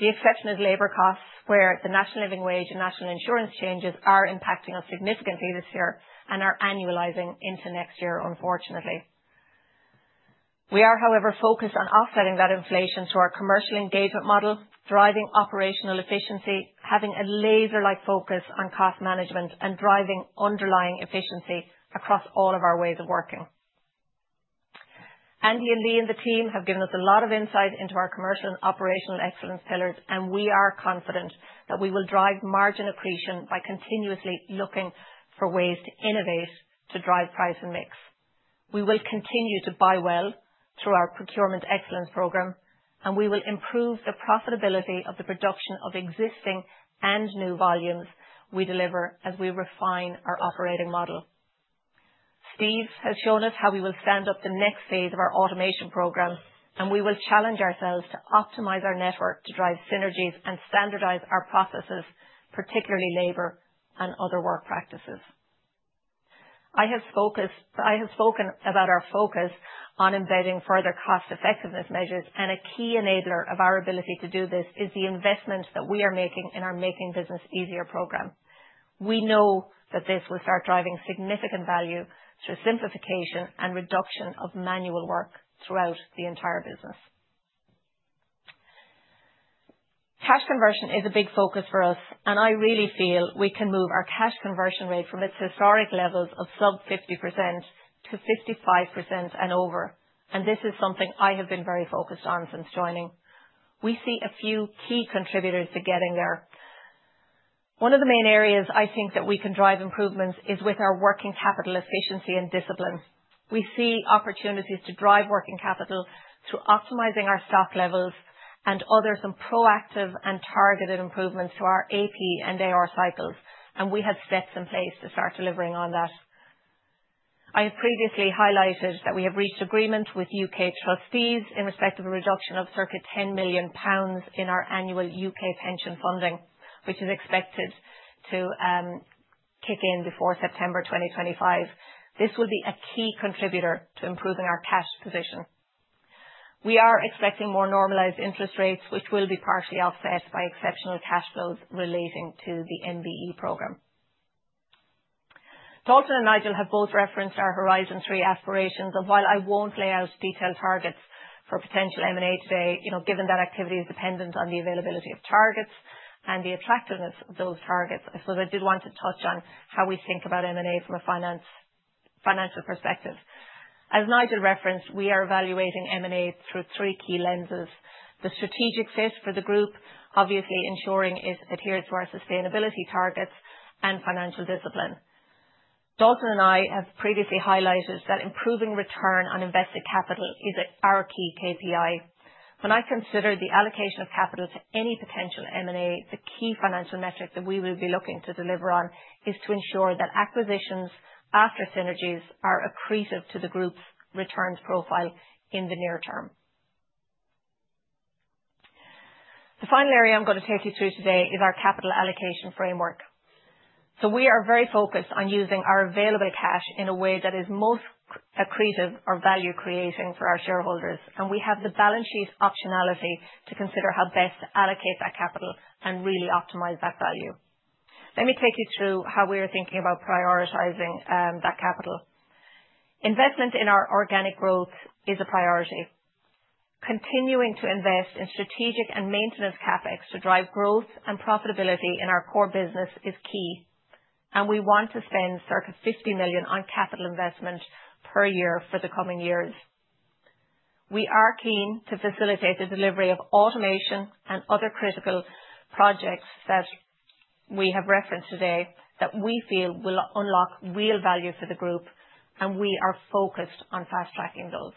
The exception is labor costs, where the National Living Wage and National Insurance changes are impacting us significantly this year and are annualizing into next year, unfortunately. We are, however, focused on offsetting that inflation through our commercial engagement model, driving operational efficiency, having a laser-like focus on cost management, and driving underlying efficiency across all of our ways of working. Andy and Lee and the team have given us a lot of insight into our commercial and operational excellence pillars, and we are confident that we will drive margin accretion by continuously looking for ways to innovate to drive price and mix. We will continue to buy well through our procurement excellence program, and we will improve the profitability of the production of existing and new volumes we deliver as we refine our operating model. Steve has shown us how we will stand up the next phase of our automation program, and we will challenge ourselves to optimize our network to drive synergies and standardize our processes, particularly labor and other work practices. I have spoken about our focus on embedding further cost-effectiveness measures, and a key enabler of our ability to do this is the investment that we are making in our Making Business Easier program. We know that this will start driving significant value through simplification and reduction of manual work throughout the entire business. Cash conversion is a big focus for us, and I really feel we can move our cash conversion rate from its historic levels of sub 50% to 55% and over, and this is something I have been very focused on since joining. We see a few key contributors to getting there. One of the main areas I think that we can drive improvements is with our working capital efficiency and discipline. We see opportunities to drive working capital through optimizing our stock levels and other some proactive and targeted improvements to our AP and AR cycles, and we have steps in place to start delivering on that. I have previously highlighted that we have reached agreement with UK trustees in respect of a reduction of circa 10 million pounds in our annual UK pension funding, which is expected to kick in before September 2025. This will be a key contributor to improving our cash position. We are expecting more normalized interest rates, which will be partially offset by exceptional cash flows relating to the MBE program. Dalton and Nigel have both referenced our Horizon 3 aspirations, and while I won't lay out detailed targets for potential M&A today, given that activity is dependent on the availability of targets and the attractiveness of those targets, I suppose I did want to touch on how we think about M&A from a financial perspective. As Nigel referenced, we are evaluating M&A through three key lenses: the strategic fit for the group, obviously ensuring it adheres to our sustainability targets, and financial discipline. Dalton and I have previously highlighted that improving return on invested capital is our key KPI. When I consider the allocation of capital to any potential M&A, the key financial metric that we will be looking to deliver on is to ensure that acquisitions after synergies are accretive to the group's returns profile in the near term. The final area I'm going to take you through today is our capital allocation framework. So we are very focused on using our available cash in a way that is most accretive or value-creating for our shareholders, and we have the balance sheet optionality to consider how best to allocate that capital and really optimize that value. Let me take you through how we are thinking about prioritizing that capital. Investment in our organic growth is a priority. Continuing to invest in strategic and maintenance CapEx to drive growth and profitability in our core business is key, and we want to spend circa 50 million on capital investment per year for the coming years. We are keen to facilitate the delivery of automation and other critical projects that we have referenced today that we feel will unlock real value for the group, and we are focused on fast-tracking those.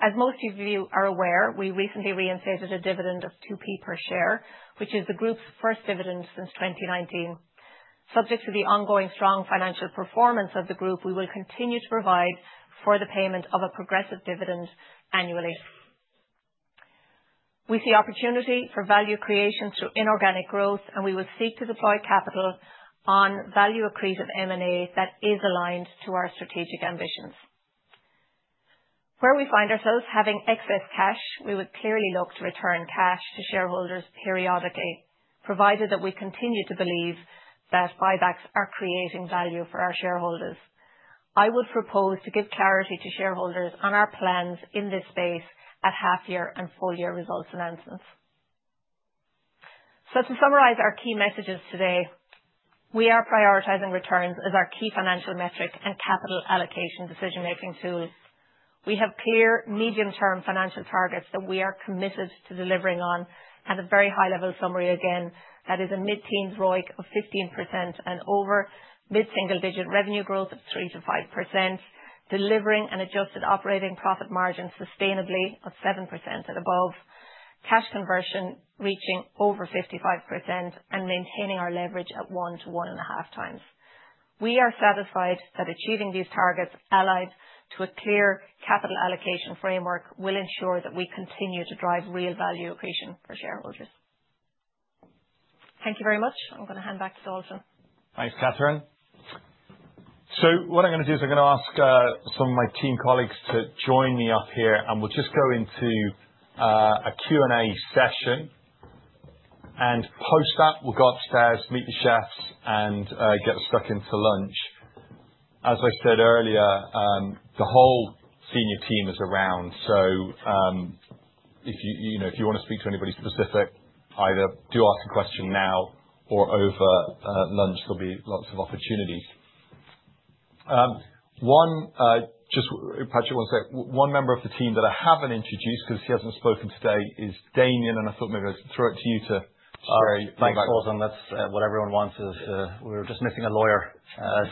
As most of you are aware, we recently reinstated a dividend of 0.02 per share, which is the group's first dividend since 2019. Subject to the ongoing strong financial performance of the group, we will continue to provide for the payment of a progressive dividend annually. We see opportunity for value creation through inorganic growth, and we will seek to deploy capital on value-accretive M&A that is aligned to our strategic ambitions. Where we find ourselves having excess cash, we would clearly look to return cash to shareholders periodically, provided that we continue to believe that buybacks are creating value for our shareholders. I would propose to give clarity to shareholders on our plans in this space at half-year and full-year results announcements. So to summarize our key messages today, we are prioritizing returns as our key financial metric and capital allocation decision-making tools. We have clear medium-term financial targets that we are committed to delivering on, and a very high-level summary again that is a mid-teens ROIC of 15% and over, mid-single-digit revenue growth of 3%-5%, delivering an adjusted operating profit margin sustainably of 7% and above, cash conversion reaching over 55%, and maintaining our leverage at 1 to 1.5 times. We are satisfied that achieving these targets allied to a clear capital allocation framework will ensure that we continue to drive real value accretion for shareholders. Thank you very much. I'm going to hand back to Dalton. Thanks, Catherine. So what I'm going to do is I'm going to ask some of my team colleagues to join me up here, and we'll just go into a Q&A session and post that, we'll go upstairs, meet the chefs, and get stuck into lunch. As I said earlier, the whole senior team is around, so if you want to speak to anybody specific, either do ask a question now or over lunch. There'll be lots of opportunities. Just Patrick, one sec. One member of the team that I haven't introduced because he hasn't spoken today is Damien, and I thought maybe I'd throw it to you to share your background. Thanks, Dalton. That's what everyone wants. We were just missing a lawyer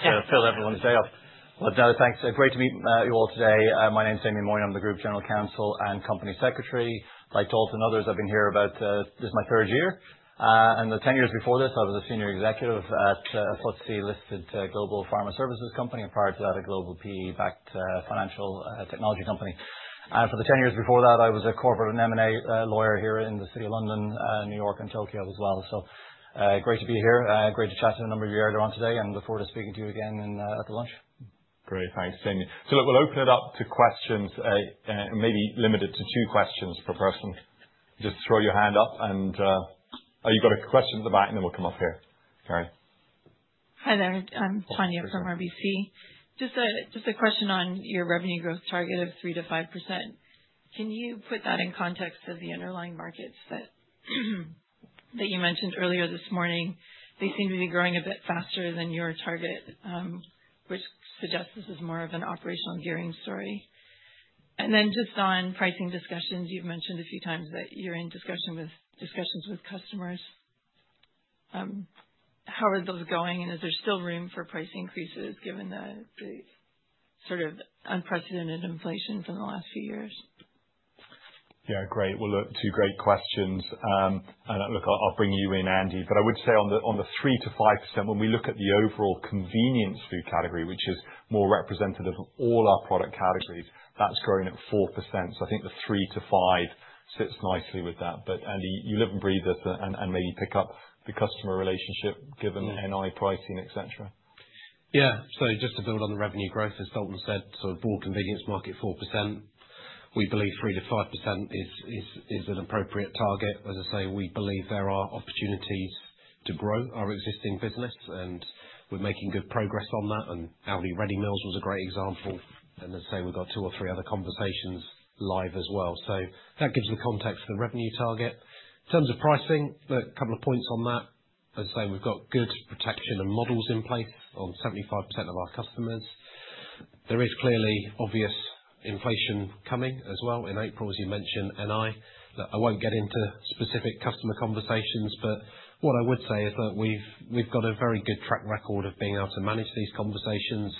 to fill everyone's day off. But no, thanks. Great to meet you all today. My name's Damien Moynagh. I'm the Group General Counsel and Company Secretary. Like Dalton and others, I've been here about; this is my third year. And the 10 years before this, I was a senior executive at a FTSE-listed global pharma services company and prior to that, a global PE-backed financial technology company. And for the 10 years before that, I was a corporate and M&A lawyer here in the City of London, New York, and Tokyo as well. So great to be here. Great to chat to a number of you earlier on today, and look forward to speaking to you again at the lunch. Great. Thanks, Damien. So look, we'll open it up to questions, maybe limited to two questions per person. Just throw your hand up, and you've got a question at the back, and then we'll come up here. Gary. Hi there. I'm Tanya from RBC. Just a question on your revenue growth target of 3%-5%. Can you put that in context of the underlying markets that you mentioned earlier this morning? They seem to be growing a bit faster than your target, which suggests this is more of an operational gearing story. And then just on pricing discussions, you've mentioned a few times that you're in discussions with customers. How are those going, and is there still room for price increases given the sort of unprecedented inflation from the last few years? Yeah, great. Well, look, two great questions. And look, I'll bring you in, Andy. But I would say on the 3%-5%, when we look at the overall convenience food category, which is more representative of all our product categories, that's growing at 4%. So I think the 3%-5% sits nicely with that. But Andy, you live and breathe this and maybe pick up the customer relationship given NI pricing, etc. Yeah. So just to build on the revenue growth, as Dalton said, the core convenience market 4%. We believe 3%-5% is an appropriate target. As I say, we believe there are opportunities to grow our existing business, and we're making good progress on that. And Aldi ready meals was a great example. And as I say, we've got two or three other conversations live as well. So that gives the context for the revenue target. In terms of pricing, look, a couple of points on that. As I say, we've got good protection and models in place on 75% of our customers. There is clearly obvious inflation coming as well in April, as you mentioned, NI. Look, I won't get into specific customer conversations, but what I would say is that we've got a very good track record of being able to manage these conversations.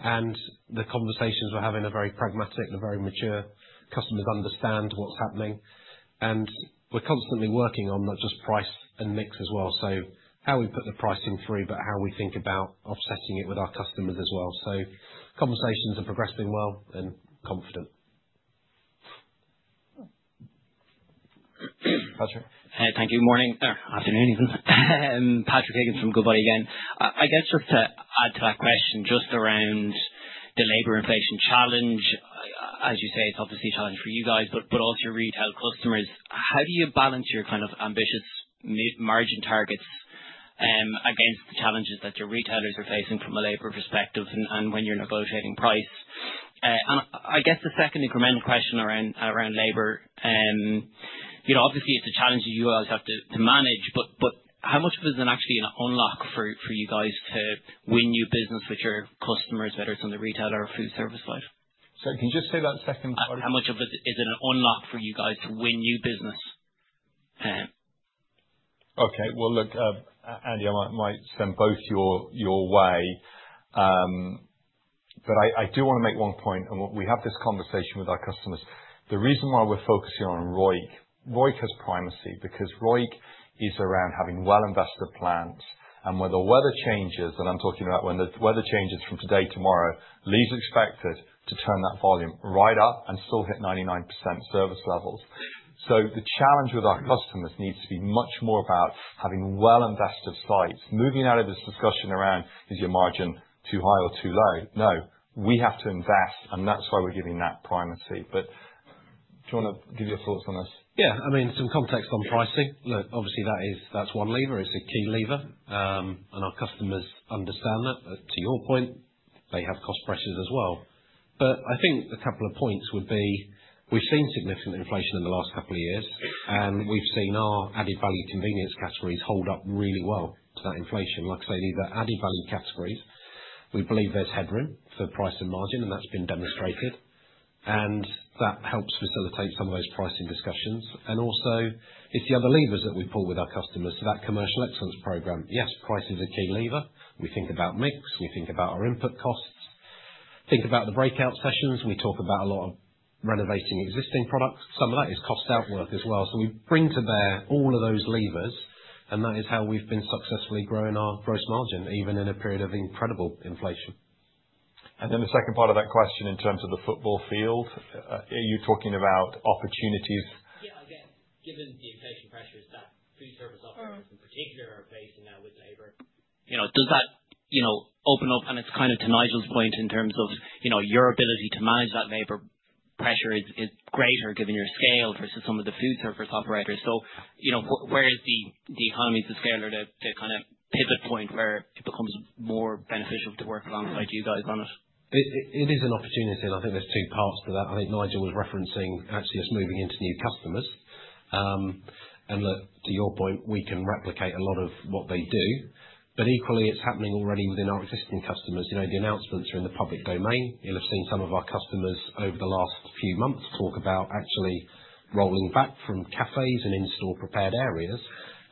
And the conversations we're having are very pragmatic and very mature. Customers understand what's happening. And we're constantly working on not just price and mix as well. So how we put the pricing through, but how we think about offsetting it with our customers as well. So conversations are progressing well and confident. Patrick. Hey, thank you. Morning or afternoon even. Patrick Higgins from Goodbody again. I guess just to add to that question, just around the labor inflation challenge, as you say, it's obviously a challenge for you guys, but also your retail customers. How do you balance your kind of ambitious margin targets against the challenges that your retailers are facing from a labor perspective and when you're negotiating price? And I guess the second incremental question around labor, obviously, it's a challenge that you guys have to manage, but how much of it is actually an unlock for you guys to win new business with your customers, whether it's on the retail or foodservice side? Sorry, can you just say that second part again? How much of it is an unlock for you guys to win new business? Okay. Well, look, Andy, I might send both your way. But I do want to make one point. We have this conversation with our customers. The reason why we're focusing on ROIC has primacy because ROIC is around having well-invested plants. When the weather changes, and I'm talking about when the weather changes from today, tomorrow, Lee's expected to turn that volume right up and still hit 99% service levels. The challenge with our customers needs to be much more about having well-invested sites. Moving out of this discussion around, is your margin too high or too low? No, we have to invest, and that's why we're giving that primacy. Do you want to give your thoughts on this? Yeah. I mean, some context on pricing. Look, obviously, that's one lever. It's a key lever. Our customers understand that. To your point, they have cost pressures as well. But I think a couple of points would be we've seen significant inflation in the last couple of years, and we've seen our added value convenience categories hold up really well to that inflation. Like I say, these are added value categories. We believe there's headroom for price and margin, and that's been demonstrated. And that helps facilitate some of those pricing discussions. And also, it's the other levers that we pull with our customers. So that commercial excellence program, yes, price is a key lever. We think about mix. We think about our input costs. Think about the breakout sessions. We talk about a lot of renovating existing products. Some of that is cost outwork as well. So we bring to bear all of those levers, and that is how we've been successfully growing our gross margin, even in a period of incredible inflation. And then the second part of that question in terms of the football field, you're talking about opportunities. Yeah. Again, given the inflation pressures that foodservice operators in particular are facing now with labor. Does that open up? And it's kind of to Nigel's point, in terms of your ability to manage that labor pressure is greater given your scale versus some of the foodservice operators. So where is the economies of scale to kind of pivot point where it becomes more beneficial to work alongside you guys on it? It is an opportunity, and I think there's two parts to that. I think Nigel was referencing, actually, us moving into new customers. And look, to your point, we can replicate a lot of what they do. But equally, it's happening already within our existing customers. The announcements are in the public domain. You'll have seen some of our customers over the last few months talk about actually rolling back from cafes and in-store prepared areas.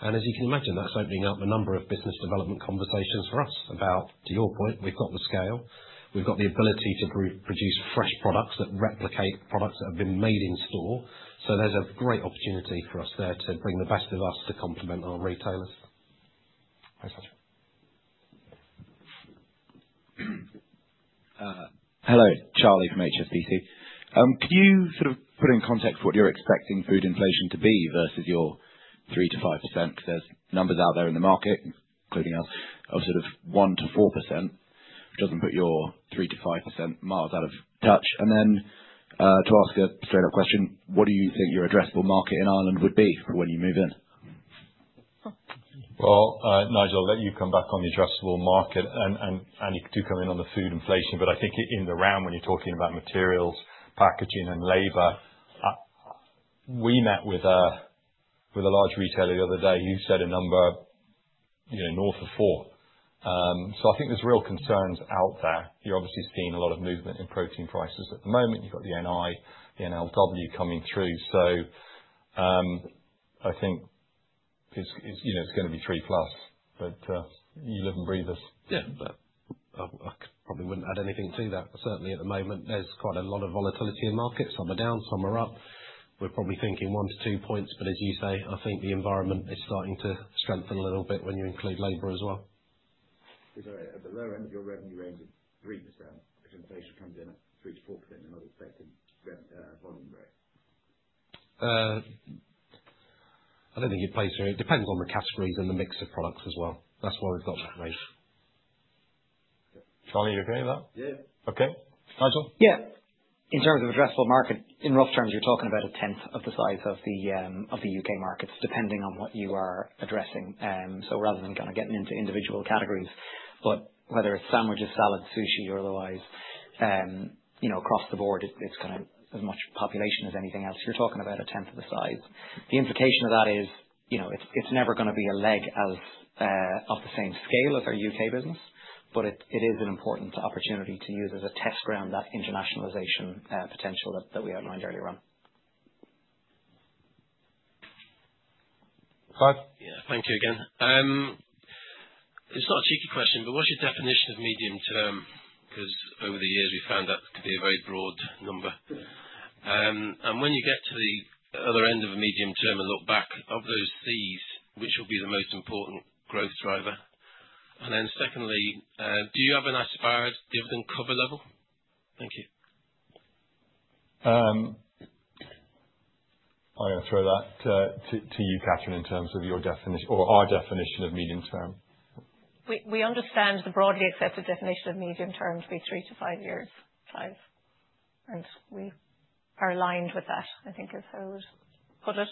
And as you can imagine, that's opening up a number of business development conversations for us about, to your point, we've got the scale. We've got the ability to produce fresh products that replicate products that have been made in store. So there's a great opportunity for us there to bring the best of us to complement our retailers. Thanks, Patrick. Hello, Charlie from HSBC. Could you sort of put in context what you're expecting food inflation to be versus your 3%-5%? Because there's numbers out there in the market, including ours, of sort of 1%-4%, which doesn't put your 3%-5% miles out of touch. To ask a straight-up question, what do you think your addressable market in Ireland would be for when you move in? Well, Nigel, I'll let you come back on the addressable market, and you could come in on the food inflation. But I think in the round, when you're talking about materials, packaging, and labor, we met with a large retailer the other day who said a number north of 4%. So I think there's real concerns out there. You're obviously seeing a lot of movement in protein prices at the moment. You've got the NI, the NLW coming through. So I think it's going to be 3%+, but you live and breathe us. Yeah. But I probably wouldn't add anything to that. Certainly, at the moment, there's quite a lot of volatility in markets. Some are down, some are up. We're probably thinking 1%-2% points, but as you say, I think the environment is starting to strengthen a little bit when you include labor as well. At the lower end, your revenue range is 3%. Potentially, comes in at 3%-4% in an unexpected volume break. I don't think it plays through. It depends on the categories and the mix of products as well. That's why we've got that range. Charlie, are you okay with that? Yeah. Okay. Nigel? Yeah. In terms of addressable market, in rough terms, you're talking about a tenth of the size of the UK markets, depending on what you are addressing, so rather than kind of getting into individual categories, but whether it's sandwiches, salads, sushi, or otherwise, across the board, it's kind of as much population as anything else. You're talking about a tenth of the size. The implication of that is it's never going to be a leg of the same scale as our UK business, but it is an important opportunity to use as a test ground that internationalization potential that we outlined earlier on. Clive? Yeah. Thank you again. It's not a cheeky question, but what's your definition of medium term? Because over the years, we found that to be a very broad number, and when you get to the other end of a medium term and look back, of those C's, which will be the most important growth driver? Then, secondly, do you have an aspire dividend cover level? Thank you. I'm going to throw that to you, Catherine, in terms of your definition or our definition of medium term. We understand the broadly accepted definition of medium term to be three to five years. We are aligned with that, I think, is how I would put it.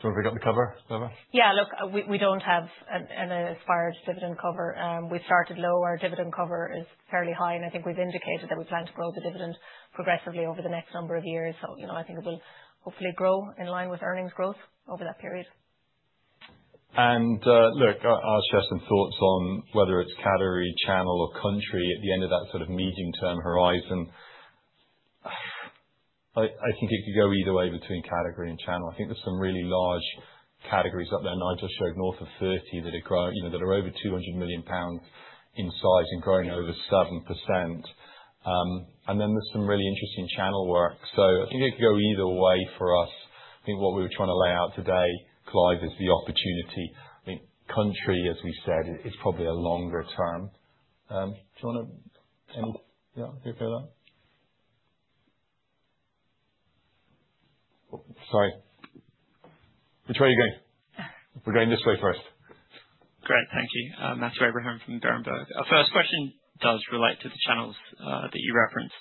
Do you want to pick up the cover? Yeah. Look, we don't have an aspired dividend cover. We started low. Our dividend cover is fairly high, and I think we've indicated that we plan to grow the dividend progressively over the next number of years. So I think it will hopefully grow in line with earnings growth over that period. Look, I'll share some thoughts on whether it's category, channel, or country at the end of that sort of medium-term horizon. I think it could go either way between category and channel. I think there's some really large categories up there. Nigel showed north of 30 that are over 200 million pounds in size and growing over 7%. Then there's some really interesting channel work. So I think it could go either way for us. I think what we were trying to lay out today, Clive, is the opportunity. I mean, c-store, as we said, is probably a longer term. Do you want to hear about that? Sorry. Which way are you going? We're going this way first. Great. Thank you. Matthew Abraham from Berenberg. Our first question does relate to the channels that you referenced.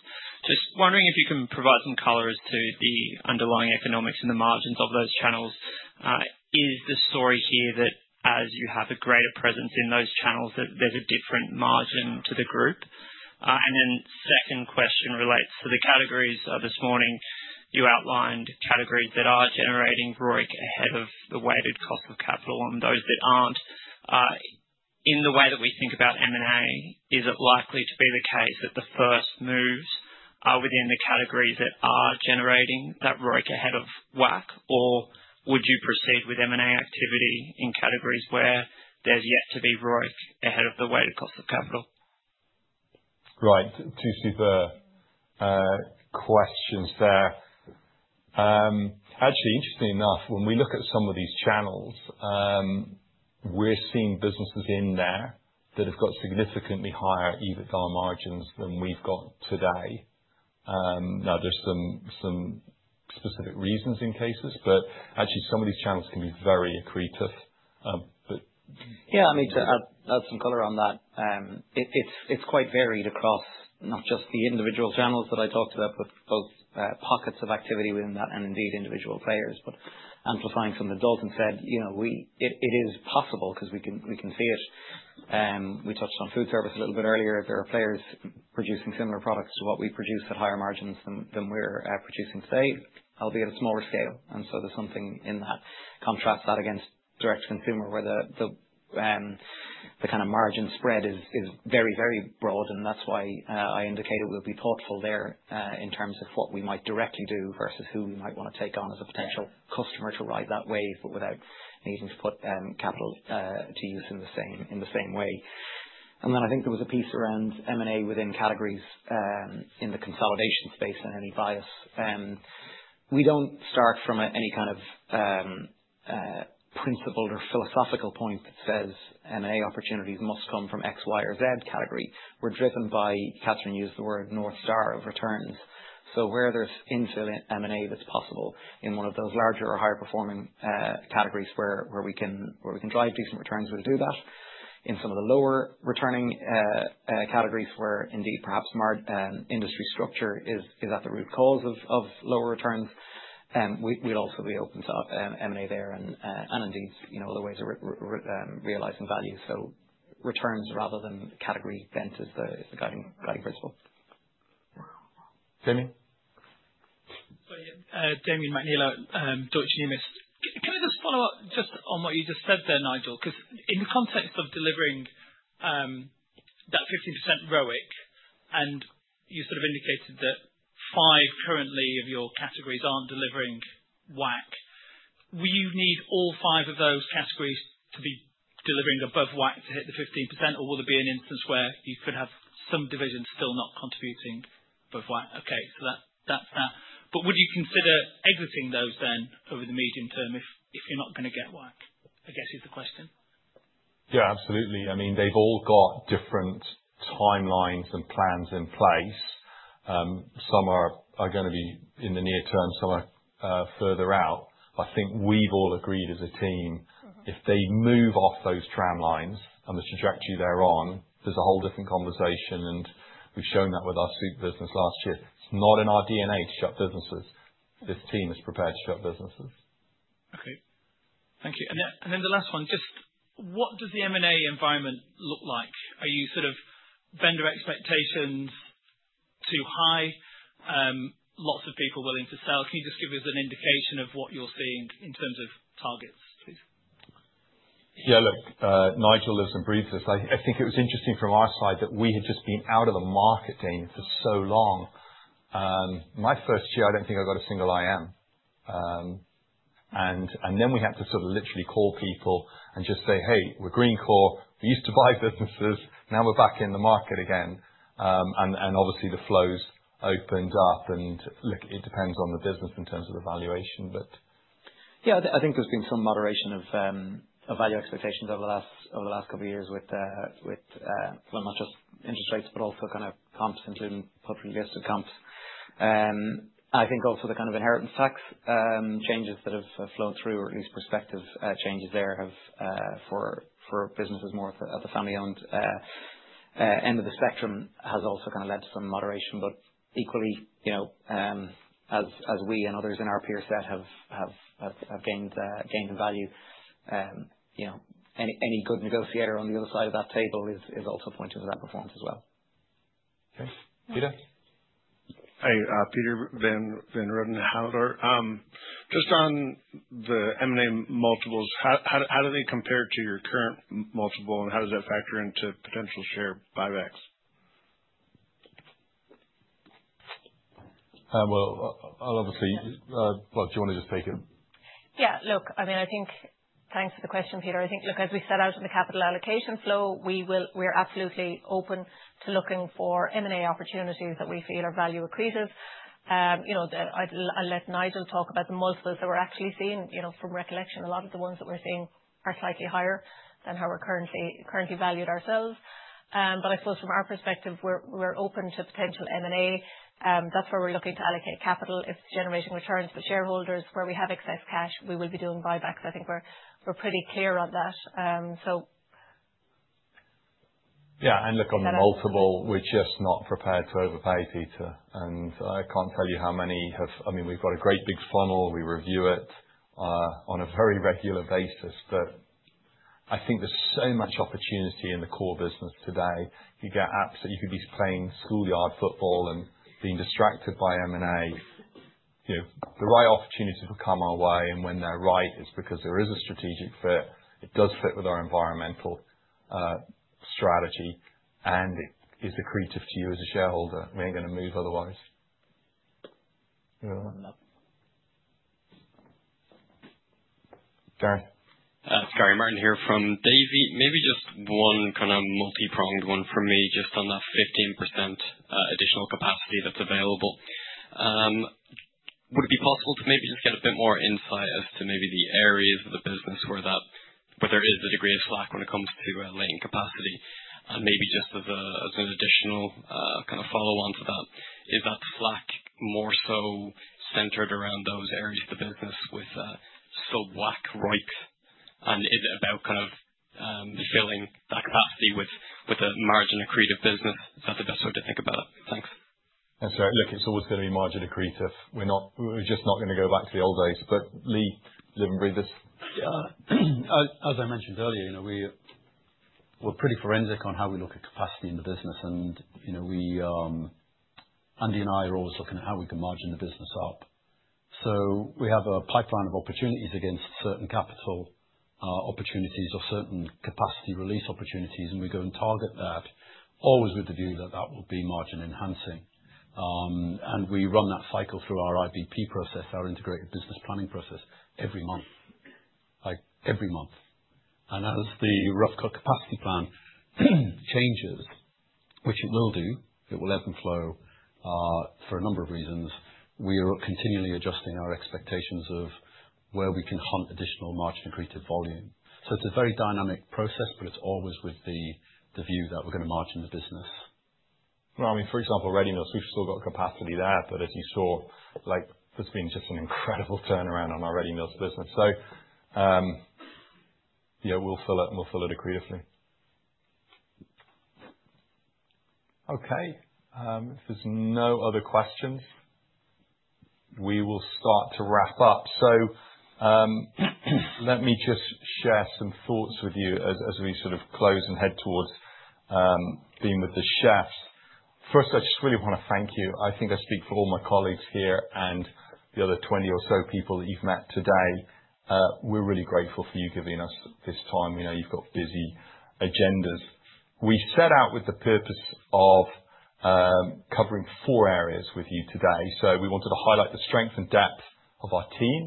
Just wondering if you can provide some color to the underlying economics and the margins of those channels. Is the story here that as you have a greater presence in those channels, there's a different margin to the group? And then second question relates to the categories this morning. You outlined categories that are generating ROIC ahead of the weighted cost of capital and those that aren't. In the way that we think about M&A, is it likely to be the case that the first moves are within the categories that are generating that ROIC ahead of WACC, or would you proceed with M&A activity in categories where there's yet to be ROIC ahead of the weighted cost of capital? Right. Two super questions there. Actually, interesting enough, when we look at some of these channels, we're seeing businesses in there that have got significantly higher EBITDA margins than we've got today. Now, there's some specific reasons in cases, but actually, some of these channels can be very accretive. But. Yeah. I mean, to add some color on that, it's quite varied across not just the individual channels that I talked about, but both pockets of activity within that and indeed individual players. But amplifying some of what Dalton said, it is possible because we can see it. We touched on foodservice a little bit earlier. There are players producing similar products to what we produce at higher margins than we're producing today, albeit at a smaller scale. And so there's something in that contrast that against direct-to-consumer where the kind of margin spread is very, very broad. And that's why I indicated we'll be thoughtful there in terms of what we might directly do versus who we might want to take on as a potential customer to ride that wave but without needing to put capital to use in the same way. And then I think there was a piece around M&A within categories in the consolidation space and any bias. We don't start from any kind of principled or philosophical point that says M&A opportunities must come from X, Y, or Z category. We're driven by, Catherine used the word, north star of returns. So where there's infill M&A that's possible in one of those larger or higher-performing categories where we can drive decent returns, we'll do that. In some of the lower-returning categories where indeed perhaps industry structure is at the root cause of lower returns, we'd also be open to M&A there and indeed other ways of realizing value. So returns rather than category bent is the guiding principle. Damian? Sorry. Damian McNeela at Deutsche Numis. Can I just follow up just on what you just said there, Nigel? Because in the context of delivering that 15% ROIC, and you sort of indicated that five of your categories currently aren't delivering WACC. Will you need all five of those categories to be delivering above WACC to hit the 15%, or will there be an instance where you could have some divisions still not contributing above WACC? Okay. So that's that. But would you consider exiting those then over the medium term if you're not going to get WACC? I guess is the question. Yeah. Absolutely. I mean, they've all got different timelines and plans in place. Some are going to be in the near term. Some are further out. I think we've all agreed as a team, if they move off those tramlines and the trajectory they're on, there's a whole different conversation. And we've shown that with our soup business last year. It's not in our DNA to shut businesses. This team is prepared to shut businesses. Okay. Thank you. And then the last one, just what does the M&A environment look like? Are you sort of vendor expectations too high? Lots of people willing to sell. Can you just give us an indication of what you're seeing in terms of targets, please? Yeah. Look, Nigel lives and breathes. I think it was interesting from our side that we had just been out of the market, Damien, for so long. My first year, I don't think I got a single IM. And then we had to sort of literally call people and just say, "Hey, we're Greencore. We used to buy businesses. Now we're back in the market again." And obviously, the flows opened up. And look, it depends on the business in terms of the valuation, but. Yeah. I think there's been some moderation of value expectations over the last couple of years with not just interest rates, but also kind of comps, including publicly listed comps. I think also the kind of inheritance tax changes that have flown through, or at least perspective changes there for businesses more at the family-owned end of the spectrum has also kind of led to some moderation. But equally, as we and others in our peer set have gained in value, any good negotiator on the other side of that table is also pointing to that performance as well. Okay. Peter? Hey. Peter Van Ruddenhouder. Just on the M&A multiples, how do they compare to your current multiple, and how does that factor into potential share buybacks? Well, obviously, do you want to just take it? Yeah. Look, I mean, I think thanks for the question, Peter. I think, look, as we set out in the capital allocation flow, we are absolutely open to looking for M&A opportunities that we feel are value accretive. I'll let Nigel talk about the multiples that we're actually seeing. From recollection, a lot of the ones that we're seeing are slightly higher than how we're currently valued ourselves. But I suppose from our perspective, we're open to potential M&A. That's where we're looking to allocate capital if it's generating returns. But shareholders, where we have excess cash, we will be doing buybacks. I think we're pretty clear on that, so. Yeah. And look, on the multiple, we're just not prepared to overpay, Peter. And I can't tell you how many have I mean, we've got a great big funnel. We review it on a very regular basis. But I think there's so much opportunity in the core business today. You get asked if you could be playing schoolyard football and being distracted by M&A. The right opportunities will come our way. When they're right, it's because there is a strategic fit. It does fit with our environmental strategy. It is accretive to you as a shareholder. We ain't going to move otherwise. Gary. It's Gary Martin here from Davy. Maybe just one kind of multi-pronged one for me, just on that 15% additional capacity that's available. Would it be possible to maybe just get a bit more insight as to maybe the areas of the business where there is a degree of slack when it comes to line capacity? And maybe just as an additional kind of follow-on to that, is that slack more so centered around those areas of the business with sub-WACC, ROIC? And is it about kind of filling that capacity with a margin-accretive business? Is that the best way to think about it? Thanks. That's right. Look, it's always going to be margin-accretive. We're just not going to go back to the old days. But Lee lives and breathes us. Yeah. As I mentioned earlier, we're pretty forensic on how we look at capacity in the business. And Andy and I are always looking at how we can margin the business up. So we have a pipeline of opportunities against certain capital opportunities or certain capacity release opportunities. And we go and target that, always with the view that that will be margin-enhancing. And we run that cycle through our IBP process, our integrated business planning process, every month. Every month. As the rough-cut capacity plan changes, which it will do, it will ebb and flow for a number of reasons. We are continually adjusting our expectations of where we can hunt additional margin-accretive volume. So it's a very dynamic process, but it's always with the view that we're going to margin the business. Well, I mean, for example, ready meals. We've still got capacity there. But as you saw, there's been just an incredible turnaround on our ready meals business. So yeah, we'll fill it, and we'll fill it accretively. Okay. If there's no other questions, we will start to wrap up. So let me just share some thoughts with you as we sort of close and head towards being with the chefs. First, I just really want to thank you. I think I speak for all my colleagues here and the other 20 or so people that you've met today. We're really grateful for you giving us this time. You've got busy agendas. We set out with the purpose of covering four areas with you today. So we wanted to highlight the strength and depth of our team.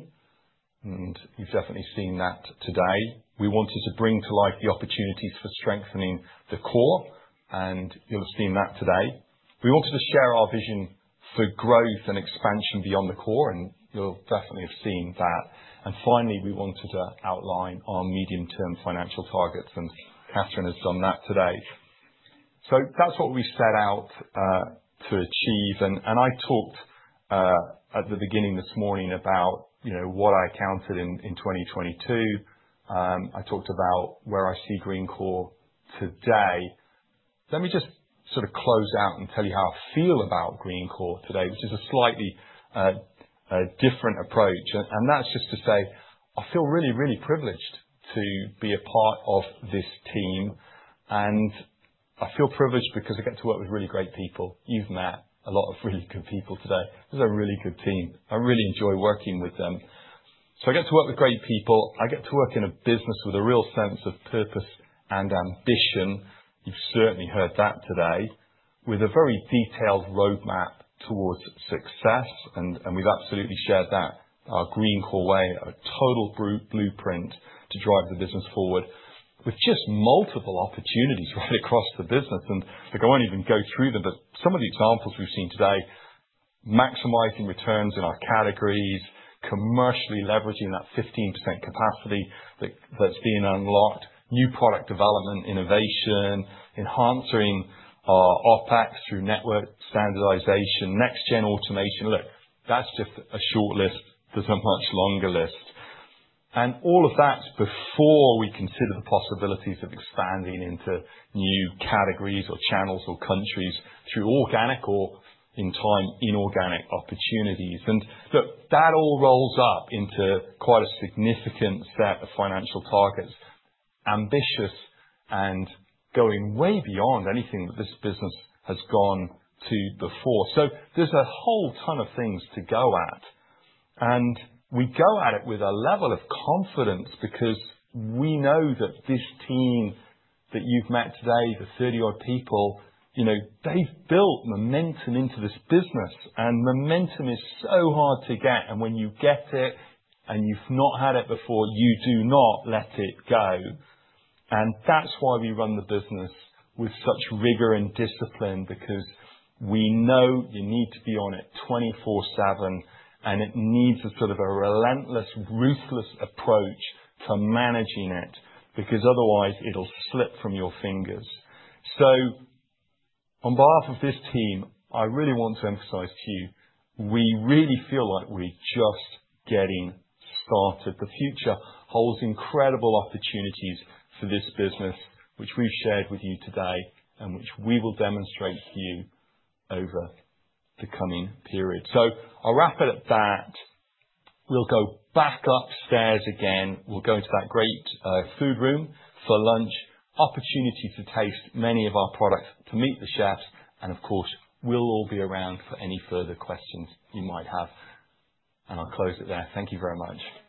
And you've definitely seen that today. We wanted to bring to life the opportunities for strengthening the core. And you'll have seen that today. We wanted to share our vision for growth and expansion beyond the core. And you'll definitely have seen that. And finally, we wanted to outline our medium-term financial targets. And Catherine has done that today. So that's what we set out to achieve. And I talked at the beginning this morning about what I accounted in 2022. I talked about where I see Greencore today. Let me just sort of close out and tell you how I feel about Greencore today, which is a slightly different approach, and that's just to say I feel really, really privileged to be a part of this team, and I feel privileged because I get to work with really great people. You've met a lot of really good people today. This is a really good team. I really enjoy working with them, so I get to work with great people. I get to work in a business with a real sense of purpose and ambition. You've certainly heard that today, with a very detailed roadmap towards success, and we've absolutely shared that, our Greencore Way, our total blueprint to drive the business forward, with just multiple opportunities right across the business. Look, I won't even go through them, but some of the examples we've seen today, maximizing returns in our categories, commercially leveraging that 15% capacity that's being unlocked, new product development, innovation, enhancing our OpEx through network standardization, next-gen automation. Look, that's just a short list. There's a much longer list. All of that before we consider the possibilities of expanding into new categories or channels or countries through organic or, in time, inorganic opportunities. Look, that all rolls up into quite a significant set of financial targets, ambitious and going way beyond anything that this business has gone to before. There's a whole ton of things to go at. We go at it with a level of confidence because we know that this team that you've met today, the 30-odd people, they've built momentum into this business. And momentum is so hard to get. And when you get it and you've not had it before, you do not let it go. And that's why we run the business with such rigor and discipline, because we know you need to be on it 24/7. And it needs a sort of a relentless, ruthless approach to managing it, because otherwise, it'll slip from your fingers. So on behalf of this team, I really want to emphasize to you, we really feel like we're just getting started. The future holds incredible opportunities for this business, which we've shared with you today and which we will demonstrate to you over the coming period. So I'll wrap it at that. We'll go back upstairs again. We'll go into that great food room for lunch, opportunity to taste many of our products, to meet the chefs. And of course, we'll all be around for any further questions you might have. I'll close it there. Thank you very much.